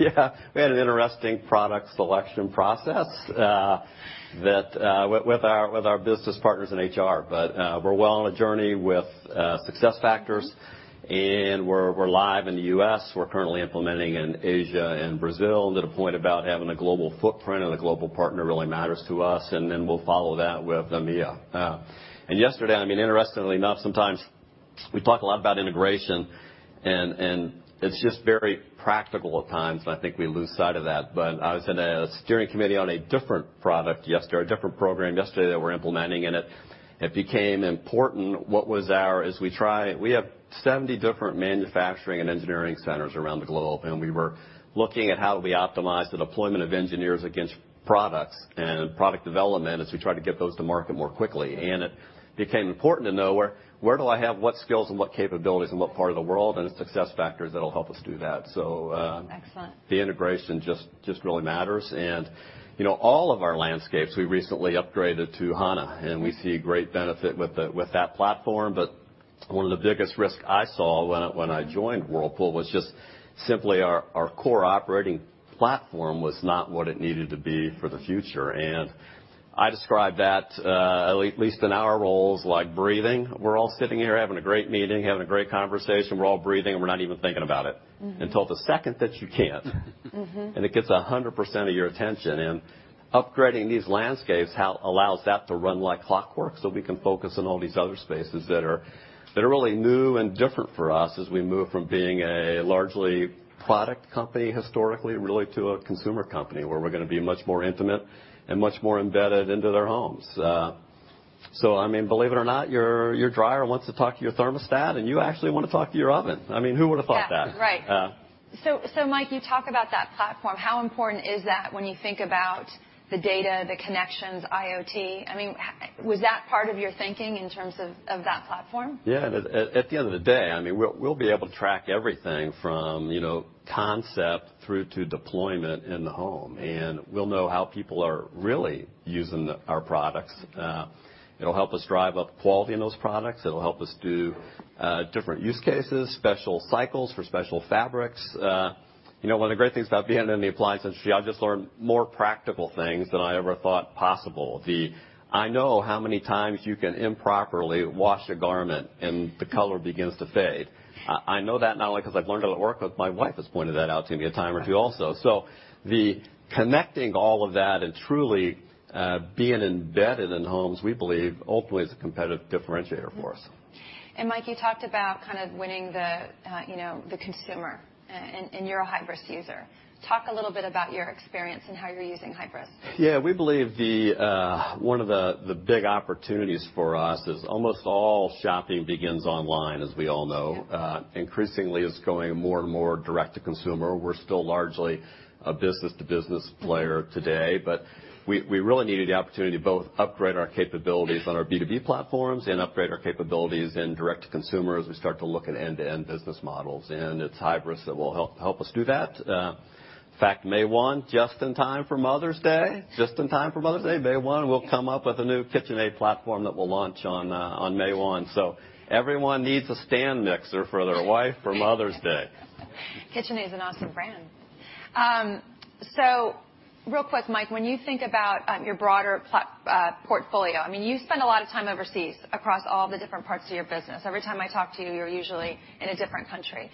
Speaker 12: We had an interesting product selection process, with our business partners in HR. We're well on a journey with SuccessFactors, and we're live in the U.S. We're currently implementing in Asia and Brazil. To the point about having a global footprint and a global partner really matters to us, and then we'll follow that with EMEA. Yesterday, interestingly enough, sometimes we talk a lot about integration, and it's just very practical at times, I think we lose sight of that. I was in a steering committee on a different product yesterday, a different program yesterday that we're implementing, and it became important. We have 70 different manufacturing and engineering centers around the globe, and we were looking at how do we optimize the deployment of engineers against products and product development as we try to get those to market more quickly. It became important to know where do I have what skills and what capabilities in what part of the world, and it's SuccessFactors that'll help us do that.
Speaker 9: Excellent
Speaker 12: the integration just really matters. All of our landscapes, we recently upgraded to SAP HANA, and we see a great benefit with that platform. One of the biggest risks I saw when I joined Whirlpool was just simply our core operating platform was not what it needed to be for the future. I describe that, at least in our roles, like breathing. We're all sitting here having a great meeting, having a great conversation. We're all breathing, and we're not even thinking about it until the second that you can't. It gets 100% of your attention. Upgrading these landscapes allows that to run like clockwork so we can focus on all these other spaces that are really new and different for us as we move from being a largely product company historically, really to a consumer company, where we're going to be much more intimate and much more embedded into their homes. Believe it or not, your dryer wants to talk to your thermostat, and you actually want to talk to your oven. Who would've thought that?
Speaker 9: Yeah. Right.
Speaker 12: Yeah.
Speaker 9: Mike, you talk about that platform. How important is that when you think about the data, the connections, IoT? Was that part of your thinking in terms of that platform?
Speaker 12: At the end of the day, we'll be able to track everything from concept through to deployment in the home, and we'll know how people are really using our products. It'll help us drive up the quality in those products. It'll help us do different use cases, special cycles for special fabrics. One of the great things about being in the appliance industry, I've just learned more practical things than I ever thought possible. I know how many times you can improperly wash a garment, and the color begins to fade. I know that not only because I've learned it at work, but my wife has pointed that out to me a time or two also. The connecting all of that and truly being embedded in homes, we believe, ultimately, is a competitive differentiator for us.
Speaker 9: Mike, you talked about kind of winning the consumer, and you're a Hybris user. Talk a little bit about your experience and how you're using Hybris.
Speaker 12: We believe one of the big opportunities for us is almost all shopping begins online, as we all know.
Speaker 9: Yeah.
Speaker 12: Increasingly, it's going more and more direct to consumer. We're still largely a business-to-business player today. We really needed the opportunity to both upgrade our capabilities on our B2B platforms and upgrade our capabilities in direct to consumer as we start to look at end-to-end business models, it's Hybris that will help us do that. In fact, May 1, just in time for Mother's Day, May 1, we'll come up with a new KitchenAid platform that we'll launch on May 1. Everyone needs a stand mixer for their wife for Mother's Day.
Speaker 9: KitchenAid is an awesome brand. Real quick, Mike, when you think about your broader portfolio, you spend a lot of time overseas across all the different parts of your business. Every time I talk to you are usually in a different country.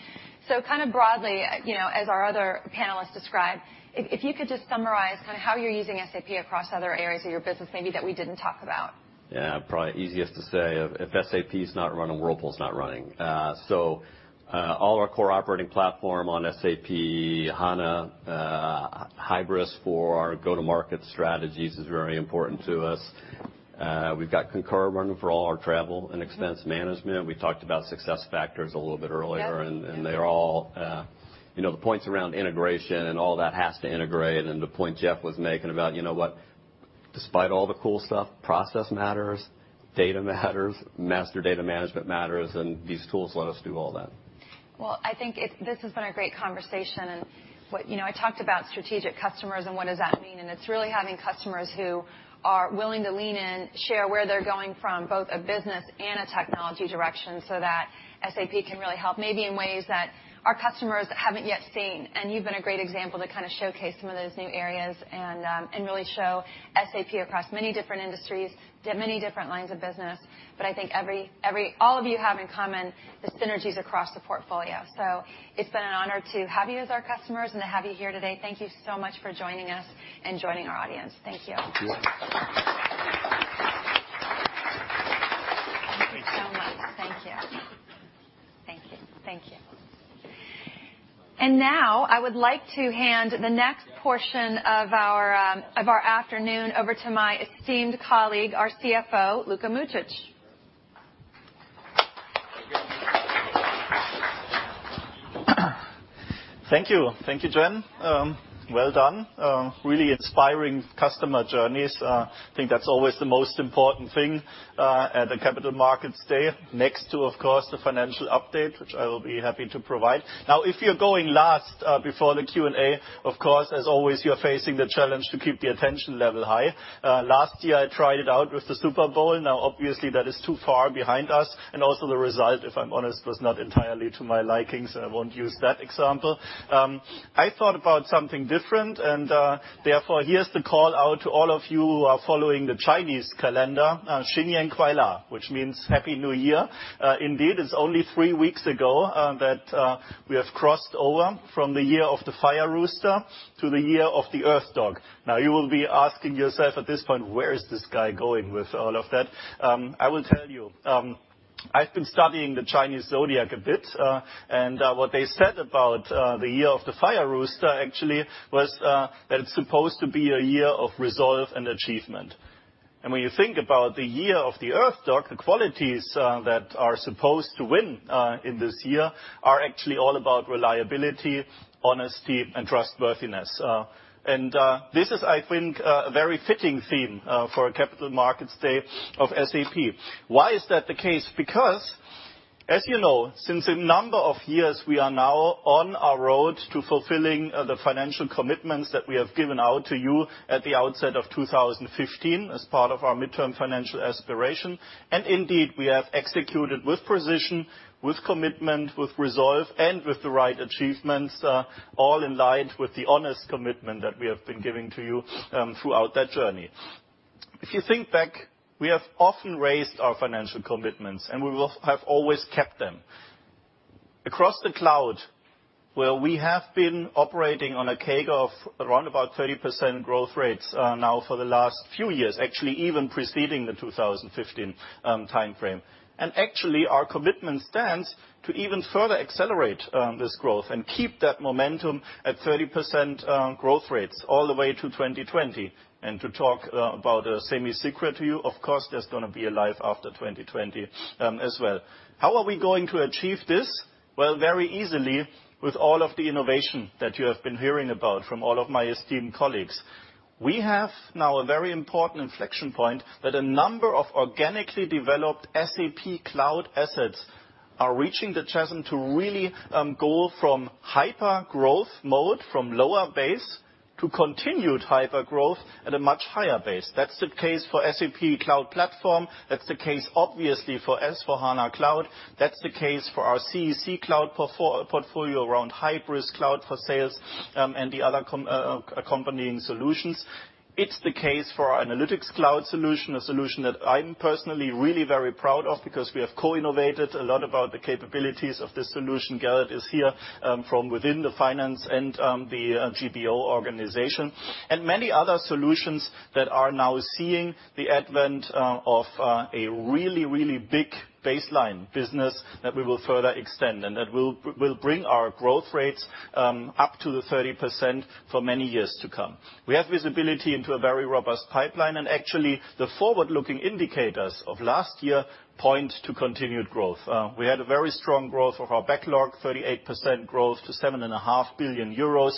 Speaker 9: Kind of broadly, as our other panelists described, if you could just summarize how you are using SAP across other areas of your business maybe that we did not talk about.
Speaker 12: Yeah. Probably easiest to say, if SAP's not running, Whirlpool's not running. All our core operating platform on SAP HANA, Hybris for our go-to-market strategies is very important to us. We have got Concur running for all our travel and expense management. We talked about SuccessFactors a little bit earlier.
Speaker 9: Yep.
Speaker 12: They are all The points around integration and all that has to integrate. The point Jeff was making about despite all the cool stuff, process matters, data matters, master data management matters. These tools let us do all that.
Speaker 9: Well, I think this has been a great conversation. I talked about strategic customers and what does that mean. It is really having customers who are willing to lean in, share where they are going from both a business and a technology direction so that SAP can really help, maybe in ways that our customers have not yet seen. You have been a great example to kind of showcase some of those new areas and really show SAP across many different industries, many different lines of business. I think all of you have in common the synergies across the portfolio. It has been an honor to have you as our customers and to have you here today. Thank you so much for joining us and joining our audience. Thank you.
Speaker 12: Thank you.
Speaker 9: So nice. Thank you. Now, I would like to hand the next portion of our afternoon over to my esteemed colleague, our CFO, Luka Mucic.
Speaker 13: Thank you. Thank you, Jen. Well done. Really inspiring customer journeys. I think that's always the most important thing at the Capital Markets Day, next to, of course, the financial update, which I will be happy to provide. If you're going last before the Q&A, of course, as always, you're facing the challenge to keep the attention level high. Last year, I tried it out with the Super Bowl. Obviously, that is too far behind us, also the result, if I'm honest, was not entirely to my liking, I won't use that example. I thought about something different, therefore, here's the call out to all of you who are following the Chinese calendar. Which means Happy New Year. Indeed, it's only three weeks ago that we have crossed over from the Year of the Fire Rooster to the Year of the Earth Dog. You will be asking yourself at this point, where is this guy going with all of that? I will tell you. I've been studying the Chinese zodiac a bit, what they said about the Year of the Fire Rooster actually was that it's supposed to be a year of resolve and achievement. When you think about the Year of the Earth Dog, the qualities that are supposed to win in this year are actually all about reliability, honesty, and trustworthiness. This is, I think, a very fitting theme for a Capital Markets Day of SAP. Why is that the case? Because, as you know, since a number of years, we are now on our road to fulfilling the financial commitments that we have given out to you at the outset of 2015 as part of our midterm financial aspiration. Indeed, we have executed with precision, with commitment, with resolve, and with the right achievements, all in line with the honest commitment that we have been giving to you throughout that journey. If you think back, we have often raised our financial commitments, and we have always kept them. Across the cloud, where we have been operating on a CAG of around about 30% growth rates now for the last few years, actually even preceding the 2015 timeframe. Actually, our commitment stands to even further accelerate this growth and keep that momentum at 30% growth rates all the way to 2020. To talk about a semi-secret to you, of course, there's going to be a life after 2020 as well. How are we going to achieve this? Well, very easily with all of the innovation that you have been hearing about from all of my esteemed colleagues. We have now a very important inflection point that a number of organically developed SAP cloud assets are reaching the chasm to really go from hyper-growth mode, from lower base, to continued hyper-growth at a much higher base. That's the case for SAP Cloud Platform. That's the case, obviously, for S/4HANA Cloud. That's the case for our CEC cloud portfolio around Hybris Cloud for Sales, and the other accompanying solutions. It's the case for our analytics cloud solution, a solution that I'm personally really very proud of because we have co-innovated a lot about the capabilities of this solution. Gerrit is here from within the finance and the GBO organization. Many other solutions that are now seeing the advent of a really, really big baseline business that we will further extend, and that will bring our growth rates up to the 30% for many years to come. We have visibility into a very robust pipeline. Actually, the forward-looking indicators of last year point to continued growth. We had a very strong growth of our backlog, 38% growth to 7.5 billion euros.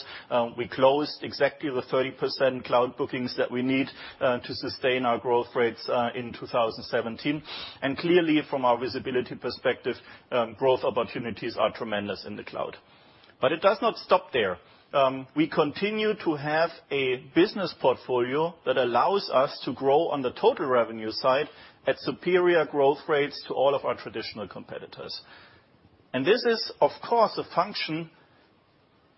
Speaker 13: We closed exactly the 30% cloud bookings that we need to sustain our growth rates in 2017. Clearly, from our visibility perspective, growth opportunities are tremendous in the cloud. It does not stop there. We continue to have a business portfolio that allows us to grow on the total revenue side at superior growth rates to all of our traditional competitors. This is, of course, a function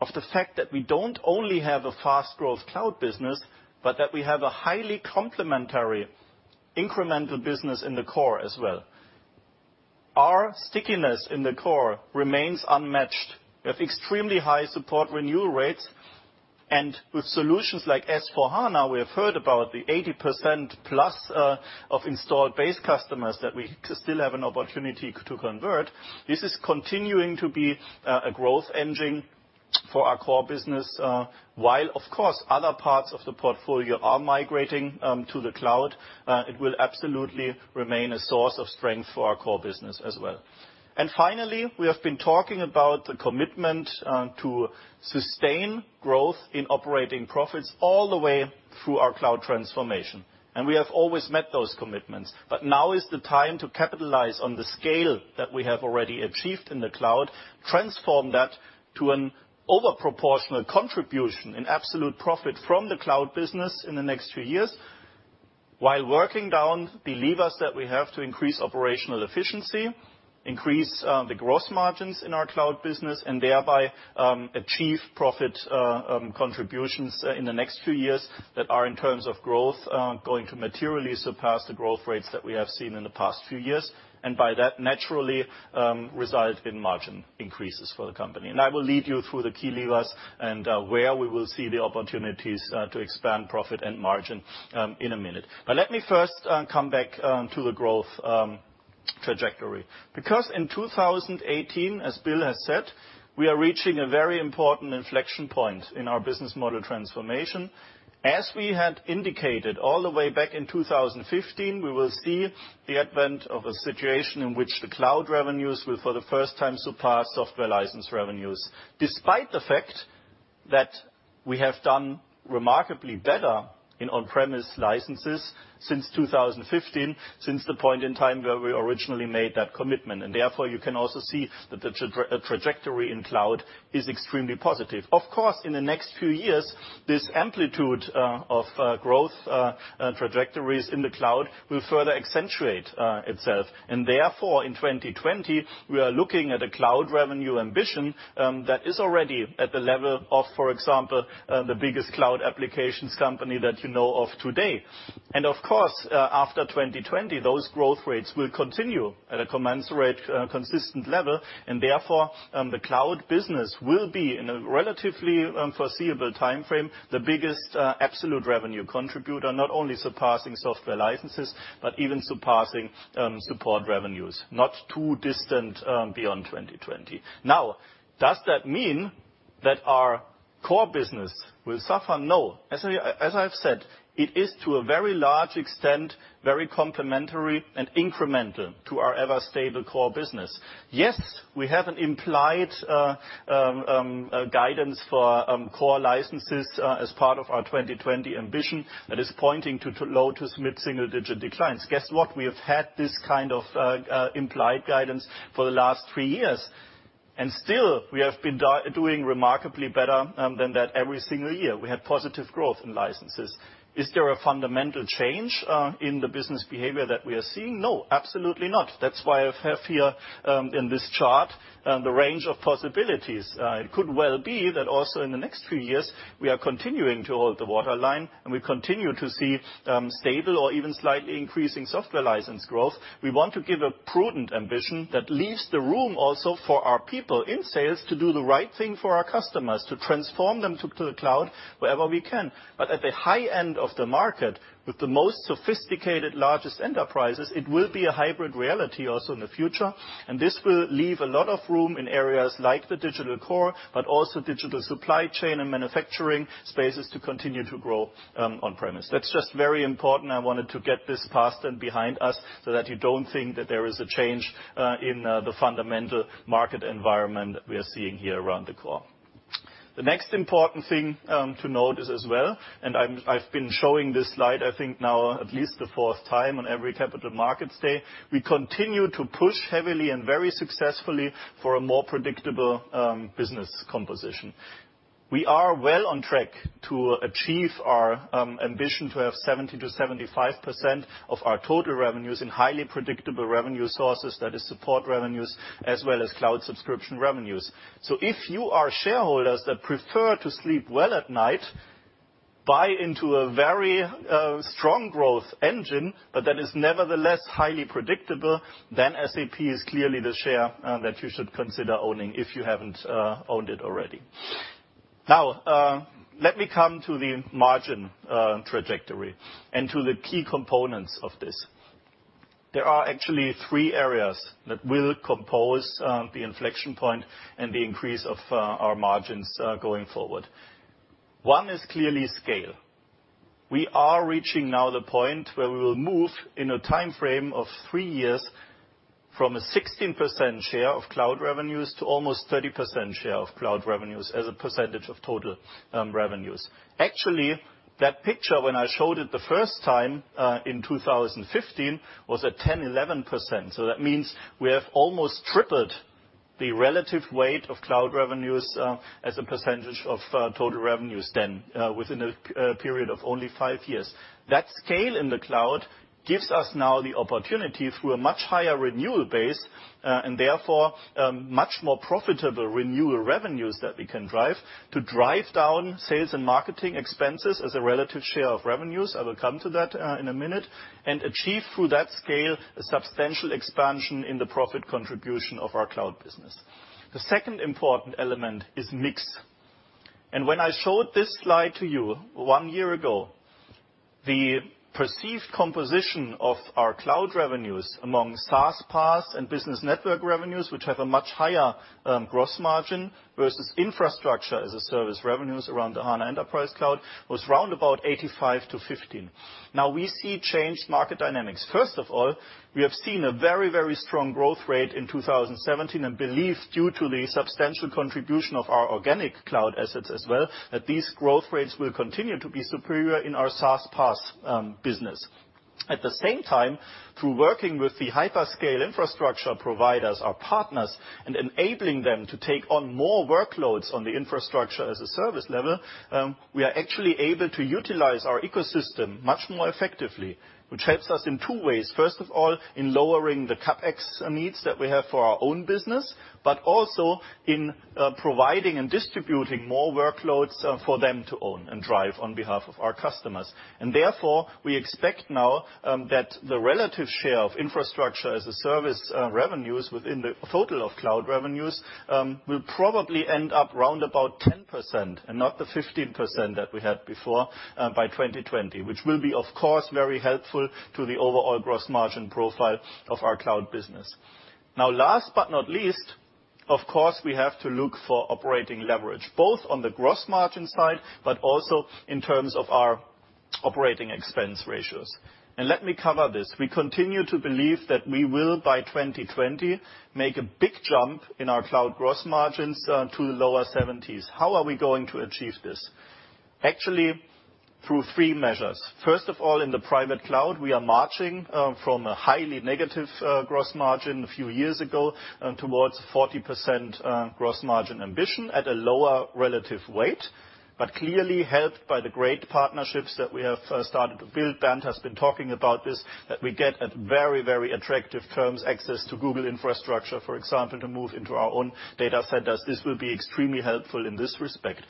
Speaker 13: of the fact that we don't only have a fast growth cloud business, but that we have a highly complementary incremental business in the core as well. Our stickiness in the core remains unmatched. We have extremely high support renewal rates. With solutions like S/4HANA, we have heard about the 80%+ of installed base customers that we still have an opportunity to convert. This is continuing to be a growth engine for our core business. While, of course, other parts of the portfolio are migrating to the cloud, it will absolutely remain a source of strength for our core business as well. Finally, we have been talking about the commitment to sustain growth in operating profits all the way through our cloud transformation. We have always met those commitments. Now is the time to capitalize on the scale that we have already achieved in the cloud, transform that to an over proportional contribution in absolute profit from the cloud business in the next few years, while working down the levers that we have to increase operational efficiency, increase the gross margins in our cloud business, and thereby achieve profit contributions in the next few years that are, in terms of growth, going to materially surpass the growth rates that we have seen in the past few years. By that, naturally result in margin increases for the company. I will lead you through the key levers and where we will see the opportunities to expand profit and margin in a minute. Let me first come back to the growth trajectory. In 2018, as Bill has said, we are reaching a very important inflection point in our business model transformation. As we had indicated all the way back in 2015, we will see the advent of a situation in which the cloud revenues will, for the first time, surpass software license revenues. Despite the fact that we have done remarkably better in on-premise licenses since 2015, since the point in time where we originally made that commitment. Therefore, you can also see that the trajectory in cloud is extremely positive. Of course, in the next few years, this amplitude of growth trajectories in the cloud will further accentuate itself. Therefore, in 2020, we are looking at a cloud revenue ambition that is already at the level of, for example, the biggest cloud applications company that you know of today. Of course, after 2020, those growth rates will continue at a commensurate, consistent level, and therefore, the cloud business will be, in a relatively foreseeable timeframe, the biggest absolute revenue contributor, not only surpassing software licenses, but even surpassing support revenues not too distant beyond 2020. Now, does that mean that our core business will suffer? No. As I've said, it is to a very large extent, very complementary and incremental to our ever-stable core business. Yes, we have an implied guidance for core licenses as part of our 2020 ambition that is pointing to low to mid-single digit declines. Guess what? We have had this kind of implied guidance for the last three years, and still we have been doing remarkably better than that every single year. We have positive growth in licenses. Is there a fundamental change in the business behavior that we are seeing? No, absolutely not. That's why I have here, in this chart, the range of possibilities. It could well be that also in the next few years, we are continuing to hold the waterline, and we continue to see stable or even slightly increasing software license growth. We want to give a prudent ambition that leaves the room also for our people in sales to do the right thing for our customers, to transform them to the cloud wherever we can. At the high end of the market, with the most sophisticated, largest enterprises, it will be a hybrid reality also in the future. This will leave a lot of room in areas like the Digital Core, but also digital supply chain and manufacturing spaces to continue to grow on-premise. That's just very important. I wanted to get this past and behind us so that you don't think that there is a change in the fundamental market environment that we are seeing here around the core. The next important thing to note is as well, I've been showing this slide, I think now at least the fourth time on every capital markets day. We continue to push heavily and very successfully for a more predictable business composition. We are well on track to achieve our ambition to have 70%-75% of our total revenues in highly predictable revenue sources, that is support revenues as well as cloud subscription revenues. If you are shareholders that prefer to sleep well at night, buy into a very strong growth engine, but that is nevertheless highly predictable, then SAP is clearly the share that you should consider owning if you haven't owned it already. Let me come to the margin trajectory and to the key components of this. There are actually three areas that will compose the inflection point and the increase of our margins going forward. One is clearly scale. We are reaching now the point where we will move in a time frame of three years from a 16% share of cloud revenues to almost 30% share of cloud revenues as a percentage of total revenues. Actually, that picture, when I showed it the first time in 2015, was at 10%, 11%. That means we have almost tripled the relative weight of cloud revenues as a percentage of total revenues then within a period of only five years. That scale in the cloud gives us now the opportunity, through a much higher renewal base, and therefore, much more profitable renewal revenues that we can drive, to drive down sales and marketing expenses as a relative share of revenues, I will come to that in a minute, and achieve through that scale a substantial expansion in the profit contribution of our cloud business. The second important element is mix. When I showed this slide to you one year ago, the perceived composition of our cloud revenues among SaaS, PaaS, and business network revenues, which have a much higher gross margin versus infrastructure as a service revenues around the HANA Enterprise Cloud, was round about 85-15. We see changed market dynamics. First of all, we have seen a very strong growth rate in 2017, and believe due to the substantial contribution of our organic cloud assets as well, that these growth rates will continue to be superior in our SaaS, PaaS business. At the same time, through working with the hyperscale infrastructure providers, our partners, and enabling them to take on more workloads on the infrastructure-as-a-service level, we are actually able to utilize our ecosystem much more effectively, which helps us in two ways. First of all, in lowering the CapEx needs that we have for our own business. Also in providing and distributing more workloads for them to own and drive on behalf of our customers. Therefore, we expect now that the relative share of infrastructure-as-a-service revenues within the total of cloud revenues will probably end up round about 10% and not the 15% that we had before by 2020. Which will be, of course, very helpful to the overall gross margin profile of our cloud business. Now, last but not least, of course, we have to look for operating leverage, both on the gross margin side, but also in terms of our operating expense ratios. Let me cover this. We continue to believe that we will, by 2020, make a big jump in our cloud gross margins to the lower 70s. How are we going to achieve this? Actually, through three measures. First of all, in the private cloud, we are marching from a highly negative gross margin a few years ago towards 40% gross margin ambition at a lower relative weight. Clearly helped by the great partnerships that we have started to build, Bernd has been talking about this, that we get at very, very attractive terms, access to Google infrastructure, for example, to move into our own data centers. This will be extremely helpful in this respect.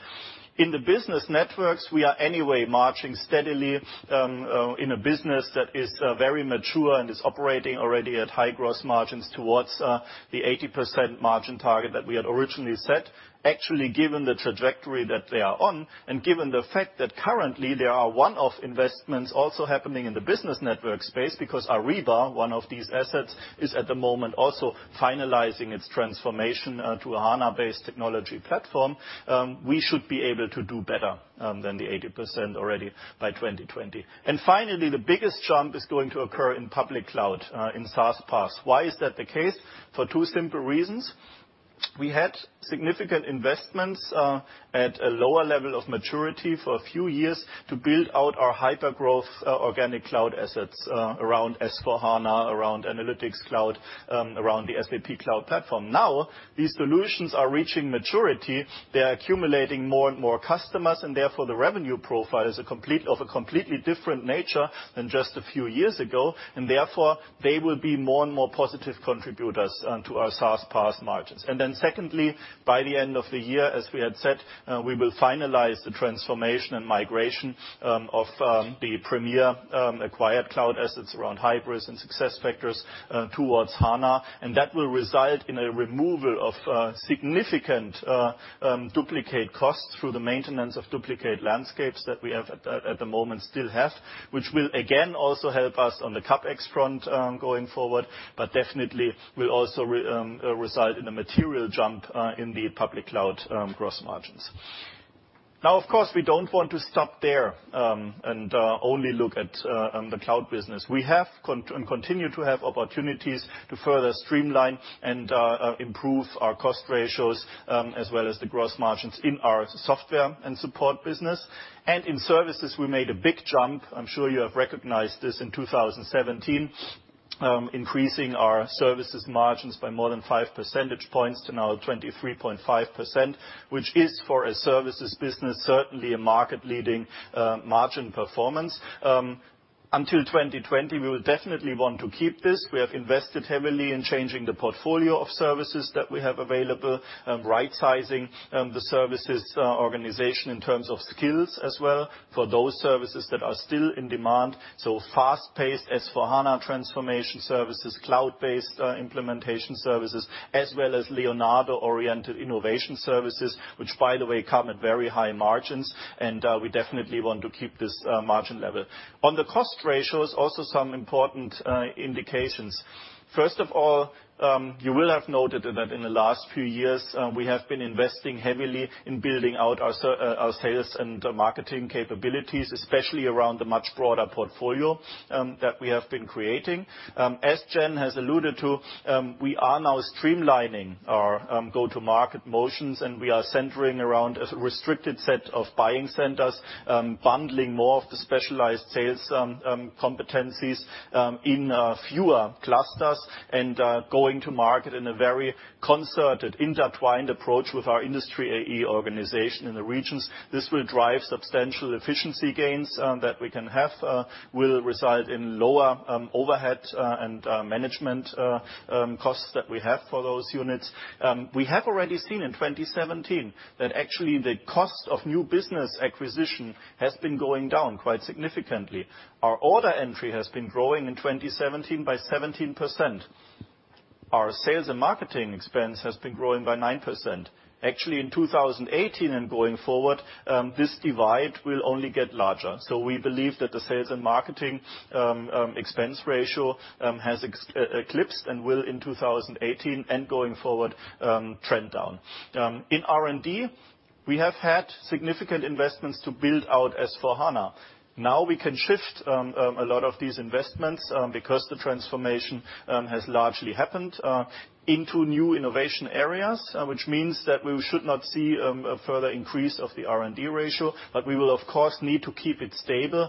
Speaker 13: In the business networks, we are anyway marching steadily in a business that is very mature and is operating already at high gross margins towards the 80% margin target that we had originally set. Actually, given the trajectory that they are on, and given the fact that currently there are one-off investments also happening in the business network space because Ariba, one of these assets, is at the moment also finalizing its transformation to a HANA-based technology platform. We should be able to do better than the 80% already by 2020. Finally, the biggest jump is going to occur in public cloud, in SaaS/PaaS. Why is that the case? For two simple reasons. We had significant investments at a lower level of maturity for a few years to build out our hypergrowth organic cloud assets around S/4HANA, around analytics cloud, around the SAP Cloud Platform. Now, these solutions are reaching maturity. They are accumulating more and more customers, therefore, the revenue profile is of a completely different nature than just a few years ago, therefore, they will be more and more positive contributors to our SaaS/PaaS margins. Secondly, by the end of the year, as we had said, we will finalize the transformation and migration of the premier acquired cloud assets around Hybris and SuccessFactors towards HANA, and that will result in a removal of significant duplicate costs through the maintenance of duplicate landscapes that we at the moment still have, which will again, also help us on the CapEx front going forward, but definitely will also reside in a material jump in the public cloud gross margins. Now, of course, we don't want to stop there and only look at the cloud business. We have and continue to have opportunities to further streamline and improve our cost ratios as well as the gross margins in our software and support business. In services, we made a big jump. I'm sure you have recognized this in 2017, increasing our services margins by more than five percentage points to now 23.5%, which is for a services business, certainly a market leading margin performance. Until 2020, we will definitely want to keep this. We have invested heavily in changing the portfolio of services that we have available, right-sizing the services organization in terms of skills as well for those services that are still in demand. Fast-paced S/4HANA transformation services, cloud-based implementation services, as well as Leonardo-oriented innovation services, which by the way, come at very high margins, and we definitely want to keep this margin level. On the cost ratios, also some important indications. First of all, you will have noted that in the last few years, we have been investing heavily in building out our sales and marketing capabilities, especially around the much broader portfolio that we have been creating. As Jen has alluded to, we are now streamlining our go-to-market motions, and we are centering around a restricted set of buying centers, bundling more of the specialized sales competencies in fewer clusters, and going to market in a very concerted, intertwined approach with our industry AE organization in the regions. This will drive substantial efficiency gains that we can have, will reside in lower overhead and management costs that we have for those units. We have already seen in 2017 that actually the cost of new business acquisition has been going down quite significantly. Our order entry has been growing in 2017 by 17%. Our sales and marketing expense has been growing by 9%. Actually, in 2018 and going forward, this divide will only get larger. We believe that the sales and marketing expense ratio has eclipsed and will in 2018, and going forward, trend down. In R&D, we have had significant investments to build out S/4HANA. Now we can shift a lot of these investments because the transformation has largely happened into new innovation areas, which means that we should not see a further increase of the R&D ratio, but we will, of course, need to keep it stable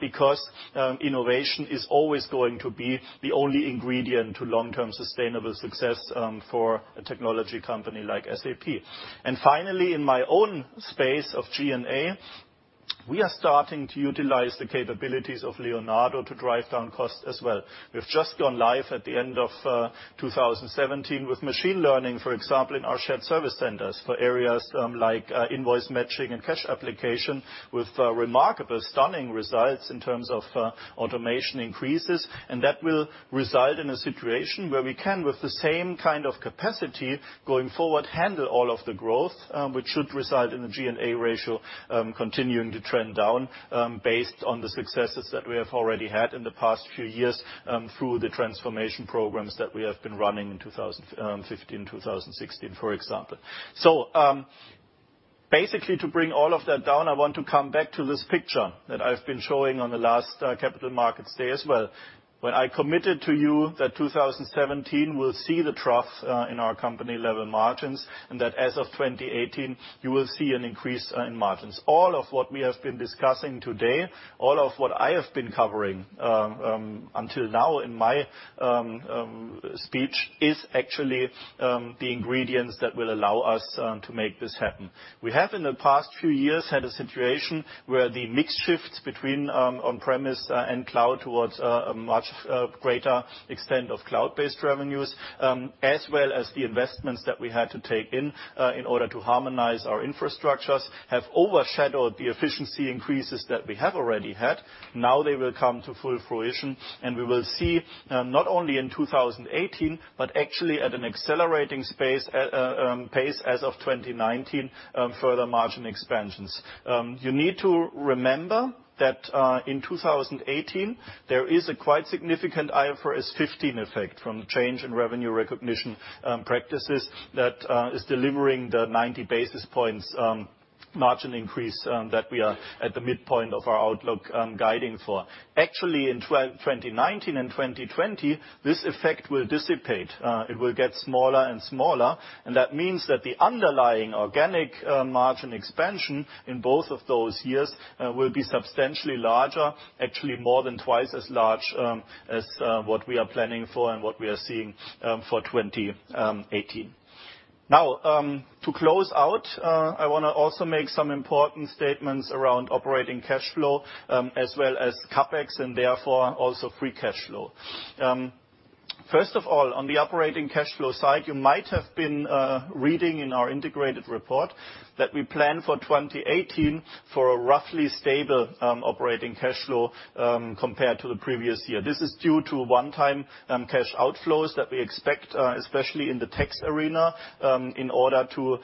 Speaker 13: because innovation is always going to be the only ingredient to long-term sustainable success for a technology company like SAP. Finally, in my own space of G&A, we are starting to utilize the capabilities of Leonardo to drive down costs as well. We've just gone live at the end of 2017 with machine learning, for example, in our shared service centers for areas like invoice matching and cash application with remarkable, stunning results in terms of automation increases. That will reside in a situation where we can, with the same kind of capacity going forward, handle all of the growth, which should reside in the G&A ratio continuing to trend down based on the successes that we have already had in the past few years through the transformation programs that we have been running in 2015, 2016, for example. Basically, to bring all of that down, I want to come back to this picture that I've been showing on the last Capital Markets day as well. When I committed to you that 2017 will see the trough in our company level margins, and that as of 2018, you will see an increase in margins. All of what we have been discussing today, all of what I have been covering until now in my speech is actually the ingredients that will allow us to make this happen. We have, in the past few years, had a situation where the mix shifts between on-premise and cloud towards a much greater extent of cloud-based revenues, as well as the investments that we had to take in order to harmonize our infrastructures, have overshadowed the efficiency increases that we have already had. Now they will come to full fruition, and we will see not only in 2018, but actually at an accelerating pace as of 2019, further margin expansions. You need to remember that in 2018, there is a quite significant IFRS 15 effect from change in revenue recognition practices that is delivering the 90 basis points margin increase that we are at the midpoint of our outlook guiding for. Actually, in 2019 and 2020, this effect will dissipate. It will get smaller and smaller, and that means that the underlying organic margin expansion in both of those years will be substantially larger, actually more than twice as large as what we are planning for and what we are seeing for 2018. To close out, I want to also make some important statements around operating cash flow, as well as CapEx, and therefore, also free cash flow. First of all, on the operating cash flow side, you might have been reading in our integrated report that we plan for 2018 for a roughly stable operating cash flow compared to the previous year. This is due to one-time cash outflows that we expect, especially in the tax arena, in order to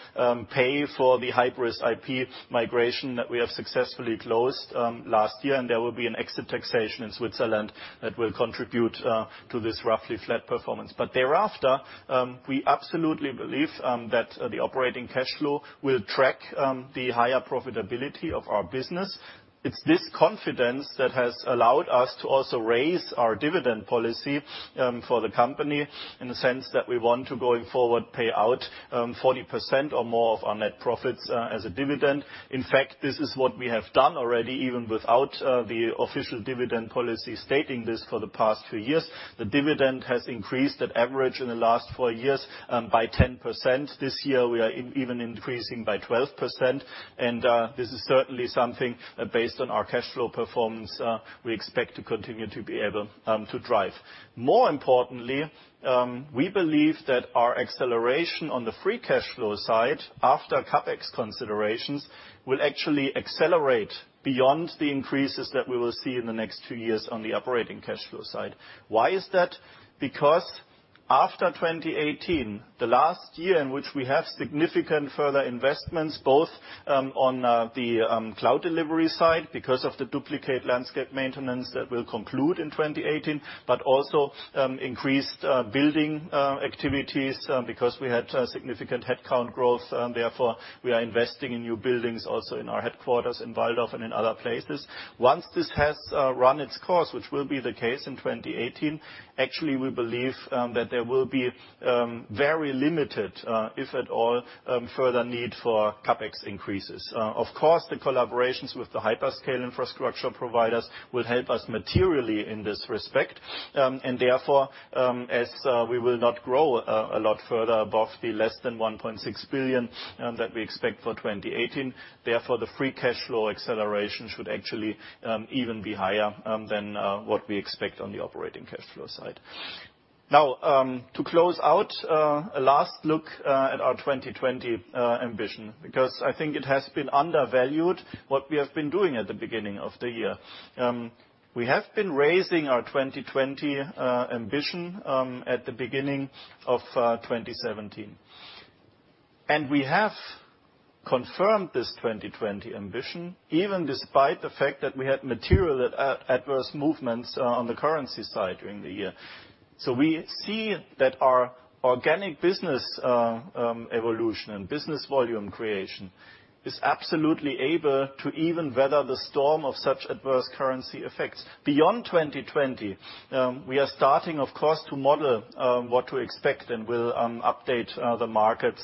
Speaker 13: pay for the hybris IP migration that we have successfully closed last year, and there will be an exit taxation in Switzerland that will contribute to this roughly flat performance. Thereafter, we absolutely believe that the operating cash flow will track the higher profitability of our business. It's this confidence that has allowed us to also raise our dividend policy for the company in the sense that we want to, going forward, pay out 40% or more of our net profits as a dividend. In fact, this is what we have done already, even without the official dividend policy stating this for the past few years. The dividend has increased at average in the last four years by 10%. This year, we are even increasing by 12%, and this is certainly something based on our cash flow performance we expect to continue to be able to drive. More importantly, we believe that our acceleration on the free cash flow side, after CapEx considerations, will actually accelerate beyond the increases that we will see in the next two years on the operating cash flow side. Why is that? After 2018, the last year in which we have significant further investments, both on the cloud delivery side because of the duplicate landscape maintenance that will conclude in 2018. Also increased building activities because we had significant headcount growth. Therefore, we are investing in new buildings also in our headquarters in Walldorf and in other places. Once this has run its course, which will be the case in 2018, actually, we believe that there will be very limited, if at all, further need for CapEx increases. Of course, the collaborations with the hyperscale infrastructure providers will help us materially in this respect. Therefore, as we will not grow a lot further above the less than 1.6 billion that we expect for 2018, therefore, the free cash flow acceleration should actually even be higher than what we expect on the operating cash flow side. Now, to close out, a last look at our 2020 ambition, because I think it has been undervalued what we have been doing at the beginning of the year. We have been raising our 2020 ambition at the beginning of 2017. We have confirmed this 2020 ambition, even despite the fact that we had material adverse movements on the currency side during the year. So we see that our organic business evolution and business volume creation is absolutely able to even weather the storm of such adverse currency effects. Beyond 2020, we are starting, of course, to model what to expect, and we will update the markets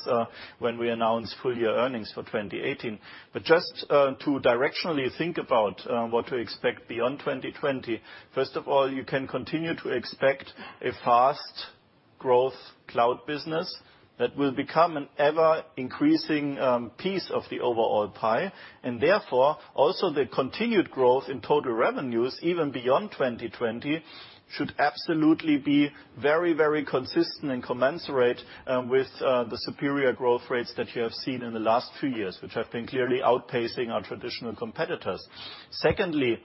Speaker 13: when we announce full year earnings for 2018. But just to directionally think about what to expect beyond 2020, first of all, you can continue to expect a fast growth cloud business that will become an ever-increasing piece of the overall pie. Therefore, also the continued growth in total revenues, even beyond 2020, should absolutely be very, very consistent and commensurate with the superior growth rates that you have seen in the last few years, which have been clearly outpacing our traditional competitors. Secondly,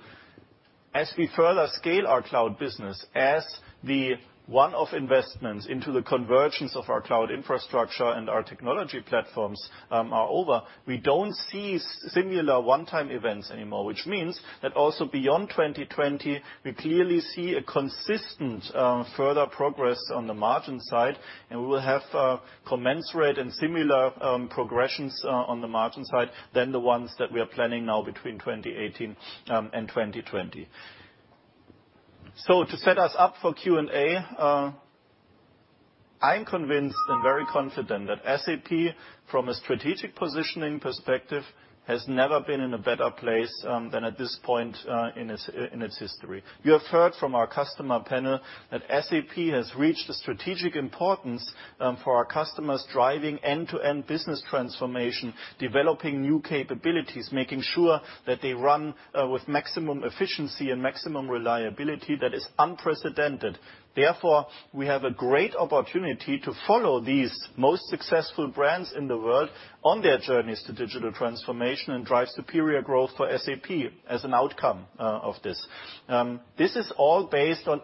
Speaker 13: as we further scale our cloud business, as the one-off investments into the convergence of our cloud infrastructure and our technology platforms are over, we don't see similar one-time events anymore, which means that also beyond 2020, we clearly see a consistent further progress on the margin side, and we will have commensurate and similar progressions on the margin side than the ones that we are planning now between 2018 and 2020. So to set us up for Q&A, I'm convinced and very confident that SAP, from a strategic positioning perspective, has never been in a better place than at this point in its history. You have heard from our customer panel that SAP has reached a strategic importance for our customers, driving end-to-end business transformation, developing new capabilities, making sure that they run with maximum efficiency and maximum reliability that is unprecedented. Therefore, we have a great opportunity to follow these most successful brands in the world on their journeys to digital transformation and drive superior growth for SAP as an outcome of this. This is all based on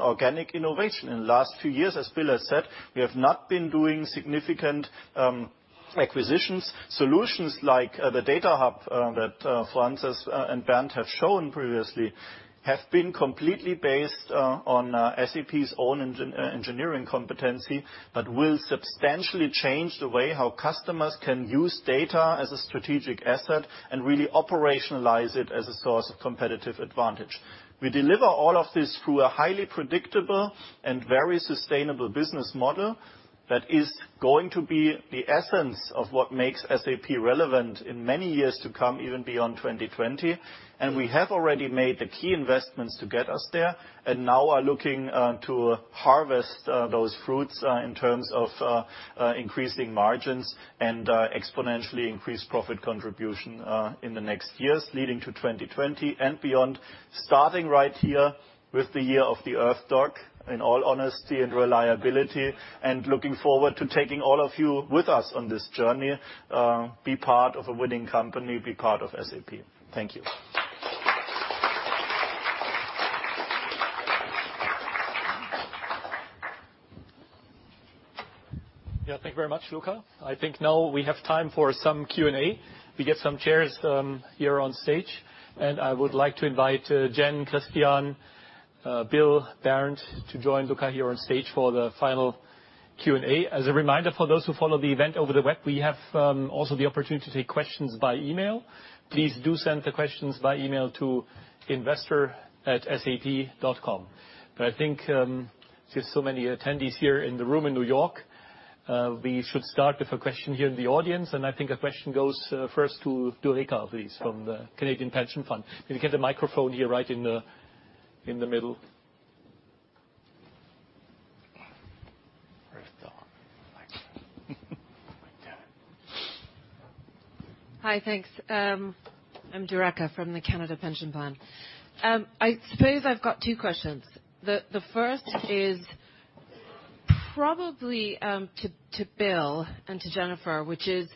Speaker 13: organic innovation. In the last few years, as Bill has said, we have not been doing significant acquisitions. Solutions like the Data Hub that Franz and Bernd have shown previously have been completely based on SAP's own engineering competency, but will substantially change the way how customers can use data as a strategic asset and really operationalize it as a source of competitive advantage. We deliver all of this through a highly predictable and very sustainable business model that is going to be the essence of what makes SAP relevant in many years to come, even beyond 2020. We have already made the key investments to get us there. Now are looking to harvest those fruits in terms of increasing margins and exponentially increased profit contribution in the next years leading to 2020 and beyond. Starting right here with the Year of the Earth Dog, in all honesty and reliability. Looking forward to taking all of you with us on this journey. Be part of a winning company. Be part of SAP. Thank you.
Speaker 1: Yeah, thank you very much, Luka. I think now we have time for some Q&A. We get some chairs here on stage. I would like to invite Jen, Christian, Bill, Bernd to join Luka here on stage for the final Q&A. As a reminder, for those who follow the event over the web, we have also the opportunity to take questions by email. Please do send the questions by email to investor@sap.com. I think since so many attendees here in the room in New York, we should start with a question here in the audience. I think a question goes first to Doreca, please, from the Canadian Pension Plan. Can you get the microphone here right in the middle?
Speaker 8: Earth Dog. Microphone. My dad.
Speaker 14: Hi. Thanks. I'm Doreca from the Canada Pension Plan. I suppose I've got two questions. The first is probably to Bill and to Jennifer, which is,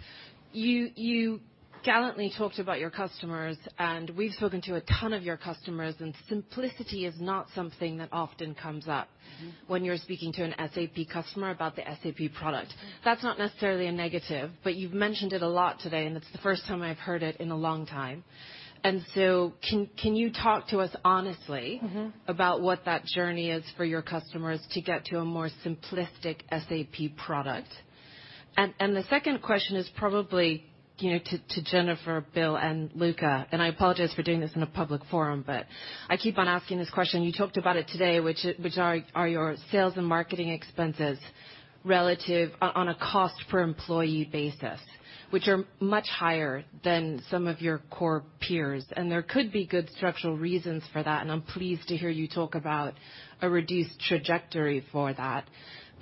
Speaker 14: you gallantly talked about your customers. We've spoken to a ton of your customers. Simplicity is not something that often comes up when you're speaking to an SAP customer about the SAP product. That's not necessarily a negative. You've mentioned it a lot today. It's the first time I've heard it in a long time. Can you talk to us honestly- about what that journey is for your customers to get to a more simplistic SAP product? The second question is probably to Jennifer, Bill, and Luka, I apologize for doing this in a public forum, but I keep on asking this question. You talked about it today, which are your sales and marketing expenses relative on a cost per employee basis, which are much higher than some of your core peers. There could be good structural reasons for that, and I'm pleased to hear you talk about a reduced trajectory for that.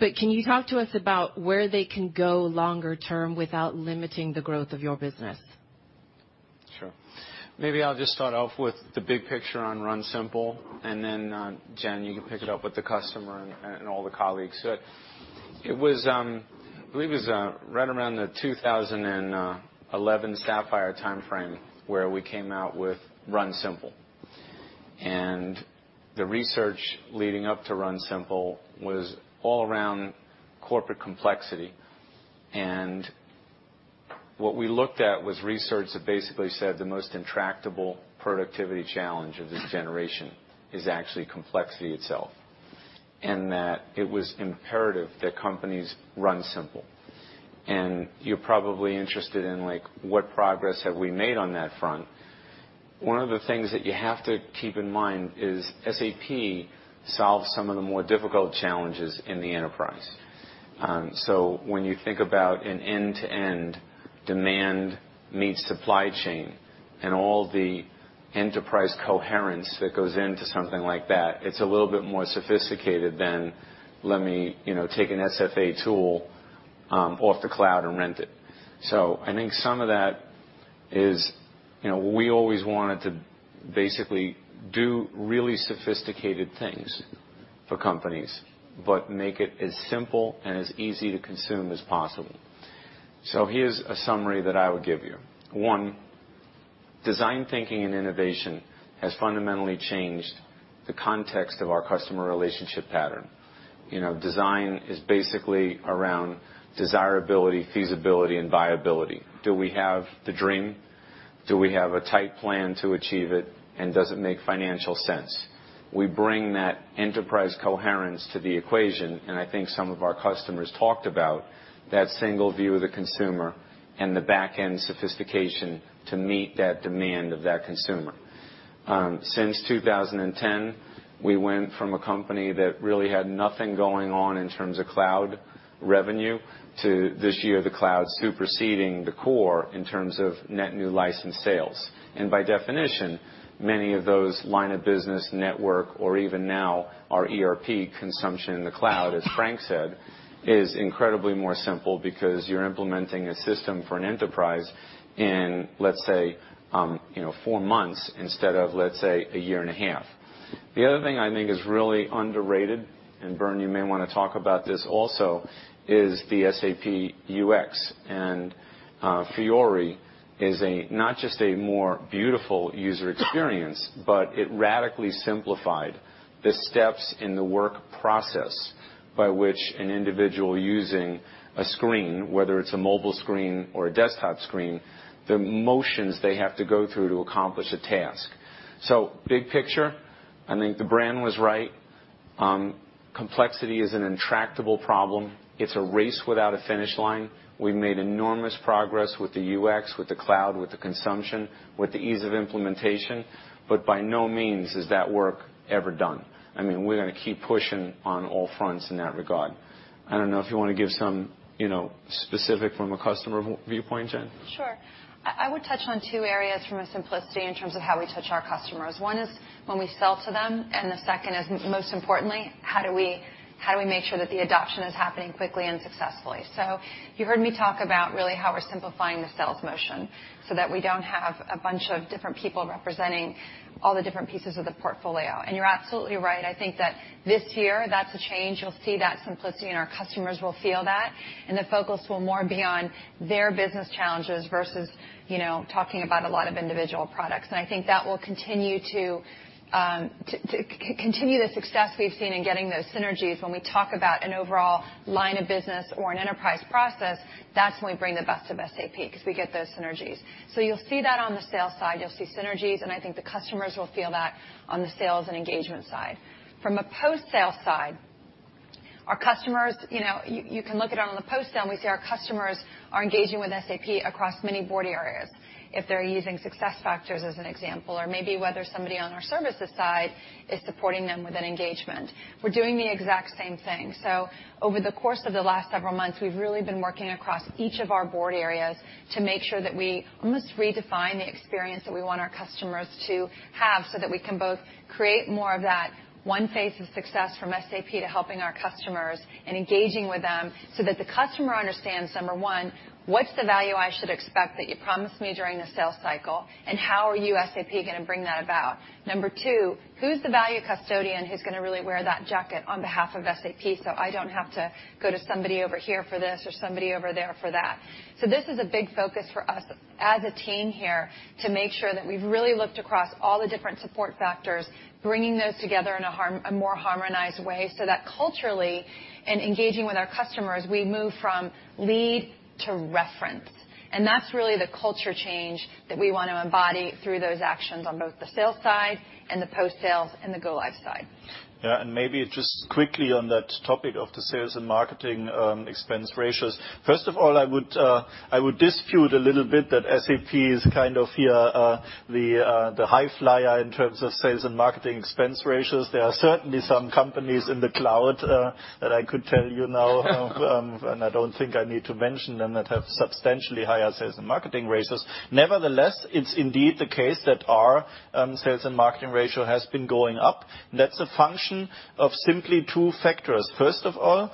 Speaker 14: Can you talk to us about where they can go longer term without limiting the growth of your business?
Speaker 2: Sure. Maybe I'll just start off with the big picture on Run Simple, then, Jen, you can pick it up with the customer and all the colleagues. I believe it was right around the 2011 SAP Sapphire timeframe where we came out with Run Simple. The research leading up to Run Simple was all around corporate complexity. What we looked at was research that basically said the most intractable productivity challenge of this generation is actually complexity itself, and that it was imperative that companies run simple. You're probably interested in what progress have we made on that front. One of the things that you have to keep in mind is SAP solves some of the more difficult challenges in the enterprise. When you think about an end-to-end demand meets supply chain and all the enterprise coherence that goes into something like that, it's a little bit more sophisticated than, let me take an SFA tool off the cloud and rent it. I think some of that is, we always wanted to basically do really sophisticated things for companies, but make it as simple and as easy to consume as possible. Here's a summary that I would give you. One, design thinking and innovation has fundamentally changed the context of our customer relationship pattern. Design is basically around desirability, feasibility, and viability. Do we have the dream? Do we have a tight plan to achieve it? Does it make financial sense? We bring that enterprise coherence to the equation, I think some of our customers talked about that single view of the consumer and the back-end sophistication to meet that demand of that consumer. Since 2010, we went from a company that really had nothing going on in terms of cloud revenue to this year, the cloud superseding the core in terms of net new license sales. By definition, many of those line of business network or even now our ERP consumption in the cloud, as Franck said, is incredibly more simple because you're implementing a system for an enterprise in, let's say, four months instead of, let's say, a year and a half. The other thing I think is really underrated, Bernd, you may want to talk about this also, is the SAP UX. Fiori is not just a more beautiful user experience, but it radically simplified the steps in the work process by which an individual using a screen, whether it's a mobile screen or a desktop screen, the motions they have to go through to accomplish a task. Big picture, I think the brand was right. Complexity is an intractable problem. It's a race without a finish line. We've made enormous progress with the UX, with the cloud, with the consumption, with the ease of implementation, but by no means is that work ever done. We're going to keep pushing on all fronts in that regard. I don't know if you want to give some specific from a customer viewpoint, Jen?
Speaker 9: Sure. I would touch on two areas from a simplicity in terms of how we touch our customers. One is when we sell to them, and the second is, most importantly, how do we make sure that the adoption is happening quickly and successfully? You heard me talk about really how we're simplifying the sales motion so that we don't have a bunch of different people representing all the different pieces of the portfolio. You're absolutely right. I think that this year, that's a change. You'll see that simplicity, and our customers will feel that, and the focus will more be on their business challenges versus talking about a lot of individual products. I think that will continue the success we've seen in getting those synergies. When we talk about an overall line of business or an enterprise process, that's when we bring the best of SAP because we get those synergies. You'll see that on the sales side. You'll see synergies, and I think the customers will feel that on the sales and engagement side. From a post-sale side, you can look at it on the post sale, and we see our customers are engaging with SAP across many board areas. If they're using SuccessFactors as an example, or maybe whether somebody on our services side is supporting them with an engagement. We're doing the exact same thing. Over the course of the last several months, we've really been working across each of our board areas to make sure that we almost redefine the experience that we want our customers to have, so that we can both create more of that one face of success from SAP to helping our customers and engaging with them. That the customer understands, number one, what's the value I should expect that you promised me during the sales cycle, and how are you, SAP, going to bring that about? Number two, who's the value custodian who's going to really wear that jacket on behalf of SAP, so I don't have to go to somebody over here for this or somebody over there for that? This is a big focus for us as a team here to make sure that we've really looked across all the different support factors, bringing those together in a more harmonized way so that culturally, in engaging with our customers, we move from lead to reference. That's really the culture change that we want to embody through those actions on both the sales side and the post-sales and the go live side.
Speaker 13: Maybe just quickly on that topic of the sales and marketing expense ratios. First of all, I would dispute a little bit that SAP is kind of the high flyer in terms of sales and marketing expense ratios. There are certainly some companies in the cloud that I could tell you now, I don't think I need to mention them, that have substantially higher sales and marketing ratios. Nevertheless, it's indeed the case that our sales and marketing ratio has been going up. That's a function of simply two factors. First of all,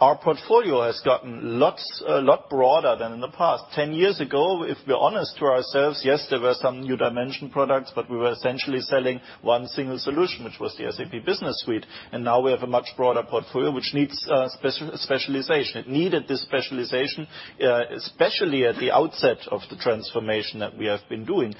Speaker 13: our portfolio has gotten a lot broader than in the past. 10 years ago, if we're honest to ourselves, yes, there were some new dimension products, but we were essentially selling 1 single solution, which was the SAP Business Suite. Now we have a much broader portfolio, which needs specialization. It needed this specialization, especially at the outset of the transformation that we have been doing.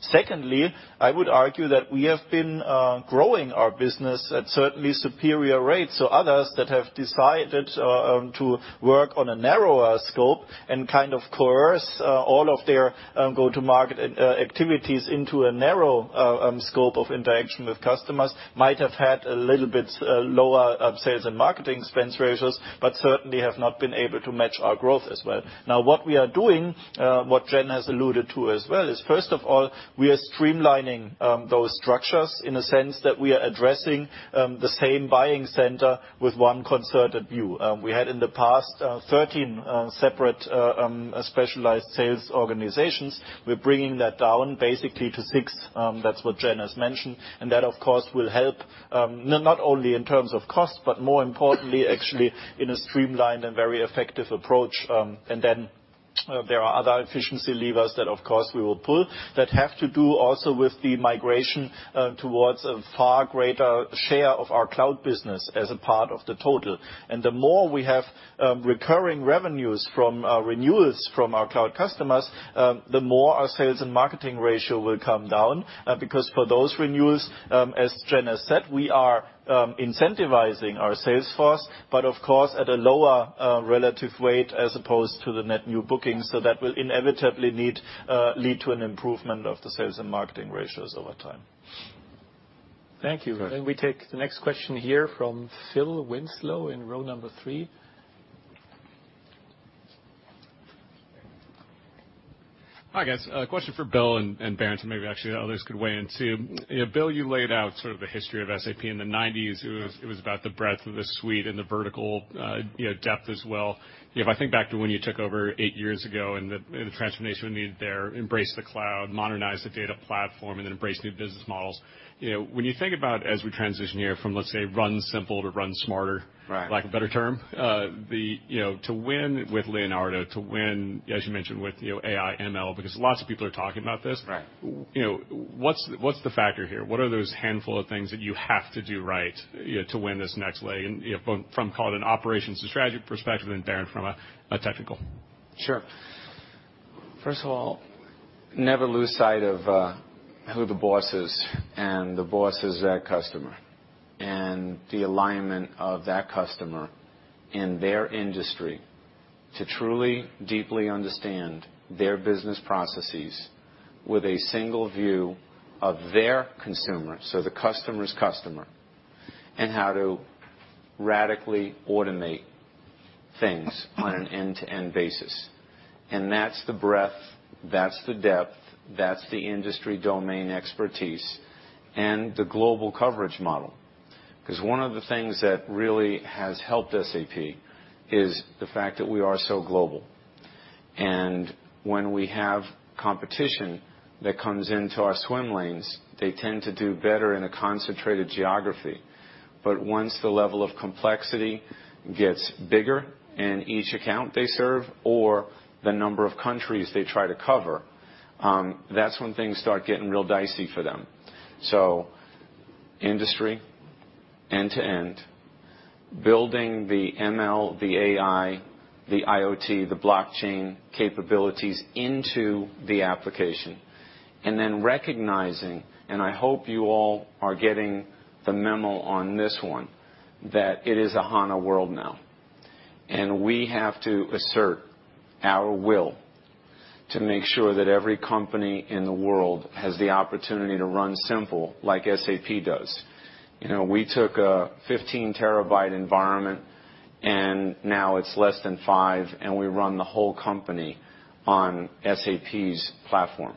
Speaker 13: Secondly, I would argue that we have been growing our business at certainly superior rates. Others that have decided to work on a narrower scope and kind of coerce all of their go-to-market activities into a narrow scope of interaction with customers might have had a little bit lower sales and marketing expense ratios, but certainly have not been able to match our growth as well. What we are doing, what Jen has alluded to as well, is first of all, we are streamlining those structures in a sense that we are addressing the same buying center with 1 concerted view. We had in the past 13 separate specialized sales organizations. We're bringing that down basically to 6. That's what Jen has mentioned. That, of course, will help, not only in terms of cost, but more importantly, actually in a streamlined and very effective approach. Then there are other efficiency levers that, of course, we will pull that have to do also with the migration towards a far greater share of our cloud business as a part of the total. The more we have recurring revenues from renewals from our cloud customers, the more our sales and marketing ratio will come down. Because for those renewals, as Jen has said, we are incentivizing our sales force, but of course, at a lower relative weight as opposed to the net new bookings. That will inevitably lead to an improvement of the sales and marketing ratios over time.
Speaker 1: Thank you. We take the next question here from Phil Winslow in row number three.
Speaker 15: Hi, guys. A question for Bill and Bernd, maybe actually others could weigh in too. Bill, you laid out sort of the history of SAP in the '90s. It was about the breadth of the suite and the vertical depth as well. If I think back to when you took over eight years ago, and the transformation we needed there, embrace the cloud, modernize the data platform, and then embrace new business models. When you think about as we transition here from, let's say, Run Simple to run smarter-
Speaker 2: Right
Speaker 15: lack of a better term, to win with Leonardo, to win, as you mentioned with AI, ML, because lots of people are talking about this.
Speaker 2: Right.
Speaker 15: What's the factor here? What are those handful of things that you have to do right to win this next leg, from call it an operations to strategy perspective, and Bernd from a technical?
Speaker 2: Sure. First of all, never lose sight of who the boss is, the boss is that customer. The alignment of that customer in their industry to truly, deeply understand their business processes with a single view of their consumer, so the customer's customer, and how to radically automate things on an end-to-end basis. That's the breadth, that's the depth, that's the industry domain expertise, and the global coverage model. One of the things that really has helped SAP is the fact that we are so global. When we have competition that comes into our swim lanes, they tend to do better in a concentrated geography. Once the level of complexity gets bigger, and each account they serve or the number of countries they try to cover, that's when things start getting real dicey for them. Industry end-to-end, building the ML, the AI, the IoT, the blockchain capabilities into the application, and then recognizing, and I hope you all are getting the memo on this one, that it is a HANA world now. We have to assert our will to make sure that every company in the world has the opportunity to Run Simple like SAP does. We took a 15 terabyte environment, and now it's less than five, and we run the whole company on SAP's platform.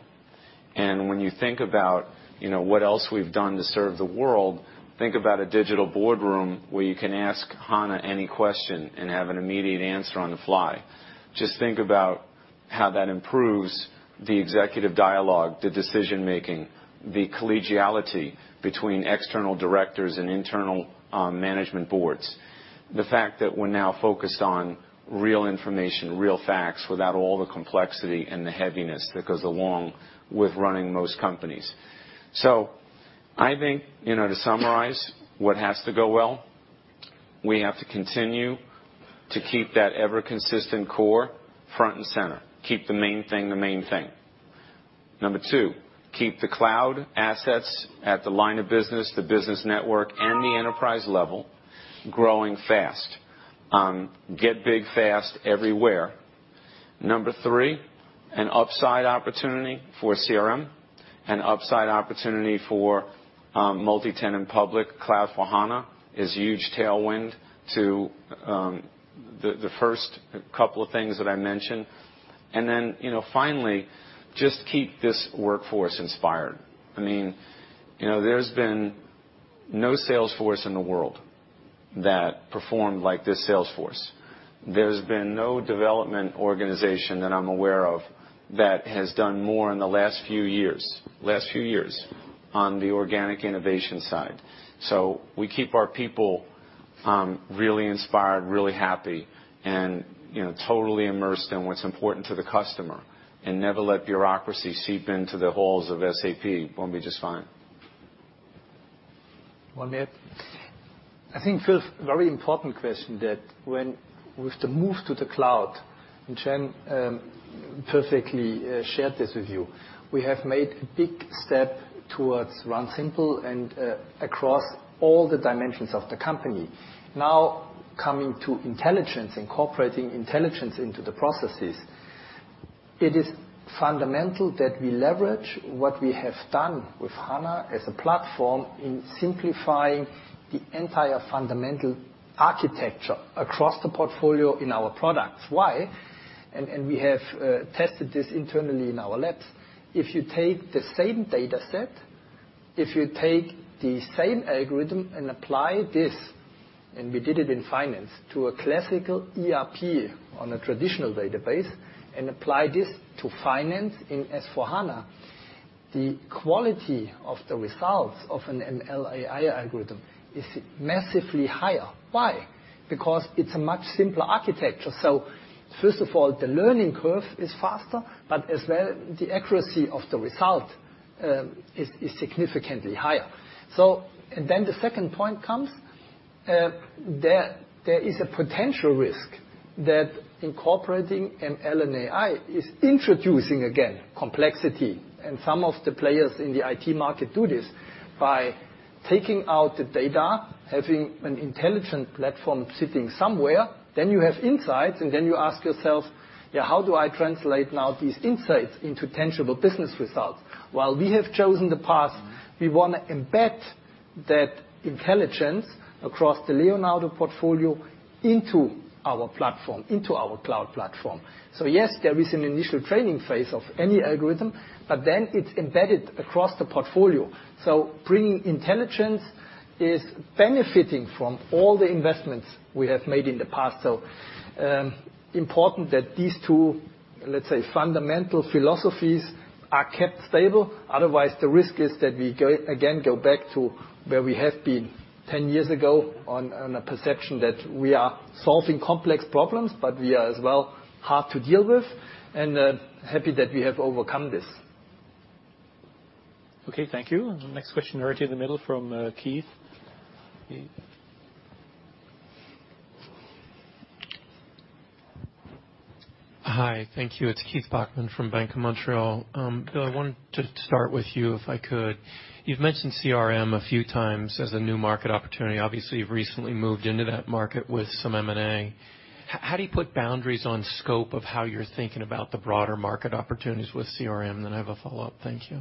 Speaker 2: When you think about what else we've done to serve the world, think about a SAP Digital Boardroom where you can ask HANA any question and have an immediate answer on the fly. Just think about how that improves the executive dialogue, the decision-making, the collegiality between external directors and internal management boards. The fact that we're now focused on real information, real facts, without all the complexity and the heaviness that goes along with running most companies. I think to summarize what has to go well, we have to continue to keep that ever-consistent core front and center. Keep the main thing the main thing. Number two, keep the cloud assets at the line of business, the business network, and the enterprise level growing fast. Get big fast everywhere. Number three, an upside opportunity for CRM, an upside opportunity for multi-tenant public cloud for HANA is huge tailwind to the first couple of things that I mentioned. Finally, just keep this workforce inspired. There's been no sales force in the world that performed like this sales force. There's been no development organization that I'm aware of that has done more in the last few years on the organic innovation side. We keep our people really inspired, really happy, and totally immersed in what's important to the customer, and never let bureaucracy seep into the halls of SAP, we'll be just fine.
Speaker 4: One minute. I think, Phil, very important question that with the move to the cloud, Jennifer perfectly shared this with you, we have made a big step towards Run Simple and across all the dimensions of the company. Now coming to intelligence, incorporating intelligence into the processes. It is fundamental that we leverage what we have done with HANA as a platform in simplifying the entire fundamental architecture across the portfolio in our products. Why? We have tested this internally in our labs. If you take the same data set, if you take the same algorithm and apply this, and we did it in finance, to a classical ERP on a traditional database and apply this to finance in S/4HANA, the quality of the results of an ML AI algorithm is massively higher. Why? Because it's a much simpler architecture. First of all, the learning curve is faster, but as well, the accuracy of the result is significantly higher. The second point comes, there is a potential risk that incorporating ML and AI is introducing, again, complexity. Some of the players in the IT market do this by taking out the data, having an intelligent platform sitting somewhere, then you have insights, and then you ask yourself, how do I translate now these insights into tangible business results? While we have chosen the path, we want to embed that intelligence across the Leonardo portfolio into our platform, into our cloud platform. Yes, there is an initial training phase of any algorithm, but then it's embedded across the portfolio. Bringing intelligence is benefiting from all the investments we have made in the past. Important that these two, let's say, fundamental philosophies are kept stable. Otherwise, the risk is that we, again, go back to where we have been 10 years ago on a perception that we are solving complex problems, but we are as well hard to deal with, and happy that we have overcome this.
Speaker 1: Okay, thank you. Next question, right here in the middle from Keith.
Speaker 16: Hi. Thank you. It's Keith Bachman from Bank of Montreal. Bill, I wanted to start with you, if I could. You've mentioned CRM a few times as a new market opportunity. Obviously, you've recently moved into that market with some M&A. How do you put boundaries on scope of how you're thinking about the broader market opportunities with CRM? I have a follow-up. Thank you.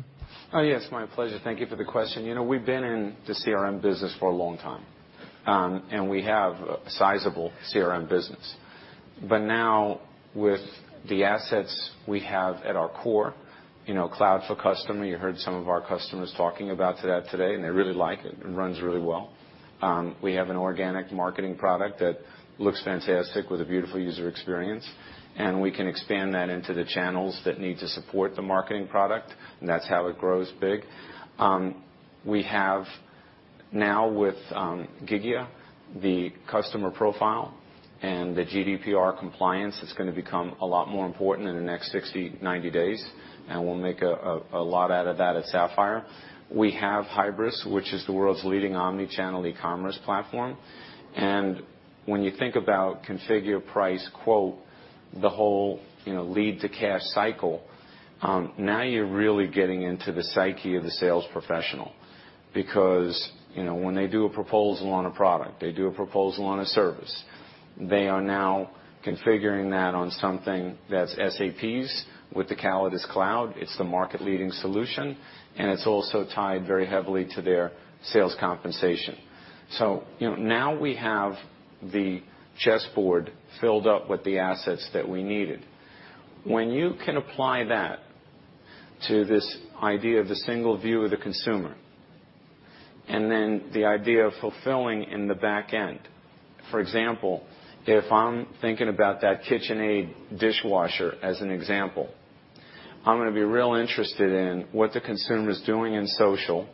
Speaker 2: My pleasure. Thank you for the question. We've been in the CRM business for a long time. We have a sizable CRM business. Now with the assets we have at our core, Cloud for Customer, you heard some of our customers talking about that today, and they really like it. It runs really well. We have an organic marketing product that looks fantastic with a beautiful UX, and we can expand that into the channels that need to support the marketing product, and that's how it grows big. We have now with Gigya, the customer profile and the GDPR compliance that's going to become a lot more important in the next 60, 90 days. We'll make a lot out of that at Sapphire. We have Hybris, which is the world's leading omni-channel e-commerce platform. When you think about configure price quote, the whole lead to cash cycle, now you're really getting into the psyche of the sales professional. Because when they do a proposal on a product, they do a proposal on a service, they are now configuring that on something that's SAP's with the CallidusCloud. It's the market leading solution, and it's also tied very heavily to their sales compensation. Now we have the chessboard filled up with the assets that we needed. When you can apply that to this idea of the single view of the consumer, and then the idea of fulfilling in the back end. For example, if I'm thinking about that KitchenAid dishwasher as an example, I'm going to be real interested in what the consumer is doing in social.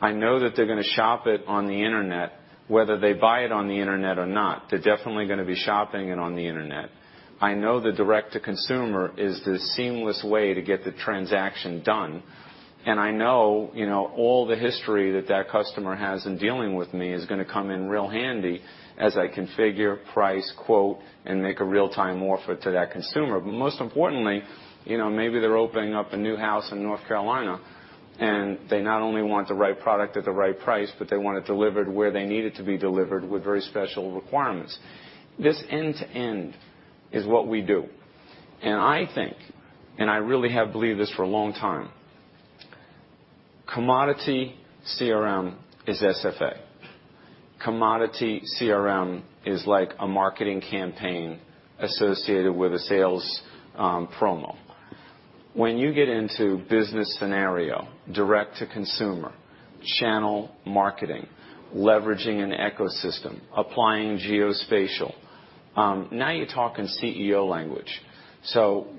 Speaker 2: I know that they're going to shop it on the internet, whether they buy it on the internet or not. They're definitely going to be shopping it on the internet. I know the direct to consumer is the seamless way to get the transaction done, and I know all the history that that customer has in dealing with me is going to come in real handy as I configure, price, quote, and make a real time offer to that consumer. Most importantly, maybe they're opening up a new house in North Carolina and they not only want the right product at the right price, but they want it delivered where they need it to be delivered with very special requirements. This end-to-end is what we do. I think, and I really have believed this for a long time, commodity CRM is SFA. Commodity CRM is like a marketing campaign associated with a sales promo. When you get into business scenario, direct to consumer, channel marketing, leveraging an ecosystem, applying geospatial, now you are talking CEO language.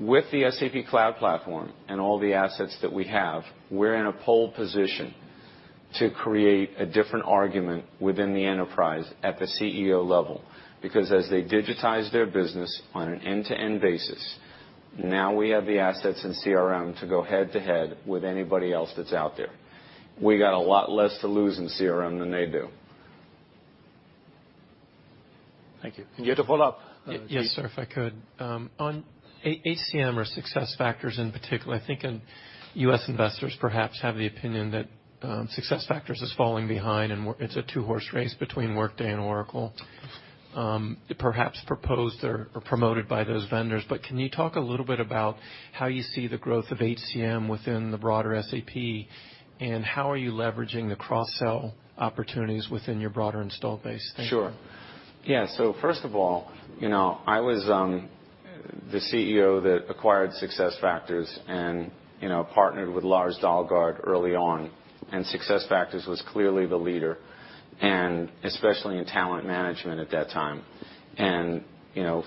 Speaker 2: With the SAP Cloud Platform and all the assets that we have, we are in a pole position to create a different argument within the enterprise at the CEO level. As they digitize their business on an end-to-end basis, now we have the assets in CRM to go head-to-head with anybody else that is out there. We got a lot less to lose in CRM than they do.
Speaker 1: Thank you. You had a follow-up, Keith.
Speaker 16: Yes, sir. If I could. On HCM or SuccessFactors in particular, I think U.S. investors perhaps have the opinion that SuccessFactors is falling behind and it is a two-horse race between Workday and Oracle, perhaps proposed or promoted by those vendors. Can you talk a little bit about how you see the growth of HCM within the broader SAP, and how are you leveraging the cross-sell opportunities within your broader install base? Thank you.
Speaker 2: Sure. Yeah. First of all, I was the CEO that acquired SuccessFactors and partnered with Lars Dalgaard early on, SuccessFactors was clearly the leader, especially in talent management at that time.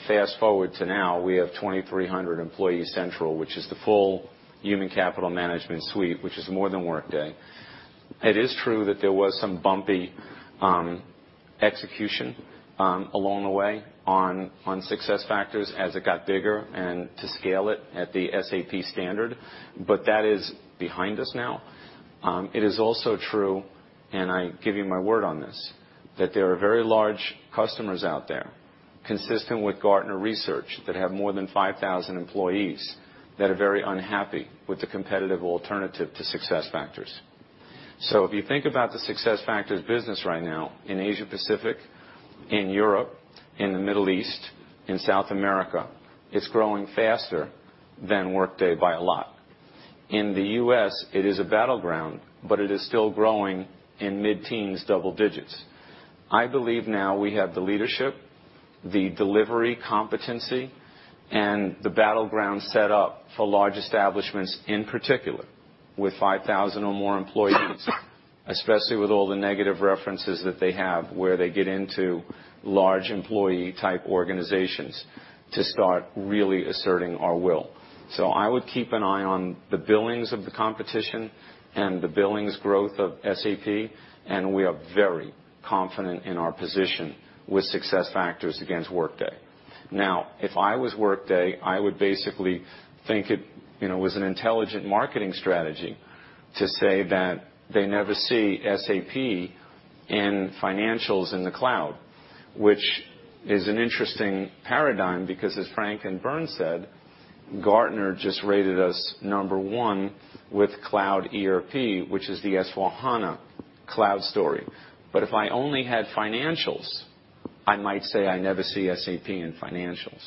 Speaker 2: Fast-forward to now, we have 2,300 Employee Central, which is the full human capital management suite, which is more than Workday. It is true that there was some bumpy execution along the way on SuccessFactors as it got bigger and to scale it at the SAP standard. That is behind us now. It is also true, I give you my word on this, that there are very large customers out there, consistent with Gartner Research, that have more than 5,000 employees that are very unhappy with the competitive alternative to SuccessFactors. If you think about the SAP SuccessFactors business right now in Asia Pacific, in Europe, in the Middle East, in South America, it's growing faster than Workday by a lot. In the U.S., it is a battleground, but it is still growing in mid-teens, double digits. I believe now we have the leadership, the delivery competency, and the battleground set up for large establishments, in particular, with 5,000 or more employees, especially with all the negative references that they have, where they get into large employee-type organizations to start really asserting our will. I would keep an eye on the billings of the competition and the billings growth of SAP, and we are very confident in our position with SAP SuccessFactors against Workday. If I was Workday, I would basically think it was an intelligent marketing strategy to say that they never see SAP in financials in the cloud, which is an interesting paradigm, because as Franck and Bernd said, Gartner just rated us number one with cloud ERP, which is the SAP S/4HANA cloud story. If I only had financials, I might say I never see SAP in financials.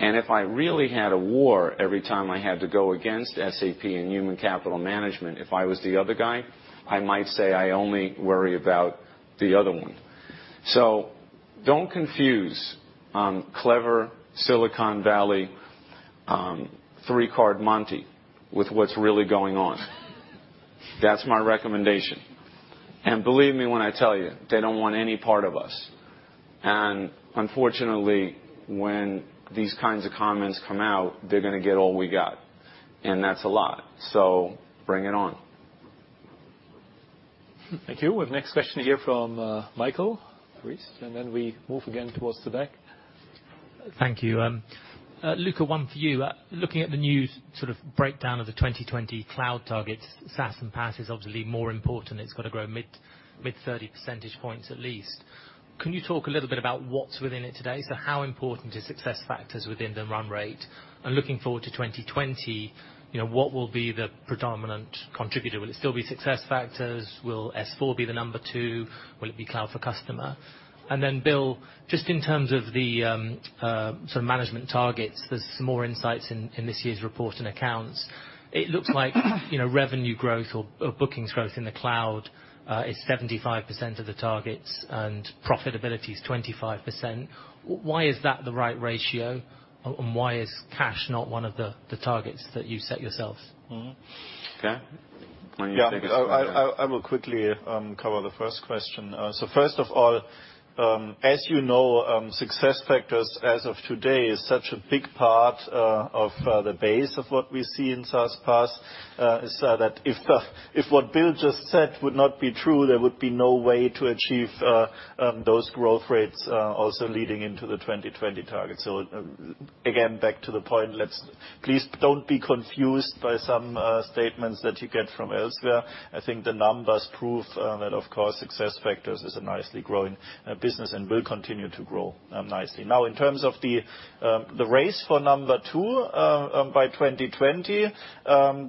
Speaker 2: If I really had a war every time I had to go against SAP in human capital management, if I was the other guy, I might say I only worry about the other one. Don't confuse clever Silicon Valley three-card monte with what's really going on. That's my recommendation. Believe me when I tell you, they don't want any part of us. Unfortunately, when these kinds of comments come out, they're going to get all we got, and that's a lot. Bring it on.
Speaker 1: Thank you. With next question here from Michael Briest, then we move again towards the back.
Speaker 17: Thank you. Luka, one for you. Looking at the news breakdown of the 2020 cloud targets, SaaS and PaaS is obviously more important. It's got to grow mid-30 percentage points at least. Can you talk a little bit about what's within it today? How important is SuccessFactors within the run rate? Looking forward to 2020, what will be the predominant contributor? Will it still be SuccessFactors? Will S/4 be the number 2? Will it be Cloud for Customer? Bill, just in terms of the management targets, there's some more insights in this year's report and accounts. It looks like revenue growth or bookings growth in the cloud is 75% of the targets, and profitability is 25%. Why is that the right ratio? Why is cash not one of the targets that you set yourselves?
Speaker 2: Okay. Why don't you take a swing at it?
Speaker 13: Yeah. I will quickly cover the first question. First of all, as you know, SuccessFactors, as of today, is such a big part of the base of what we see in SaaS, PaaS. Is that, if what Bill just said would not be true, there would be no way to achieve those growth rates also leading into the 2020 target. Again, back to the point, please don't be confused by some statements that you get from elsewhere. I think the numbers prove that, of course, SuccessFactors is a nicely growing business and will continue to grow nicely. In terms of the race for number 2 by 2020,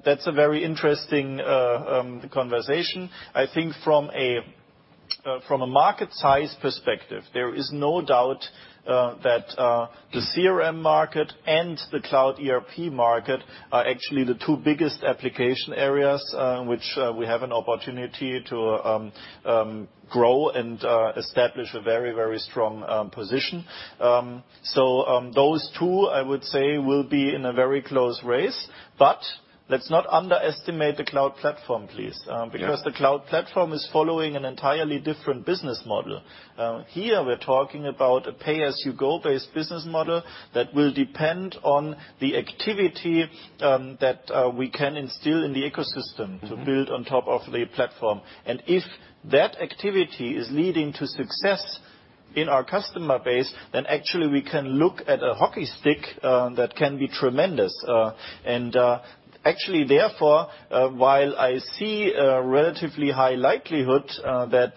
Speaker 13: that's a very interesting conversation. I think from a market size perspective, there is no doubt that the CRM market and the cloud ERP market are actually the two biggest application areas in which we have an opportunity to grow and establish a very strong position. Those two, I would say, will be in a very close race, but let's not underestimate the cloud platform, please.
Speaker 2: Yeah.
Speaker 13: The cloud platform is following an entirely different business model. Here, we're talking about a pay-as-you-go based business model that will depend on the activity that we can instill in the ecosystem. to build on top of the platform. If that activity is leading to success in our customer base, then actually we can look at a hockey stick that can be tremendous. Actually, therefore, while I see a relatively high likelihood that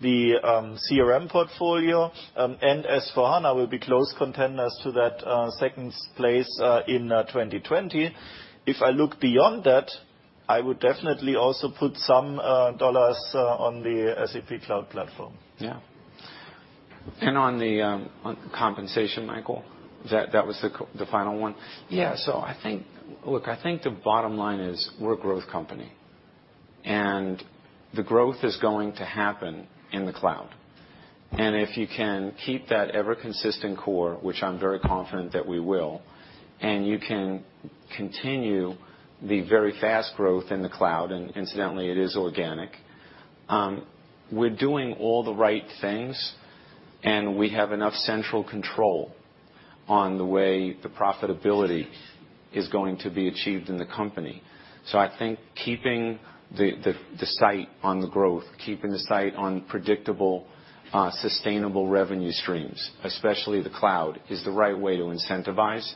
Speaker 13: the CRM portfolio and S/4HANA will be close contenders to that second place in 2020, if I look beyond that, I would definitely also put some EUR on the SAP Cloud Platform.
Speaker 2: On the compensation, Michael, that was the final one. I think the bottom line is we're a growth company. The growth is going to happen in the cloud. If you can keep that ever-consistent core, which I'm very confident that we will, you can continue the very fast growth in the cloud, incidentally, it is organic. We're doing all the right things, and we have enough central control on the way the profitability is going to be achieved in the company. I think keeping the sight on the growth, keeping the sight on predictable, sustainable revenue streams, especially the cloud, is the right way to incentivize.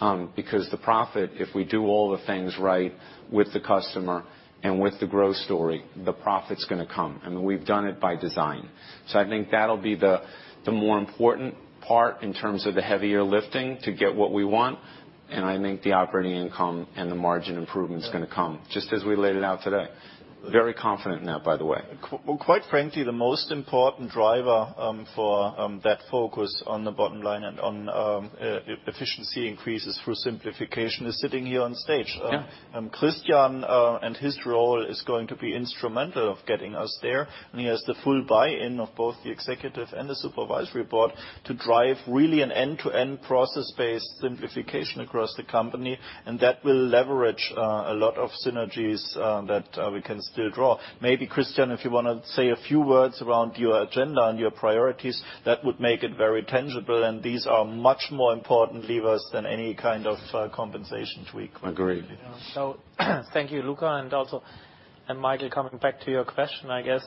Speaker 2: The profit, if we do all the things right with the customer and with the growth story, the profit is going to come, and we've done it by design. I think that'll be the more important part in terms of the heavier lifting to get what we want, I think the operating income and the margin improvement is going to come, just as we laid it out today. Very confident now, by the way.
Speaker 13: Quite frankly, the most important driver for that focus on the bottom line and on efficiency increases through simplification is sitting here on stage.
Speaker 2: Yeah.
Speaker 13: Christian and his role is going to be instrumental of getting us there, and he has the full buy-in of both the Executive and the Supervisory Board to drive really an end-to-end process-based simplification across the company, and that will leverage a lot of synergies that we can still draw. Maybe Christian, if you want to say a few words around your agenda and your priorities, that would make it very tangible, and these are much more important levers than any kind of compensation tweak.
Speaker 2: Agreed.
Speaker 18: Thank you, Luka, Michael, coming back to your question, I guess.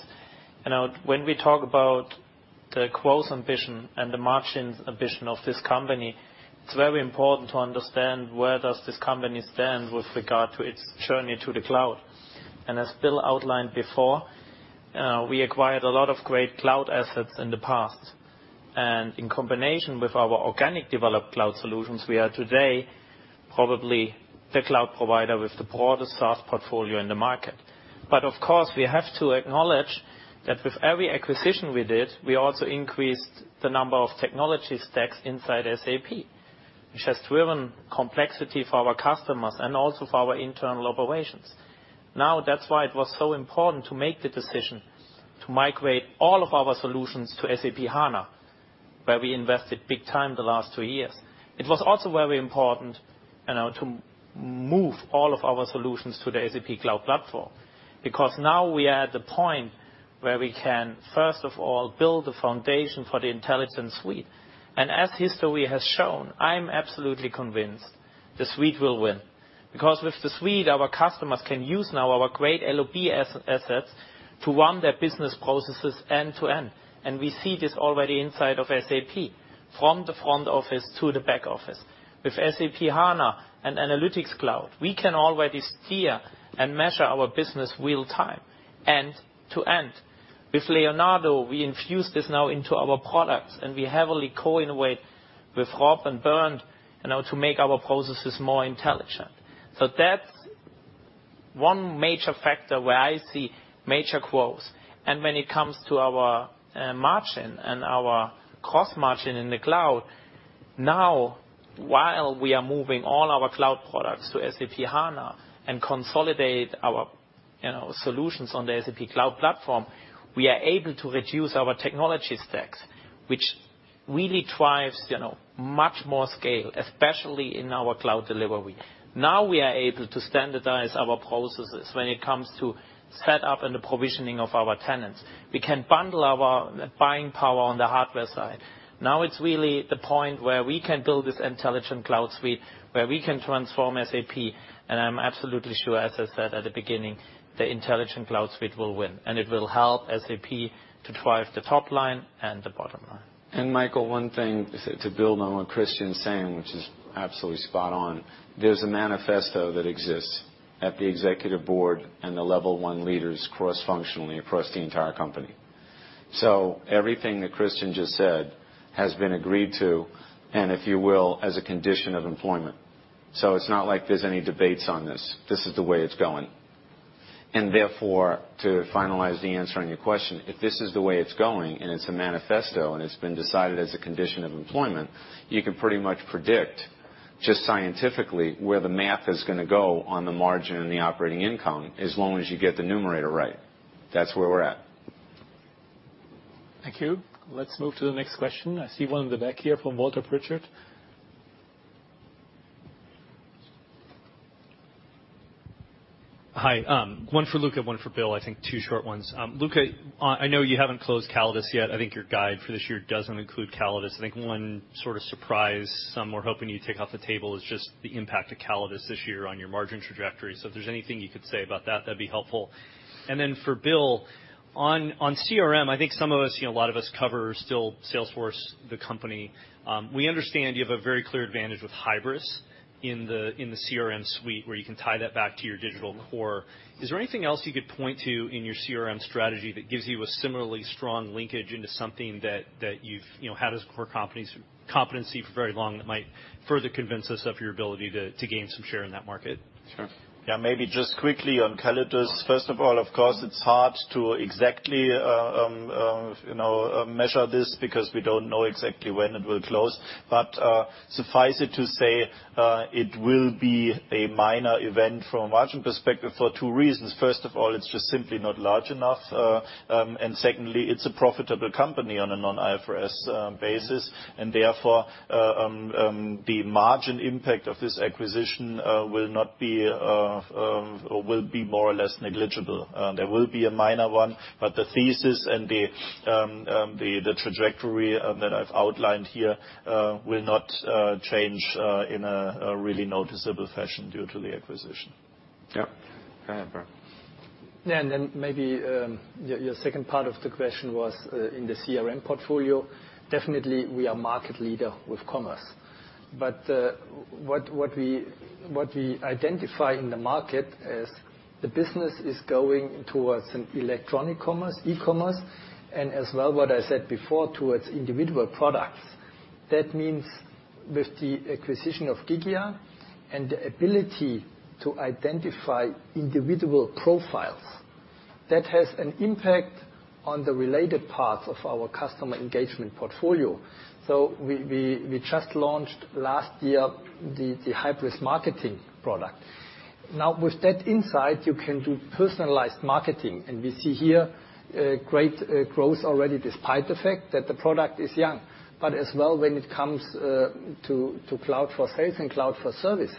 Speaker 18: When we talk about the growth ambition and the margin ambition of this company, it's very important to understand where does this company stand with regard to its journey to the cloud. As Bill outlined before, we acquired a lot of great cloud assets in the past. In combination with our organic developed cloud solutions, we are today probably the cloud provider with the broadest SaaS portfolio in the market. Of course, we have to acknowledge that with every acquisition we did, we also increased the number of technology stacks inside SAP, which has driven complexity for our customers and also for our internal operations. That's why it was so important to make the decision to migrate all of our solutions to SAP HANA, where we invested big time the last two years. It was also very important to move all of our solutions to the SAP Cloud Platform, because now we are at the point where we can, first of all, build a foundation for the Intelligent Suite. As history has shown, I'm absolutely convinced the suite will win. Because with the suite, our customers can use now our great LOB assets to run their business processes end-to-end. We see this already inside of SAP, from the front office to the back office. With SAP HANA and SAP Analytics Cloud, we can already steer and measure our business real-time, end-to-end. With Leonardo, we infuse this now into our products, and we heavily co-innovate with Rob and Bernd to make our processes more intelligent. That's one major factor where I see major growth. When it comes to our margin and our cost margin in the cloud, now, while we are moving all our cloud products to SAP HANA and consolidate our solutions on the SAP Cloud Platform, we are able to reduce our technology stacks, which really drives much more scale, especially in our cloud delivery. Now we are able to standardize our processes when it comes to set up and the provisioning of our tenants. We can bundle our buying power on the hardware side. Now it's really the point where we can build this Intelligent Cloud Suite, where we can transform SAP. I'm absolutely sure, as I said at the beginning, the Intelligent Cloud Suite will win. It will help SAP to drive the top line and the bottom line.
Speaker 2: Michael, one thing to build on what Christian's saying, which is absolutely spot on, there's a manifesto that exists at the Executive Board and the level one leaders cross-functionally across the entire company. Everything that Christian just said has been agreed to, if you will, as a condition of employment. It's not like there's any debates on this. This is the way it's going. Therefore, to finalize the answer on your question, if this is the way it's going and it's a manifesto and it's been decided as a condition of employment, you can pretty much predict just scientifically where the math is going to go on the margin and the operating income, as long as you get the numerator right. That's where we're at.
Speaker 1: Thank you. Let's move to the next question. I see one in the back here from Walter Pritchard.
Speaker 19: Hi. One for Luka, one for Bill, I think two short ones. Luka, I know you haven't closed Callidus yet. I think your guide for this year doesn't include Callidus. I think one sort of surprise some were hoping you'd take off the table is just the impact of Callidus this year on your margin trajectory. If there's anything you could say about that'd be helpful. For Bill, on CRM, I think some of us, a lot of us cover still Salesforce, the company. We understand you have a very clear advantage with Hybris in the CRM suite where you can tie that back to your digital core. Is there anything else you could point to in your CRM strategy that gives you a similarly strong linkage into something that you've had as core competency for very long that might further convince us of your ability to gain some share in that market?
Speaker 13: Sure. Maybe just quickly on Callidus. First of all, of course, it's hard to exactly measure this because we don't know exactly when it will close. Suffice it to say, it will be a minor event from a margin perspective for two reasons. First of all, it's just simply not large enough. Secondly, it's a profitable company on a non-IFRS basis. Therefore, the margin impact of this acquisition will be more or less negligible. There will be a minor one, but the thesis and the trajectory that I've outlined here will not change in a really noticeable fashion due to the acquisition.
Speaker 2: Go ahead, Bernd.
Speaker 4: Yeah, maybe your second part of the question was in the CRM portfolio. Definitely, we are market leader with commerce. What we identify in the market is the business is going towards an electronic commerce, e-commerce, and as well what I said before, towards individual products. That means with the acquisition of Gigya and the ability to identify individual profiles, that has an impact on the related parts of our customer engagement portfolio. We just launched last year the Hybris marketing product. Now, with that insight, you can do personalized marketing. We see here great growth already despite the fact that the product is young. When it comes to Cloud for Sales and Cloud for Service,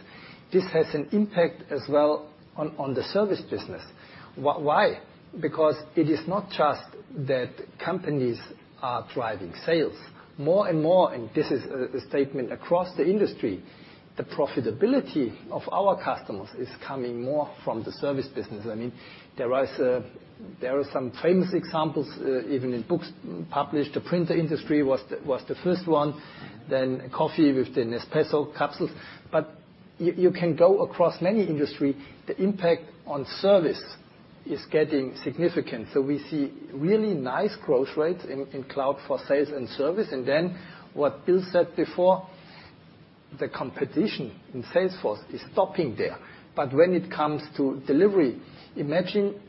Speaker 4: this has an impact as well on the service business. Why? Because it is not just that companies are driving sales. More and more, this is a statement across the industry, the profitability of our customers is coming more from the service business. There are some famous examples, even in books published. The printer industry was the first one, then coffee with the Nespresso capsules. You can go across many industry, the impact on service is getting significant. We see really nice growth rates in Cloud for Sales and Service. What Bill said before, the competition in Salesforce is stopping there. When it comes to delivery, imagine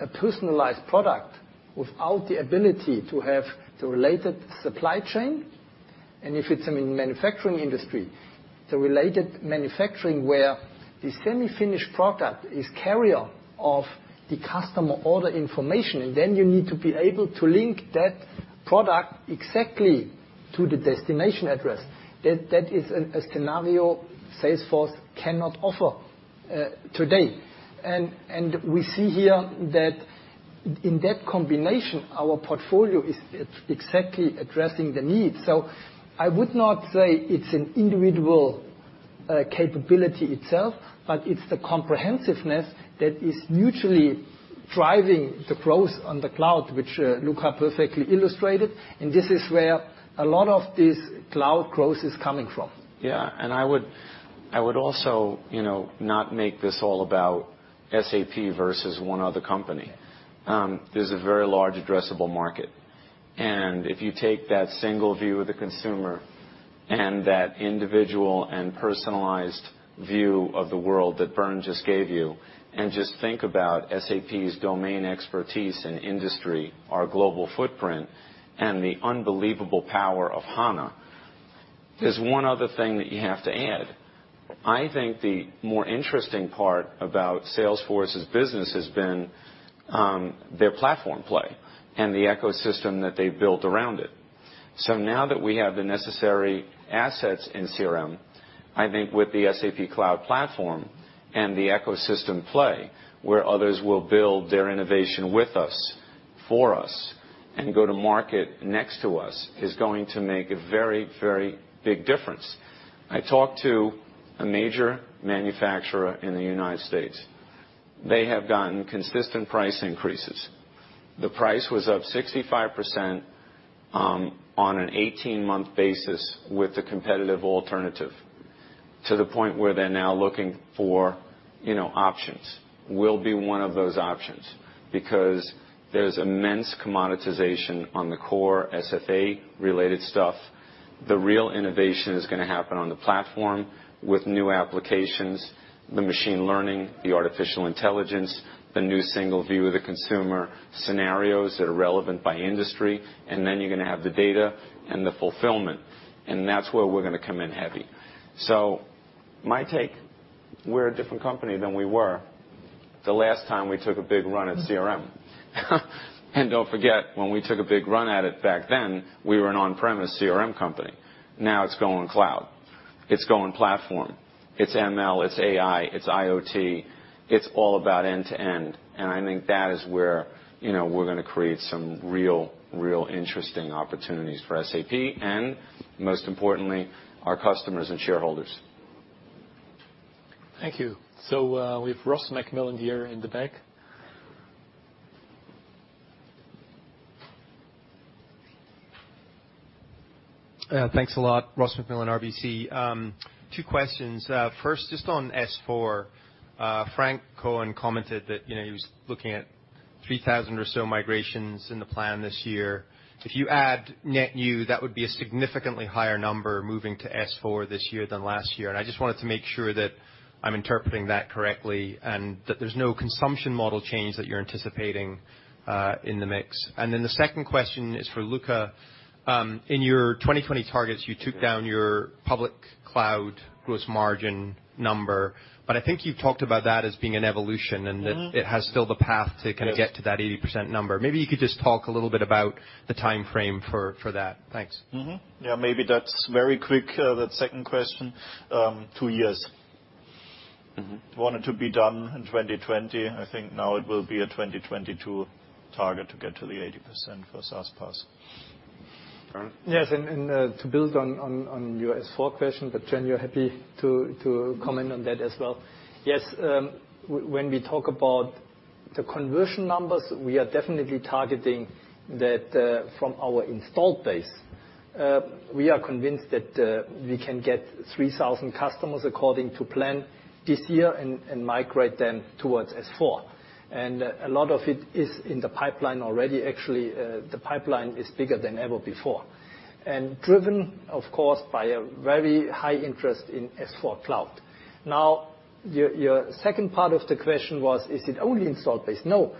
Speaker 4: a personalized product without the ability to have the related supply chain. If it's in manufacturing industry, the related manufacturing where the semi-finished product is carrier of the customer order information, then you need to be able to link that product exactly to the destination address. That is a scenario Salesforce cannot offer today. We see here that in that combination, our portfolio is exactly addressing the need. I would not say it's an individual capability itself, but it's the comprehensiveness that is mutually driving the growth on the cloud, which Luka perfectly illustrated, and this is where a lot of this cloud growth is coming from.
Speaker 2: Yeah. I would also not make this all about SAP versus one other company. There's a very large addressable market. If you take that single view of the consumer and that individual and personalized view of the world that Bernd just gave you, and just think about SAP's domain expertise in industry, our global footprint, and the unbelievable power of HANA, there's one other thing that you have to add. I think the more interesting part about Salesforce's business has been their platform play and the ecosystem that they've built around it. Now that we have the necessary assets in CRM, I think with the SAP Cloud Platform and the ecosystem play, where others will build their innovation with us, for us, and go to market next to us, is going to make a very big difference. I talked to a major manufacturer in the U.S. They have gotten consistent price increases. The price was up 65% on an 18-month basis with the competitive alternative, to the point where they're now looking for options. We'll be one of those options, because there's immense commoditization on the core SFA related stuff. The real innovation is going to happen on the platform with new applications, the machine learning, the artificial intelligence, the new single view of the consumer scenarios that are relevant by industry, and then you're going to have the data and the fulfillment. That's where we're going to come in heavy. My take, we're a different company than we were the last time we took a big run at CRM. Don't forget, when we took a big run at it back then, we were an on-premise CRM company. Now it's going cloud. It's going platform. It's ML, it's AI, it's IoT. It's all about end-to-end. I think that is where we're going to create some real interesting opportunities for SAP and, most importantly, our customers and shareholders.
Speaker 1: Thank you. We have Ross MacMillan here in the back.
Speaker 20: Thanks a lot. Ross MacMillan, RBC. Two questions. First, just on S/4. Franck Cohen commented that he was looking at 3,000 or so migrations in the plan this year. If you add net new, that would be a significantly higher number moving to S/4 this year than last year, I just wanted to make sure that I'm interpreting that correctly and that there's no consumption model change that you're anticipating in the mix. Then the second question is for Luka. In your 2020 targets, you took down your public cloud gross margin number, but I think you've talked about that as being an evolution and that it has still the path to kind of get to that 80% number. Maybe you could just talk a little bit about the time frame for that. Thanks.
Speaker 4: Yeah, maybe that's very quick, that second question. Two years. Wanted to be done in 2020. I think now it will be a 2022 target to get to the 80% for SaaS PaaS. To build on your S/4 question, Jen, you're happy to comment on that as well. When we talk about the conversion numbers, we are definitely targeting that from our installed base. We are convinced that we can get 3,000 customers according to plan this year and migrate them towards S/4. A lot of it is in the pipeline already. Actually, the pipeline is bigger than ever before. Driven, of course, by a very high interest in S/4 Cloud. Now, your second part of the question was, is it only installed base? No.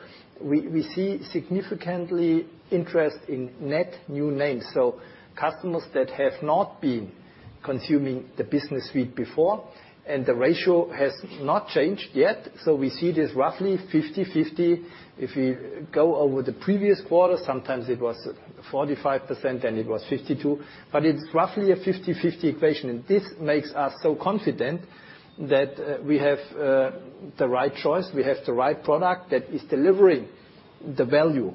Speaker 4: We see significantly interest in net new names, so customers that have not been consuming the business suite before, and the ratio has not changed yet. We see it as roughly 50/50. If you go over the previous quarter, sometimes it was 45%, it was 52, it's roughly a 50/50 equation. This makes us so confident that we have the right choice, we have the right product that is delivering the value.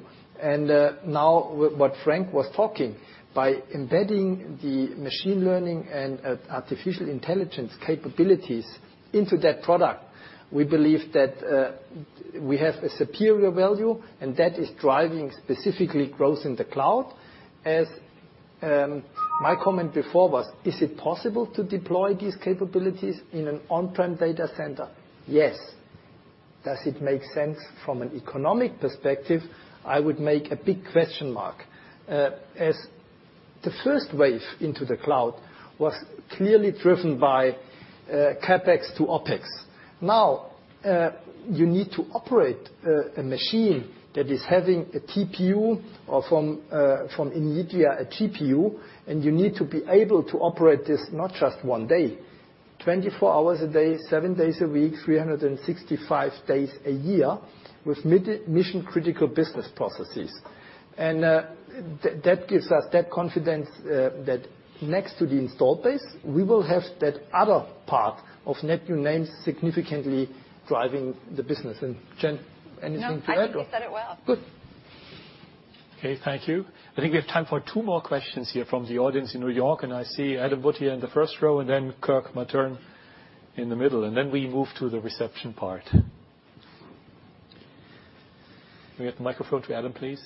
Speaker 4: Now what Franck was talking, by embedding the machine learning and artificial intelligence capabilities into that product, we believe that we have a superior value, and that is driving specifically growth in the cloud. As my comment before was, is it possible to deploy these capabilities in an on-prem data center? Yes. Does it make sense from an economic perspective? I would make a big question mark. As the first wave into the cloud was clearly driven by CapEx to OpEx. Now, you need to operate a machine that is having a TPU, or from NVIDIA, a GPU, you need to be able to operate this not just one day, 24 hours a day, seven days a week, 365 days a year with mission-critical business processes. That gives us that confidence that next to the installed base, we will have that other part of net new names significantly driving the business. Jen, anything to add?
Speaker 9: No, I think you said it well.
Speaker 4: Good.
Speaker 1: Okay, thank you. I think we have time for two more questions here from the audience in New York. I see Adam Wood here in the first row. Kirk Materne in the middle. We move to the reception part. Can we get the microphone to Adam, please?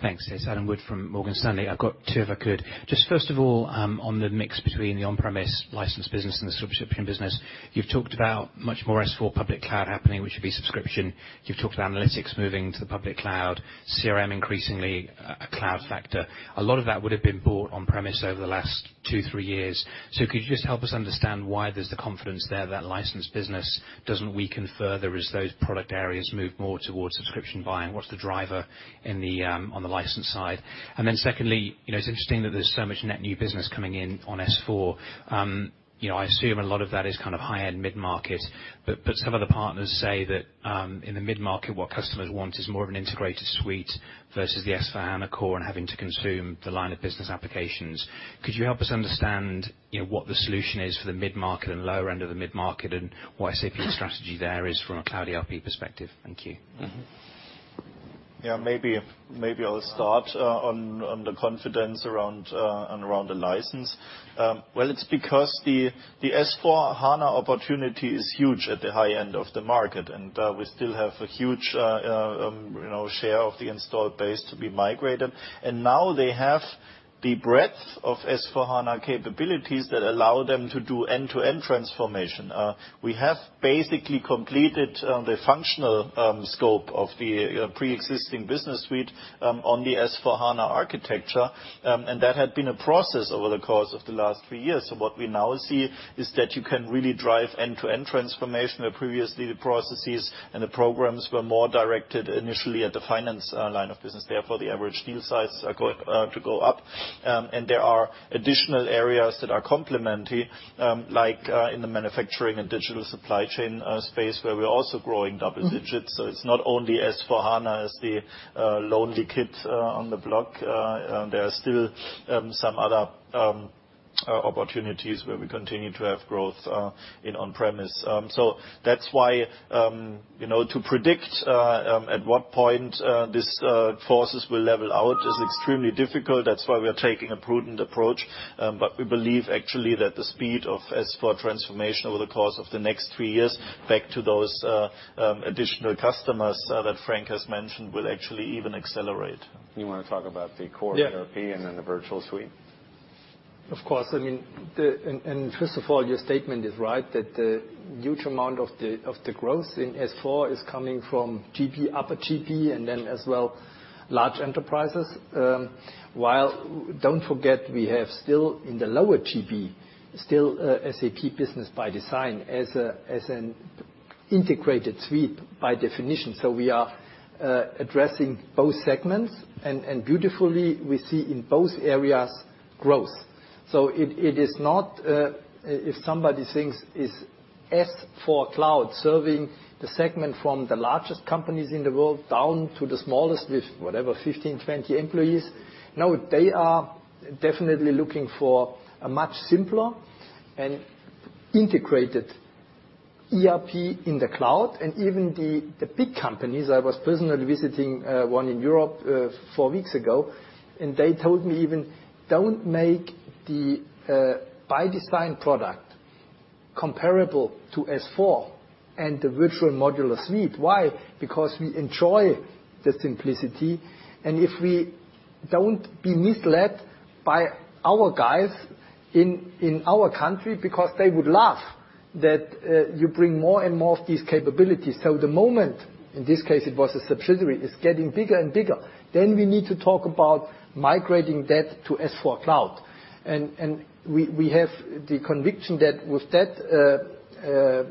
Speaker 21: Thanks. It's Adam Wood from Morgan Stanley. I've got two, if I could. Just first of all, on the mix between the on-premise license business and the subscription business, you've talked about much more S/4 public cloud happening, which would be subscription. You've talked about analytics moving to the public cloud, CRM increasingly a cloud factor. A lot of that would have been bought on-premise over the last two, three years. Could you just help us understand why there's the confidence there that license business doesn't weaken further as those product areas move more towards subscription buying? What's the driver on the license side? Secondly, it's interesting that there's so much net new business coming in on S/4. I assume a lot of that is kind of high-end mid-market, some of the partners say that, in the mid-market, what customers want is more of an integrated suite versus the S/4HANA core and having to consume the line of business applications. Could you help us understand what the solution is for the mid-market and lower end of the mid-market, and what SAP's strategy there is from a cloud ERP perspective? Thank you.
Speaker 13: Maybe I'll start on the confidence around the license. It's because the S/4HANA opportunity is huge at the high end of the market, and we still have a huge share of the installed base to be migrated. Now they have the breadth of S/4HANA capabilities that allow them to do end-to-end transformation. We have basically completed the functional scope of the pre-existing SAP Business Suite on the S/4HANA architecture, and that had been a process over the course of the last three years. What we now see is that you can really drive end-to-end transformation, where previously, the processes and the programs were more directed initially at the finance line of business. Therefore, the average deal size to go up. There are additional areas that are complementary, like in the manufacturing and digital supply chain space, where we're also growing double digits. It's not only S/4HANA as the lonely kid on the block. There are still some other opportunities where we continue to have growth in on-premise. That's why to predict at what point these forces will level out is extremely difficult. That's why we are taking a prudent approach. We believe actually that the speed of S/4 transformation over the course of the next three years, back to those additional customers that Franck has mentioned, will actually even accelerate.
Speaker 2: You want to talk about the core-
Speaker 13: Yeah
Speaker 2: Then the virtual suite?
Speaker 4: First of all, your statement is right, that the huge amount of the growth in S/4 is coming from GB, upper GB, and then as well large enterprises. While don't forget, we have still in the lower GB, still SAP Business ByDesign as an integrated suite by definition. We are addressing both segments, and beautifully, we see in both areas growth. It is not, if somebody thinks it's S/4 Cloud serving the segment from the largest companies in the world down to the smallest with whatever, 15, 20 employees, no, they are definitely looking for a much simpler and integrated ERP in the cloud, and even the big companies, I was personally visiting one in Europe four weeks ago, and they told me even, "Don't make the ByDesign product comparable to S/4 and the virtual modular suite." Why? Because we enjoy the simplicity, if we don't be misled by our guys in our country, because they would love that you bring more and more of these capabilities. The moment, in this case it was a subsidiary, is getting bigger and bigger, then we need to talk about migrating that to S/4 Cloud. We have the conviction that with that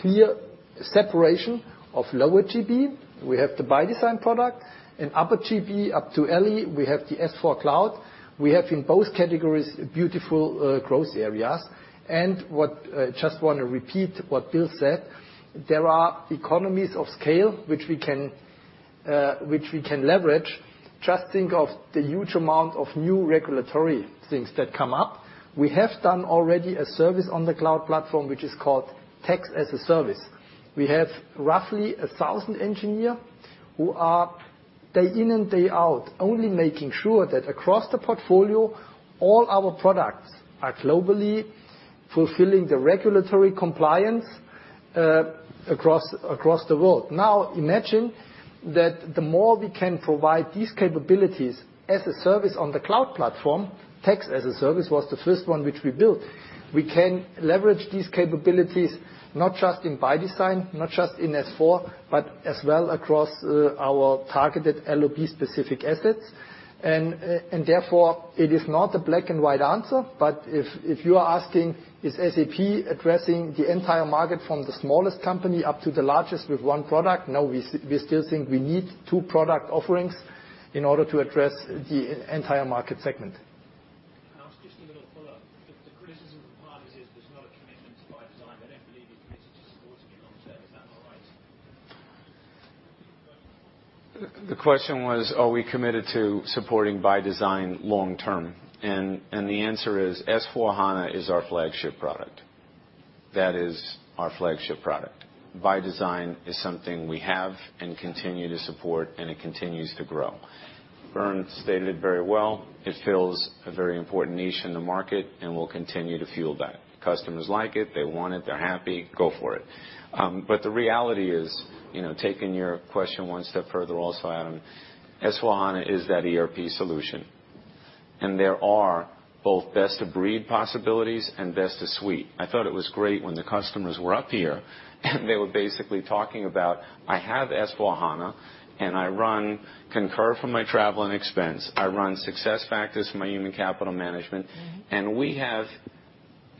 Speaker 4: clear separation of lower GB, we have the ByDesign product, and upper GB up to LE, we have the S/4 Cloud. We have, in both categories, beautiful growth areas. Just want to repeat what Bill said. There are economies of scale, which we can leverage. Just think of the huge amount of new regulatory things that come up. We have done already a service on the cloud platform, which is called Tax as a Service. We have roughly 1,000 engineer who are, day in and day out, only making sure that across the portfolio, all our products are globally fulfilling the regulatory compliance across the world. Now, imagine that the more we can provide these capabilities as a service on the cloud platform, Tax as a Service was the first one which we built. We can leverage these capabilities not just in ByDesign, not just in S/4, but as well across our targeted LOB specific assets. Therefore, it is not a black and white answer. If you are asking, is SAP addressing the entire market from the smallest company up to the largest with one product? No. We still think we need two product offerings in order to address the entire market segment.
Speaker 21: Can I ask just a little follow-up? The criticism from partners is there's not a commitment to ByDesign. They don't believe you're committed to supporting it long term. Is that not right?
Speaker 2: The question was, are we committed to supporting ByDesign long term? The answer is S/4HANA is our flagship product. That is our flagship product. ByDesign is something we have and continue to support, and it continues to grow. Bernd stated it very well. It fills a very important niche in the market and will continue to fuel that. Customers like it. They want it. They're happy. Go for it. The reality is, taking your question one step further also, Adam, S/4HANA is that ERP solution. There are both best of breed possibilities and best of suite. I thought it was great when the customers were up here, they were basically talking about, I have S/4HANA, and I run Concur for my travel and expense. I run SuccessFactors for my human capital management. We have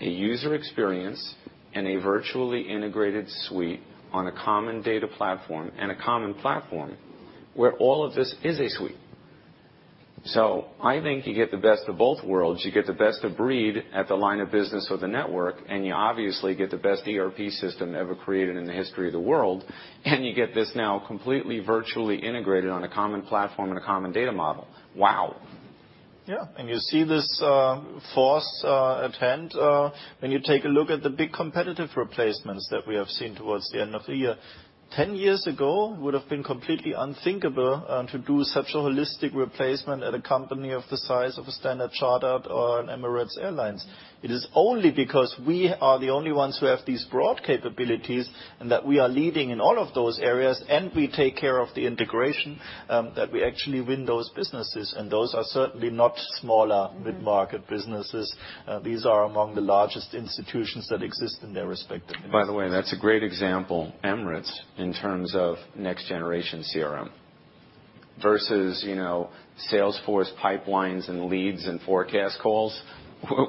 Speaker 2: a user experience and a virtually integrated suite on a common data platform, and a common platform, where all of this is a suite. I think you get the best of both worlds. You get the best of breed at the line of business or the network, and you obviously get the best ERP system ever created in the history of the world. You get this now completely virtually integrated on a common platform and a common data model. Wow.
Speaker 4: Yeah. You see this force at hand when you take a look at the big competitive replacements that we have seen towards the end of the year. 10 years ago, would've been completely unthinkable to do such a holistic replacement at a company of the size of a Standard Chartered or an Emirates Airlines. It is only because we are the only ones who have these broad capabilities, and that we are leading in all of those areas, and we take care of the integration, that we actually win those businesses. Those are certainly not smaller mid-market businesses. These are among the largest institutions that exist in their respective industries.
Speaker 2: By the way, that's a great example, Emirates, in terms of next generation CRM. Versus Salesforce pipelines and leads and forecast calls,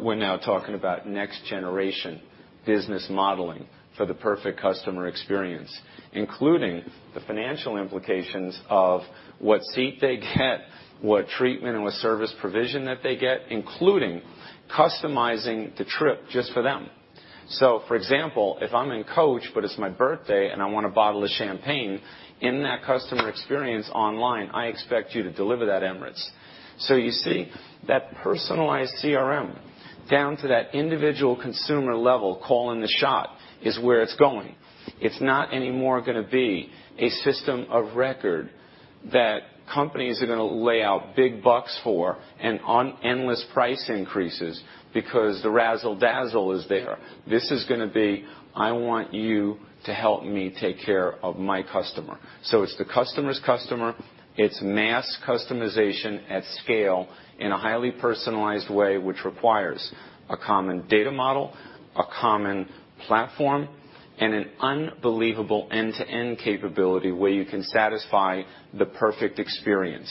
Speaker 2: we're now talking about next generation business modeling for the perfect customer experience, including the financial implications of what seat they get, what treatment and what service provision that they get, including customizing the trip just for them. For example, if I'm in coach, but it's my birthday and I want a bottle of champagne, in that customer experience online, I expect you to deliver that, Emirates. You see, that personalized CRM, down to that individual consumer level calling the shot, is where it's going. It's not anymore going to be a system of record that companies are going to lay out big bucks for, and endless price increases because the razzle dazzle is there. This is going to be, I want you to help me take care of my customer. It is the customer's customer. It is mass customization at scale in a highly personalized way, which requires a common data model, a common platform, and an unbelievable end-to-end capability where you can satisfy the perfect experience.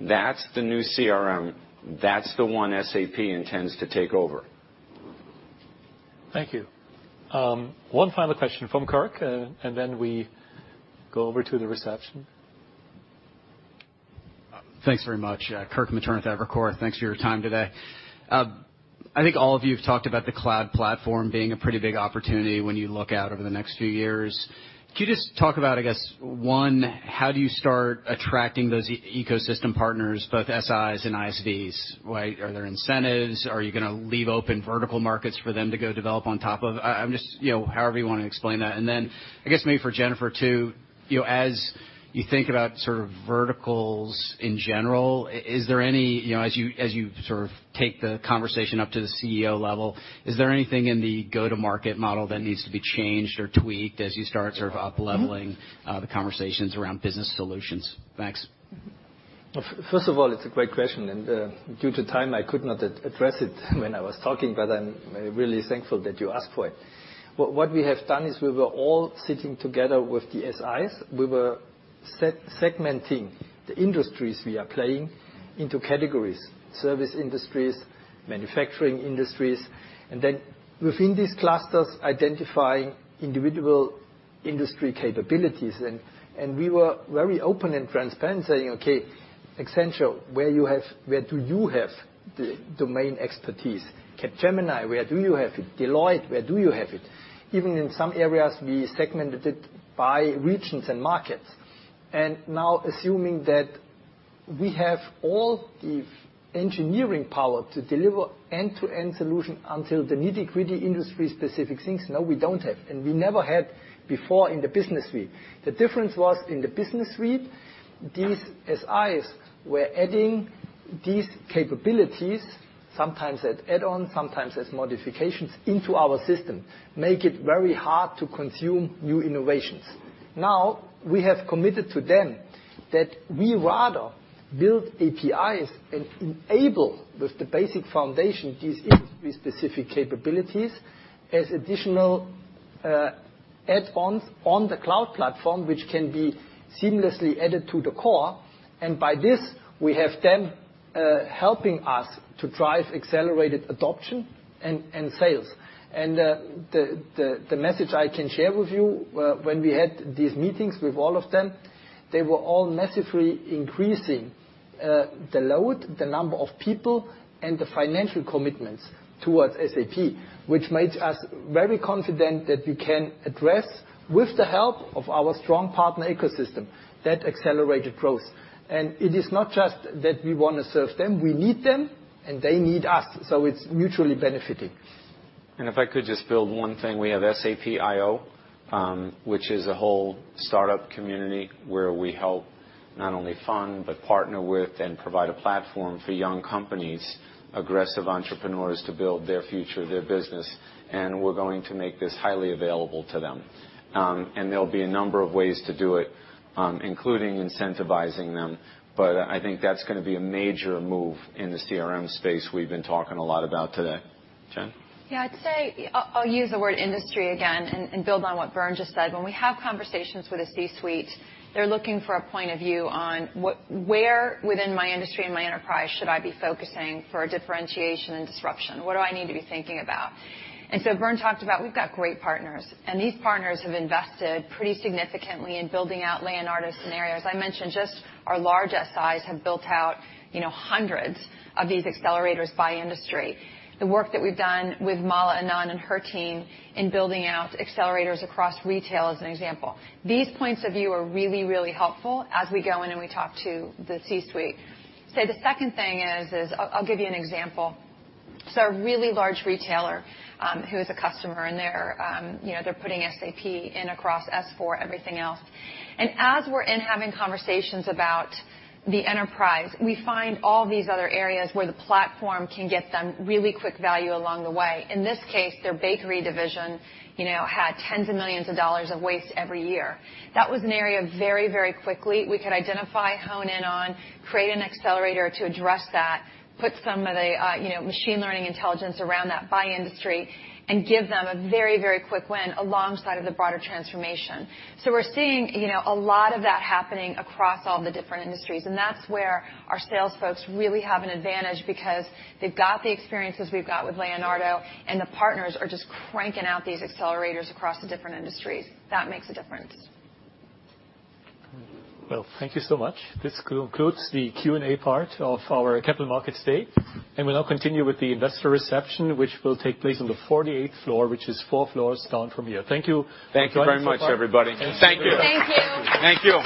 Speaker 2: That is the new CRM. That is the one SAP intends to take over.
Speaker 1: Thank you. One final question from Kirk, then we go over to the reception.
Speaker 22: Thanks very much. Kirk Materne with Evercore. Thanks for your time today. I think all of you have talked about the cloud platform being a pretty big opportunity when you look out over the next few years. Could you just talk about, I guess, 1, how do you start attracting those ecosystem partners, both SIs and ISVs, right? Are there incentives? Are you going to leave open vertical markets for them to go develop on top of? However you want to explain that. Then, I guess maybe for Jennifer too, as you think about verticals in general, as you take the conversation up to the CEO level, is there anything in the go-to-market model that needs to be changed or tweaked as you start up-leveling the conversations around business solutions? Thanks.
Speaker 4: First of all, it is a great question, due to time, I could not address it when I was talking, but I am really thankful that you asked for it. What we have done is we were all sitting together with the SIs. We were segmenting the industries we are playing into categories, service industries, manufacturing industries. Then within these clusters, identifying individual industry capabilities. We were very open and transparent, saying, "Okay, Accenture, where do you have the domain expertise? Capgemini, where do you have it? Deloitte, where do you have it?" Even in some areas, we segmented it by regions and markets. Now assuming that we have all the engineering power to deliver end-to-end solution until the nitty-gritty industry specific things, no, we do not have, and we never had before in the business suite. The difference was in the Business Suite, these SIs were adding these capabilities, sometimes as add-ons, sometimes as modifications into our system, make it very hard to consume new innovations. Now, we have committed to them that we rather build APIs and enable with the basic foundation these industry-specific capabilities as additional add-ons on the Cloud Platform, which can be seamlessly added to the core. By this, we have them helping us to drive accelerated adoption and sales. The message I can share with you, when we had these meetings with all of them, they were all massively increasing the load, the number of people, and the financial commitments towards SAP, which makes us very confident that we can address, with the help of our strong partner ecosystem, that accelerated growth. It is not just that we want to serve them. We need them, and they need us. It's mutually benefiting.
Speaker 2: If I could just build one thing. We have SAP.iO, which is a whole startup community where we help not only fund, but partner with and provide a platform for young companies, aggressive entrepreneurs to build their future, their business. We're going to make this highly available to them. There'll be a number of ways to do it, including incentivizing them. I think that's going to be a major move in the CRM space we've been talking a lot about today. Jen?
Speaker 9: Yeah. I'd say, I'll use the word industry again and build on what Bernd just said. When we have conversations with a C-suite, they're looking for a point of view on, where within my industry and my enterprise should I be focusing for differentiation and disruption? What do I need to be thinking about? Bernd talked about, we've got great partners. These partners have invested pretty significantly in building out Leonardo scenarios. I mentioned just our large SIs have built out hundreds of these accelerators by industry. The work that we've done with Mala Anand and her team in building out accelerators across retail, as an example. These points of view are really, really helpful as we go in and we talk to the C-suite. The second thing is, I'll give you an example. A really large retailer, who is a customer, they're putting SAP in across S/4, everything else. As we're in having conversations about the enterprise, we find all these other areas where the platform can get them really quick value along the way. In this case, their bakery division had tens of millions of EUR of waste every year. That was an area very quickly we could identify, hone in on, create an accelerator to address that, put some of the machine learning intelligence around that by industry, and give them a very quick win alongside of the broader transformation. We're seeing a lot of that happening across all the different industries. That's where our sales folks really have an advantage because they've got the experiences we've got with Leonardo, and the partners are just cranking out these accelerators across the different industries. That makes a difference.
Speaker 1: Well, thank you so much. This concludes the Q&A part of our capital market day. We'll now continue with the investor reception, which will take place on the 48th floor, which is four floors down from here. Thank you.
Speaker 2: Thank you very much, everybody.
Speaker 4: Thank you.
Speaker 9: Thank you.
Speaker 2: Thank you.